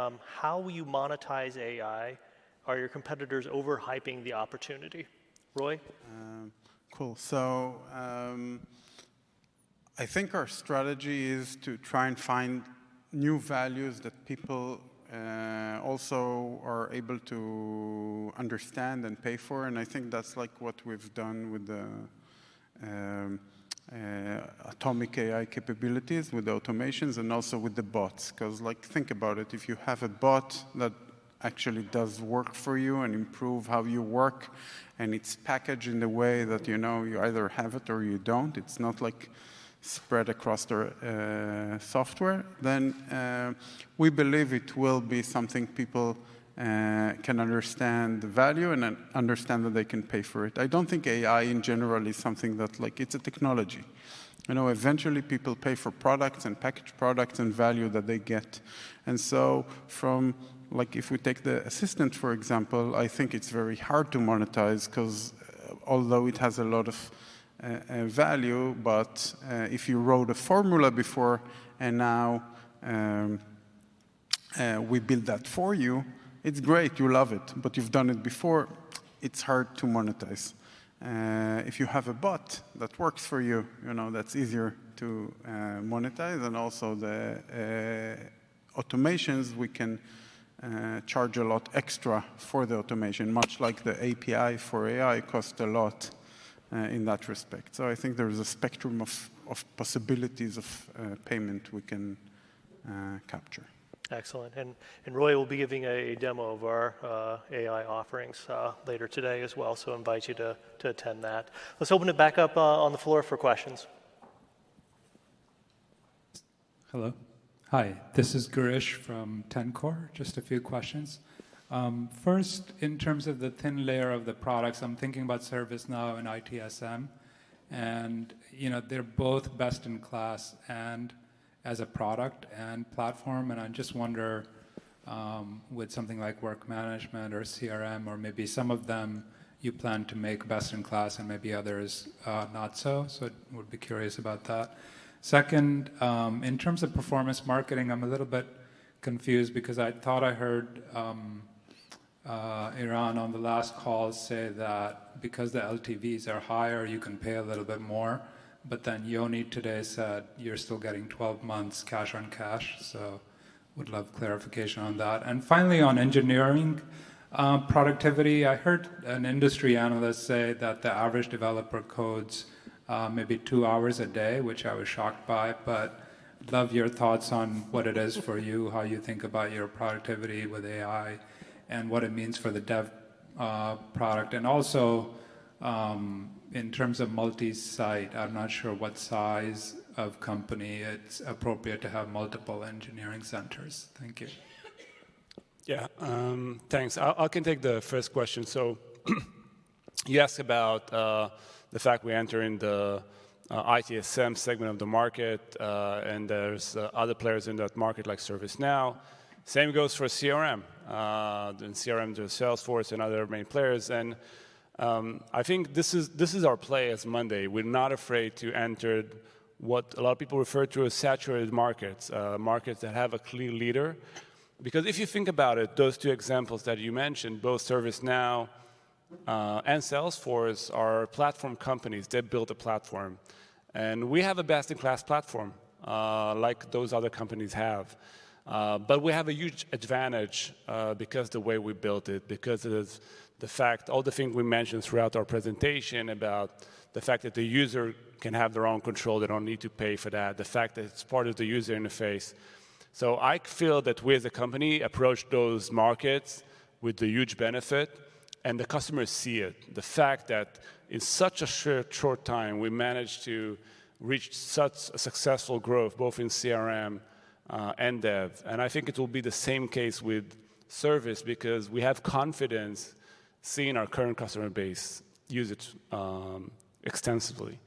How will you monetize AI? Are your competitors overhyping the opportunity? Roy? Cool. So, I think our strategy is to try and find new values that people also are able to understand and pay for, and I think that's like what we've done with the atomic AI capabilities, with the automations, and also with the bots. 'Cause, like, think about it, if you have a bot that actually does work for you and improve how you work, and it's packaged in a way that you know you either have it or you don't, it's not like spread across the software, then we believe it will be something people can understand the value and then understand that they can pay for it. I don't think AI in general is something that, like, it's a technology. You know, eventually, people pay for products and packaged products and value that they get. And so from... like, if we take the assistant, for example, I think it's very hard to monetize 'cause although it has a lot of, value, but, if you wrote a formula before and now, we build that for you, it's great, you love it, but you've done it before, it's hard to monetize. If you have a bot that works for you, you know, that's easier to, monetize. And also the, automations, we can, charge a lot extra for the automation, much like the API for AI cost a lot, in that respect. So I think there is a spectrum of, of possibilities of, payment we can, capture. Excellent. And Roy will be giving a demo of our AI offerings later today as well, so I invite you to attend that. Let's open it back up on the floor for questions. Hello. Hi, this is Girish from TenCore. Just a few questions. First, in terms of the thin layer of the products, I'm thinking about ServiceNow and ITSM, and, you know, they're both best in class and as a product and platform, and I just wonder, with something like work management or CRM or maybe some of them, you plan to make best in class and maybe others, not so? So would be curious about that. Second, in terms of performance marketing, I'm a little bit confused because I thought I heard, Eran on the last call say that because the LTVs are higher, you can pay a little bit more, but then Yoni today said, "You're still getting 12 months cash on cash." So would love clarification on that. And finally, on engineering, productivity, I heard an industry analyst say that the average developer codes, maybe two hours a day, which I was shocked by, but love your thoughts on what it is for you, how you think about your productivity with AI and what it means for the dev, product. And also, in terms of multi-site, I'm not sure what size of company it's appropriate to have multiple engineering centers. Thank you. Yeah. Thanks. I, I can take the first question. So, you asked about the fact we enter in the ITSM segment of the market, and there's other players in that market, like ServiceNow. Same goes for CRM. In CRM, there's Salesforce and other main players. And, I think this is, this is our play as Monday. We're not afraid to enter what a lot of people refer to as saturated markets, markets that have a clear leader.... Because if you think about it, those two examples that you mentioned, both ServiceNow and Salesforce, are platform companies. They built a platform, and we have a best-in-class platform like those other companies have. But we have a huge advantage because the way we built it, because of the fact, all the things we mentioned throughout our presentation about the fact that the user can have their own control, they don't need to pay for that, the fact that it's part of the user interface. So I feel that we as a company approach those markets with a huge benefit, and the customers see it. The fact that in such a short time, we managed to reach such a successful growth, both in CRM and dev. I think it will be the same case with service, because we have confidence seeing our current customer base use it extensively.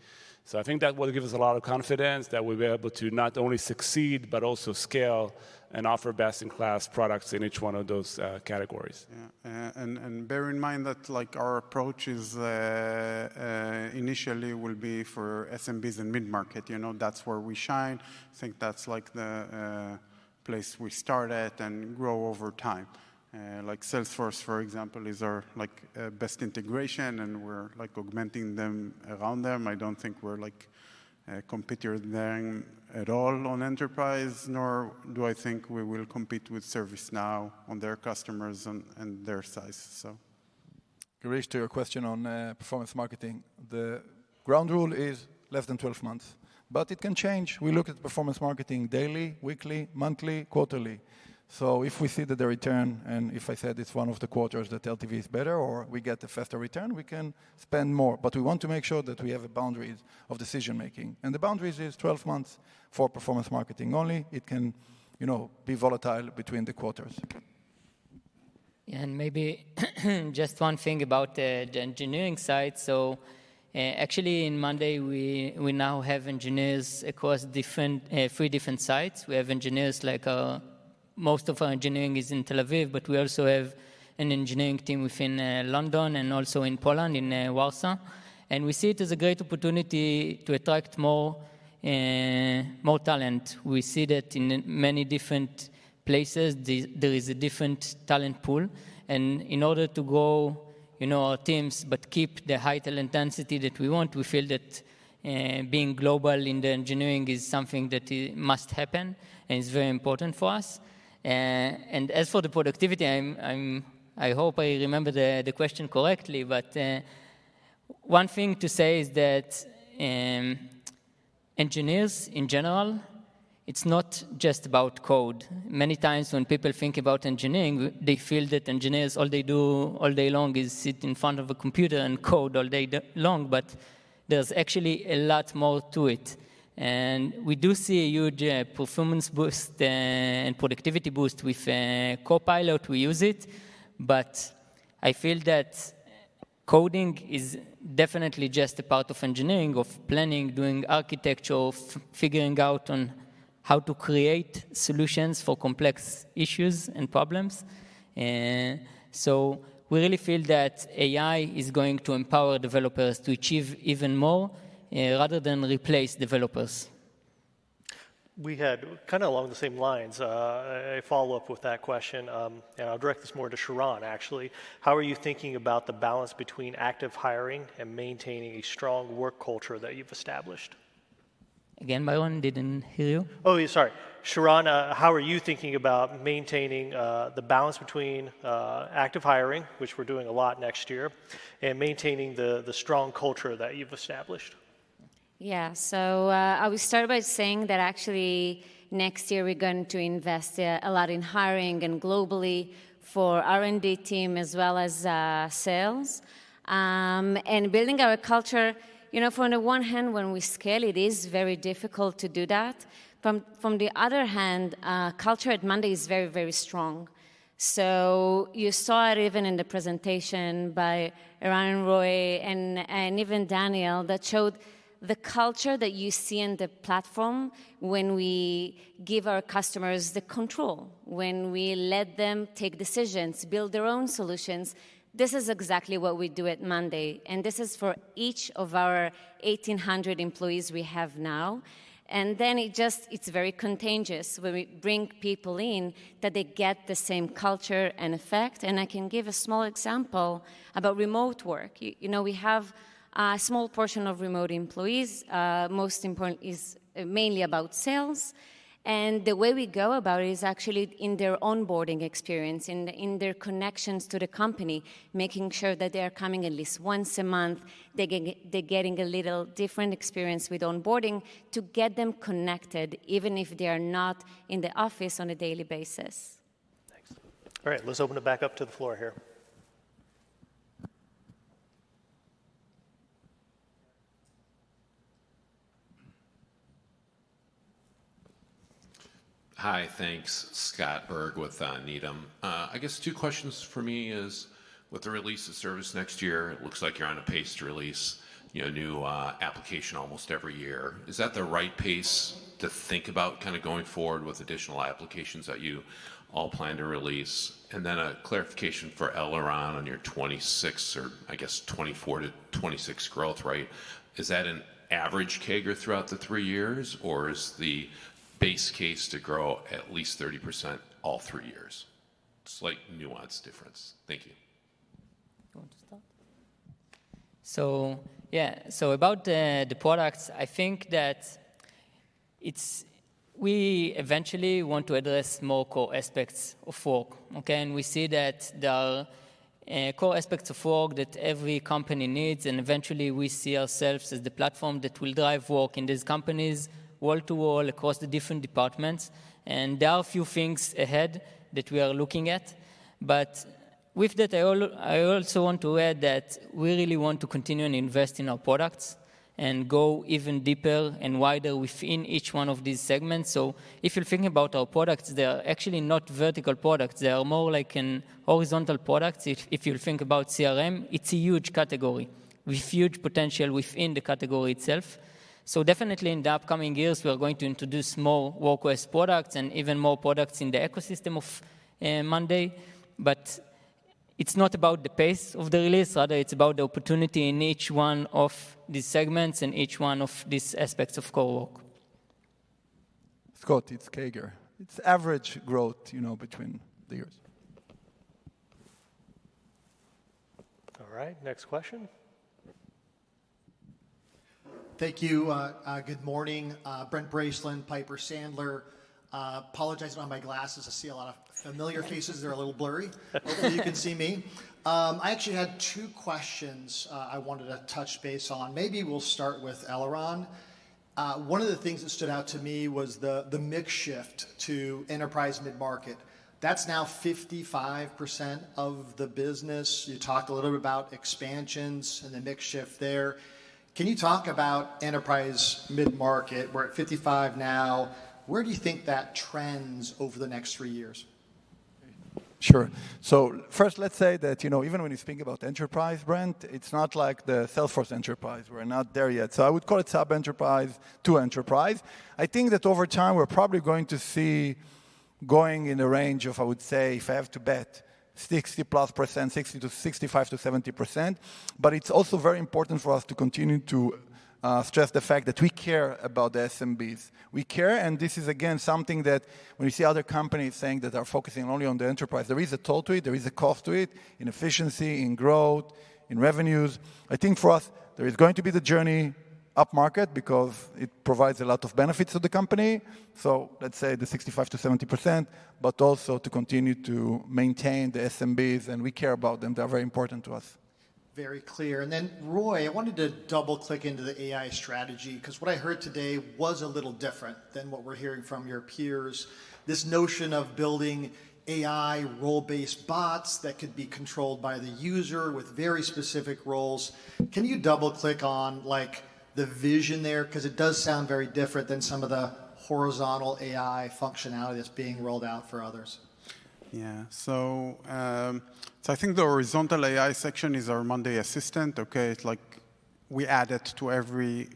I think that will give us a lot of confidence that we'll be able to not only succeed, but also scale and offer best-in-class products in each one of those categories. Yeah. And bear in mind that, like, our approach is, initially will be for SMBs and mid-market. You know, that's where we shine. I think that's, like, the place we start at and grow over time. Like Salesforce, for example, is our, like, best integration, and we're, like, augmenting them around them. I don't think we're, like, a competitor there at all on enterprise, nor do I think we will compete with ServiceNow on their customers and their size, so. Girish, to your question on performance marketing, the ground rule is less than 12 months, but it can change. We look at performance marketing daily, weekly, monthly, quarterly. So if we see that the return, and if I said it's one of the quarters that LTV is better or we get a faster return, we can spend more. But we want to make sure that we have boundaries of decision-making, and the boundaries is 12 months for performance marketing only. It can, you know, be volatile between the quarters. Maybe just one thing about the engineering side. So actually, in Monday.com, we now have engineers across three different sites. We have engineers, like... Most of our engineering is in Tel Aviv, but we also have an engineering team within London and also in Poland, in Warsaw. We see it as a great opportunity to attract more talent. We see that in many different places, there is a different talent pool, and in order to grow, you know, our teams, but keep the high talent density that we want, we feel that being global in the engineering is something that must happen, and it's very important for us. And as for the productivity, I hope I remember the question correctly, but one thing to say is that engineers in general, it's not just about code. Many times, when people think about engineering, they feel that engineers all they do all day long is sit in front of a computer and code all day long, but there's actually a lot more to it. And we do see a huge performance boost and productivity boost with Copilot. We use it, but I feel that coding is definitely just a part of engineering, of planning, doing architecture, figuring out on how to create solutions for complex issues and problems. So we really feel that AI is going to empower developers to achieve even more, rather than replace developers. We had, kinda along the same lines, a follow-up with that question. And I'll direct this more to Shiran, actually. How are you thinking about the balance between active hiring and maintaining a strong work culture that you've established? Again, Milan, didn't hear you. Oh, yeah, sorry. Shiran, how are you thinking about maintaining the balance between active hiring, which we're doing a lot next year, and maintaining the strong culture that you've established? Yeah. So, I will start by saying that actually next year we're going to invest a lot in hiring and globally for R&D team as well as sales. And building our culture, you know, from the one hand, when we scale, it is very difficult to do that. From the other hand, culture at Monday is very, very strong. So you saw it even in the presentation by Eran, Roy, and even Daniel, that showed the culture that you see in the platform when we give our customers the control, when we let them take decisions, build their own solutions. This is exactly what we do at Monday, and this is for each of our 1,800 employees we have now. And then it just, it's very contagious when we bring people in, that they get the same culture and effect. I can give a small example about remote work. You know, we have a small portion of remote employees. Most important is mainly about sales. And the way we go about it is actually in their onboarding experience, in their connections to the company, making sure that they are coming at least once a month. They're getting a little different experience with onboarding to get them connected, even if they are not in the office on a daily basis. Thanks. All right, let's open it back up to the floor here. Hi, thanks. Scott Berg with Needham. I guess two questions for me is, with the release of service next year, it looks like you're on a pace to release, you know, a new application almost every year. Is that the right pace to think about kind of going forward with additional applications that you all plan to release? And then a clarification for Eliran on your 2026, or I guess 2024-2026 growth rate, is that an average CAGR throughout the three years, or is the base case to grow at least 30% all three years? Slight nuance difference. Thank you.... So yeah, so about the products, I think that it's—we eventually want to address more core aspects of work, okay? And we see that there are core aspects of work that every company needs, and eventually we see ourselves as the platform that will drive work in these companies world to world, across the different departments. And there are a few things ahead that we are looking at. But with that, I also want to add that we really want to continue and invest in our products and go even deeper and wider within each one of these segments. So if you're thinking about our products, they are actually not vertical products, they are more like an horizontal products. If you think about CRM, it's a huge category with huge potential within the category itself. Definitely in the upcoming years, we are going to introduce more work-based products and even more products in the ecosystem of Monday.com. It's not about the pace of the release, rather it's about the opportunity in each one of these segments and each one of these aspects of co-work. Scott, it's CAGR. It's average growth, you know, between the years. All right, next question. Thank you. Good morning, Brent Bracelin, Piper Sandler. Apologizing on my glasses. I see a lot of familiar faces; they're a little blurry. Hopefully, you can see me. I actually had two questions I wanted to touch base on. Maybe we'll start with Eliran. One of the things that stood out to me was the mix shift to enterprise mid-market. That's now 55% of the business. You talked a little bit about expansions and the mix shift there. Can you talk about enterprise mid-market? We're at 55% now. Where do you think that trends over the next three years? Sure. So first, let's say that, you know, even when you think about enterprise, Brent, it's not like the Salesforce enterprise. We're not there yet. So I would call it sub-enterprise to enterprise. I think that over time, we're probably going to see going in a range of, I would say, if I have to bet, 60%+, 60% to 65% to 70%. But it's also very important for us to continue to stress the fact that we care about the SMBs. We care, and this is, again, something that when we see other companies saying that they're focusing only on the enterprise, there is a toll to it, there is a cost to it, in efficiency, in growth, in revenues. I think for us, there is going to be the journey upmarket because it provides a lot of benefits to the company, so let's say the 65%-70%, but also to continue to maintain the SMBs, and we care about them. They are very important to us. Very clear. And then, Roy, I wanted to double-click into the AI strategy, 'cause what I heard today was a little different than what we're hearing from your peers. This notion of building AI role-based bots that could be controlled by the user with very specific roles. Can you double-click on, like, the vision there? 'Cause it does sound very different than some of the horizontal AI functionality that's being rolled out for others. Yeah. So, so I think the horizontal AI section is our monday assistant, okay? It's like we add it to every,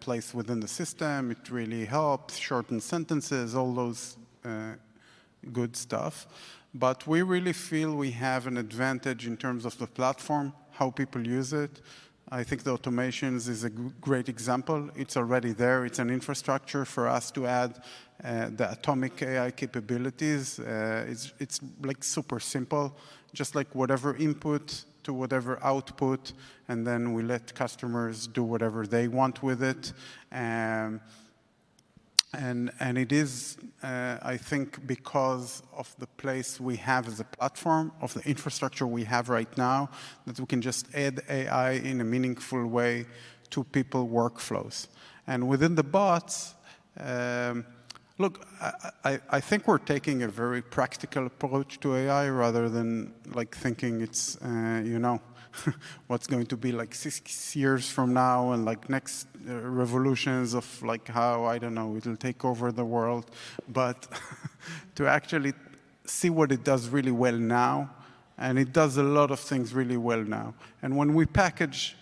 place within the system. It really helps, shorten sentences, all those, good stuff. But we really feel we have an advantage in terms of the platform, how people use it. I think the automations is a great example. It's already there. It's an infrastructure for us to add, the atomic AI capabilities. It's, like, super simple, just like whatever input to whatever output, and then we let customers do whatever they want with it. And, and it is, I think because of the place we have as a platform, of the infrastructure we have right now, that we can just add AI in a meaningful way to people workflows. And within the bots,... Look, I think we're taking a very practical approach to AI rather than, like, thinking it's, you know, what's going to be like six years from now and, like, next, revolutions of, like, how, I don't know, it'll take over the world. But to actually see what it does really well now, and it does a lot of things really well now. And when we package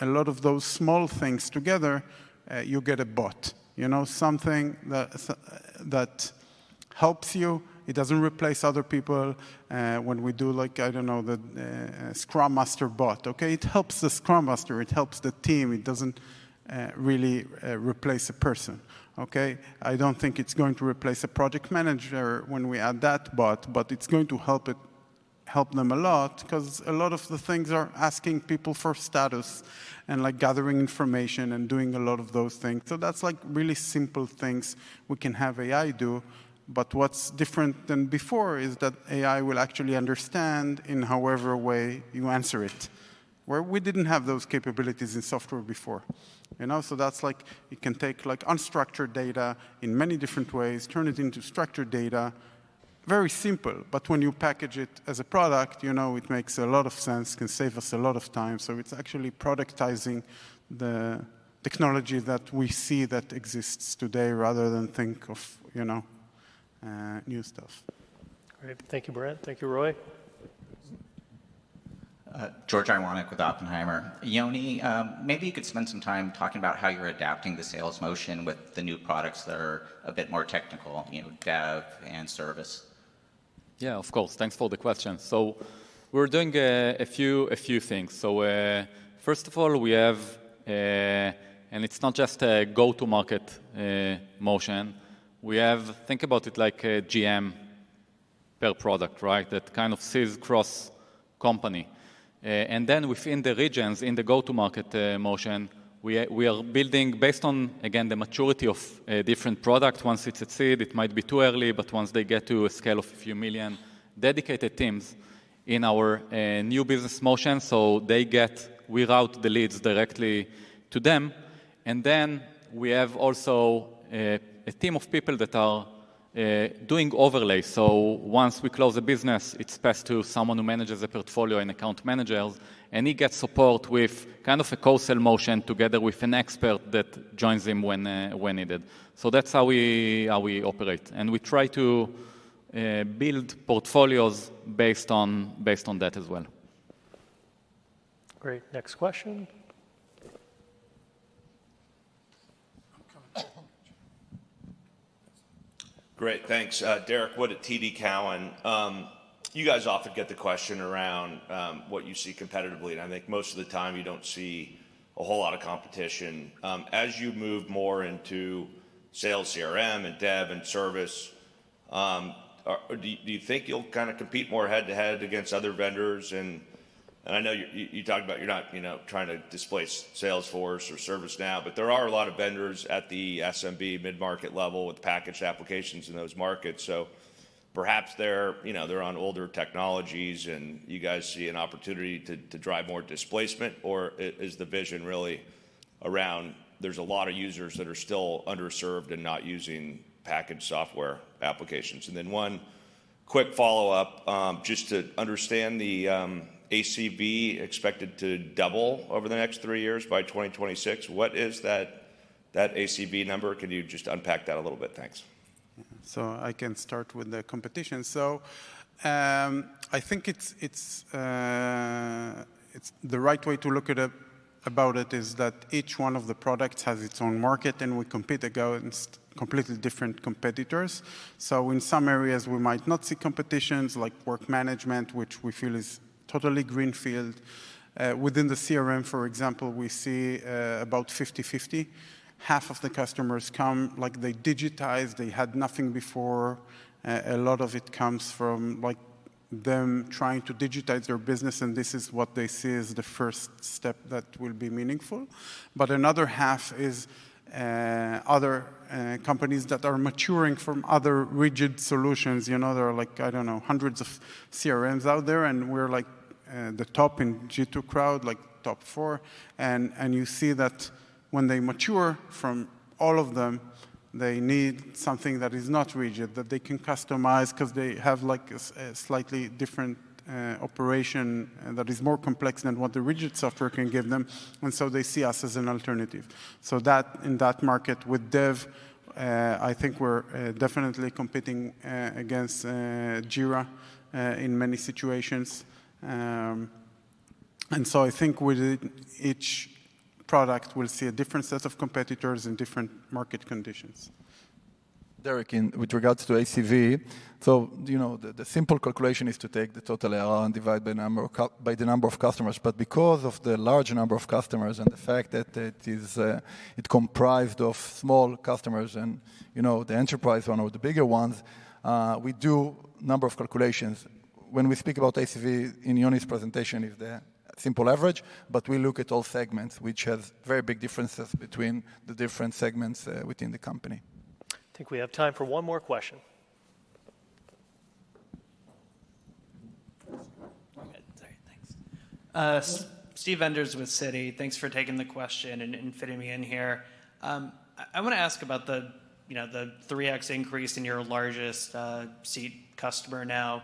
a lot of those small things together, you get a bot, you know, something that, that helps you. It doesn't replace other people. When we do, like, I don't know, the, scrum master bot, okay? It helps the scrum master, it helps the team. It doesn't, really, replace a person, okay? I don't think it's going to replace a project manager when we add that bot, but it's going to help it, help them a lot, 'cause a lot of the things are asking people for status and, like, gathering information and doing a lot of those things. So that's, like, really simple things we can have AI do. But what's different than before is that AI will actually understand in however way you answer it, where we didn't have those capabilities in software before, you know? So that's like, it can take, like, unstructured data in many different ways, turn it into structured data. Very simple, but when you package it as a product, you know, it makes a lot of sense. It can save us a lot of time. So it's actually productizing the technology that we see that exists today rather than think of, you know, new stuff. Great. Thank you, Brent. Thank you, Roy. George Iwanyc with Oppenheimer. Yoni, maybe you could spend some time talking about how you're adapting the sales motion with the new products that are a bit more technical, you know, dev and service. Yeah, of course. Thanks for the question. So we're doing a few things. So, first of all, we have... And it's not just a go-to-market motion. ... we have, think about it like a GM per product, right? That kind of sees cross company. And then within the regions, in the go-to-market motion, we are building based on, again, the maturity of a different product. Once it's at seed, it might be too early, but once they get to a scale of a few million dedicated teams in our new business motion, so they get without the leads directly to them. And then we have also a team of people that are doing overlay. So once we close a business, it's passed to someone who manages a portfolio and account manager, and he gets support with kind of a co-sale motion together with an expert that joins him when needed. So that's how we operate, and we try to build portfolios based on that as well. Great. Next question. I'm coming. Great, thanks. Derrick Wood at TD Cowen. You guys often get the question around what you see competitively, and I think most of the time you don't see a whole lot of competition. As you move more into sales, CRM, and dev, and service, do you think you'll kinda compete more head-to-head against other vendors? And I know you talked about you're not, you know, trying to displace Salesforce or ServiceNow, but there are a lot of vendors at the SMB mid-market level with packaged applications in those markets. So perhaps they're, you know, they're on older technologies, and you guys see an opportunity to drive more displacement, or is the vision really around there's a lot of users that are still underserved and not using packaged software applications? One quick follow-up, just to understand the ACV expected to double over the next three years by 2026. What is that ACV number? Can you just unpack that a little bit? Thanks. So I can start with the competition. So, I think it's the right way to look at it about it is that each one of the products has its own market, and we compete against completely different competitors. So in some areas, we might not see competition, like work management, which we feel is totally greenfield. Within the CRM, for example, we see about 50/50. Half of the customers come, like, they digitize, they had nothing before. A lot of it comes from, like, them trying to digitize their business, and this is what they see as the first step that will be meaningful. But another half is other companies that are maturing from other rigid solutions. You know, there are like, I don't know, hundreds of CRMs out there, and we're like, the top in G2 Crowd, like top four. And you see that when they mature from all of them, they need something that is not rigid, that they can customize 'cause they have, like, a slightly different, operation that is more complex than what the rigid software can give them, and so they see us as an alternative. So that, in that market with monday dev, I think we're definitely competing against Jira in many situations. And so I think with each product, we'll see a different set of competitors in different market conditions. Derek, with regards to ACV, so, you know, the simple calculation is to take the total ARR and divide by the number of customers. But because of the large number of customers and the fact that it is comprised of small customers and, you know, the enterprise one or the bigger ones, we do a number of calculations. When we speak about ACV in Yoni's presentation, it's the simple average, but we look at all segments, which has very big differences between the different segments within the company. I think we have time for one more question. Go ahead. Sorry, thanks. Steve Enders with Citi. Thanks for taking the question and, and fitting me in here. I wanna ask about the, you know, the 3x increase in your largest, seat customer now.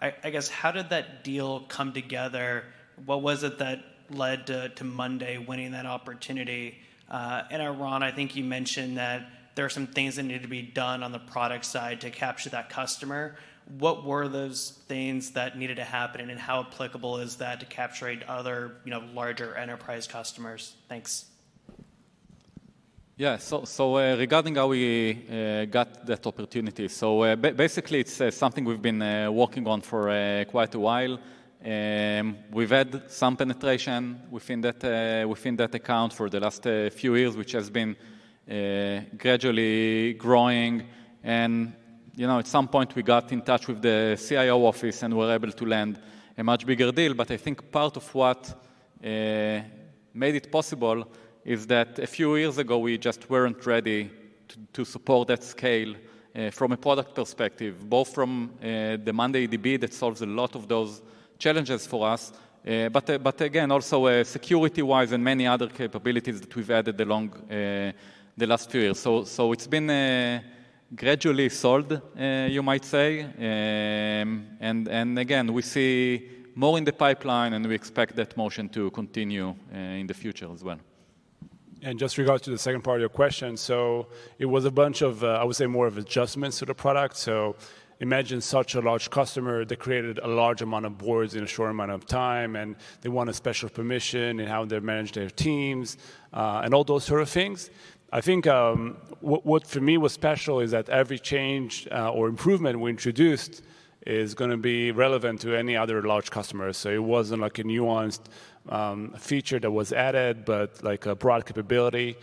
I guess, how did that deal come together? What was it that led to, to Monday winning that opportunity? And, Eran, I think you mentioned that there are some things that need to be done on the product side to capture that customer. What were those things that needed to happen, and how applicable is that to capturing other, you know, larger enterprise customers? Thanks. Yeah. So, regarding how we got that opportunity, basically, it's something we've been working on for quite a while. We've had some penetration within that account for the last few years, which has been gradually growing. And, you know, at some point, we got in touch with the CIO office and were able to land a much bigger deal. But I think part of what made it possible is that a few years ago, we just weren't ready to support that scale from a product perspective, both from the mondayDB that solves a lot of those challenges for us, but again, also, security-wise and many other capabilities that we've added along the last few years. So, it's been gradually solved, you might say. Again, we see more in the pipeline, and we expect that motion to continue in the future as well. Just regard to the second part of your question, so it was a bunch of, I would say, more of adjustments to the product. So imagine such a large customer that created a large amount of boards in a short amount of time, and they want a special permission in how they manage their teams, and all those sort of things. I think, what for me was special is that every change, or improvement we introduced is gonna be relevant to any other large customer. So it wasn't like a nuanced, feature that was added, but like a broad capability.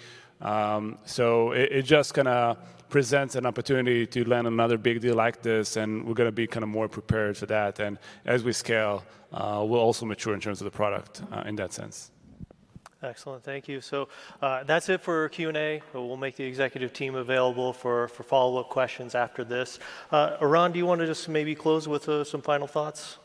So it just kinda presents an opportunity to land another big deal like this, and we're gonna be kinda more prepared for that. As we scale, we'll also mature in terms of the product, in that sense.... Excellent. Thank you. So, that's it for our Q&A, but we'll make the executive team available for follow-up questions after this. Eran, do you wanna just maybe close with some final thoughts?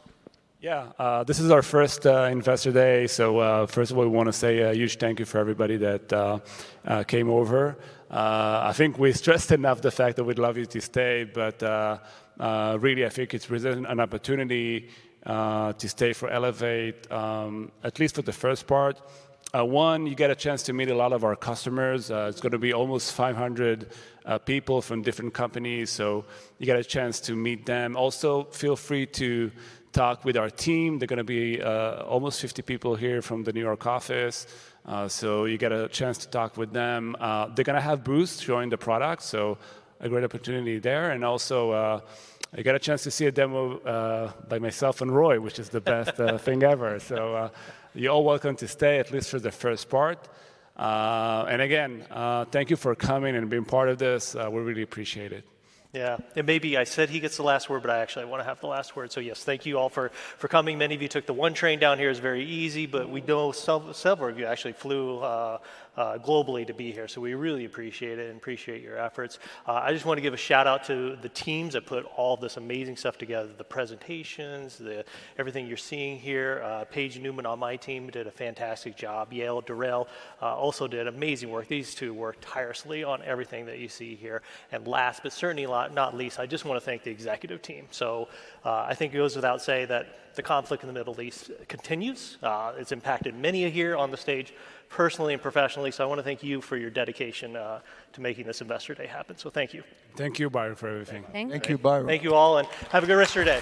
Yeah, this is our first Investor Day, so first of all, we wanna say a huge thank you for everybody that came over. I think we stressed enough the fact that we'd love you to stay, but really, I think it's an opportunity to stay for Elevate, at least for the first part. One, you get a chance to meet a lot of our customers. It's gonna be almost 500 people from different companies, so you get a chance to meet them. Also, feel free to talk with our team. They're gonna be almost 50 people here from the New York office, so you get a chance to talk with them. They're gonna have booths showing the products, so a great opportunity there. And also, you get a chance to see a demo by myself and Roy, which is the best thing ever. So, you're all welcome to stay, at least for the first part. And again, thank you for coming and being part of this. We really appreciate it. Yeah. Maybe I said he gets the last word, but I actually wanna have the last word, so yes, thank you all for coming. Many of you took the 1 train down here. It's very easy, but we know several of you actually flew globally to be here, so we really appreciate it and appreciate your efforts. I just wanna give a shout-out to the teams that put all this amazing stuff together, the presentations, the... everything you're seeing here. Paige Newman on my team did a fantastic job. Yael Darel also did amazing work. These two worked tirelessly on everything that you see here. And last, but certainly not least, I just wanna thank the executive team. I think it goes without saying that the conflict in the Middle East continues. It's impacted many here on the stage, personally and professionally, so I wanna thank you for your dedication to making this Investor Day happen. Thank you. Thank you, Byron, for everything. Thank you. Thank you, Byron. Thank you, all, and have a good rest of your day.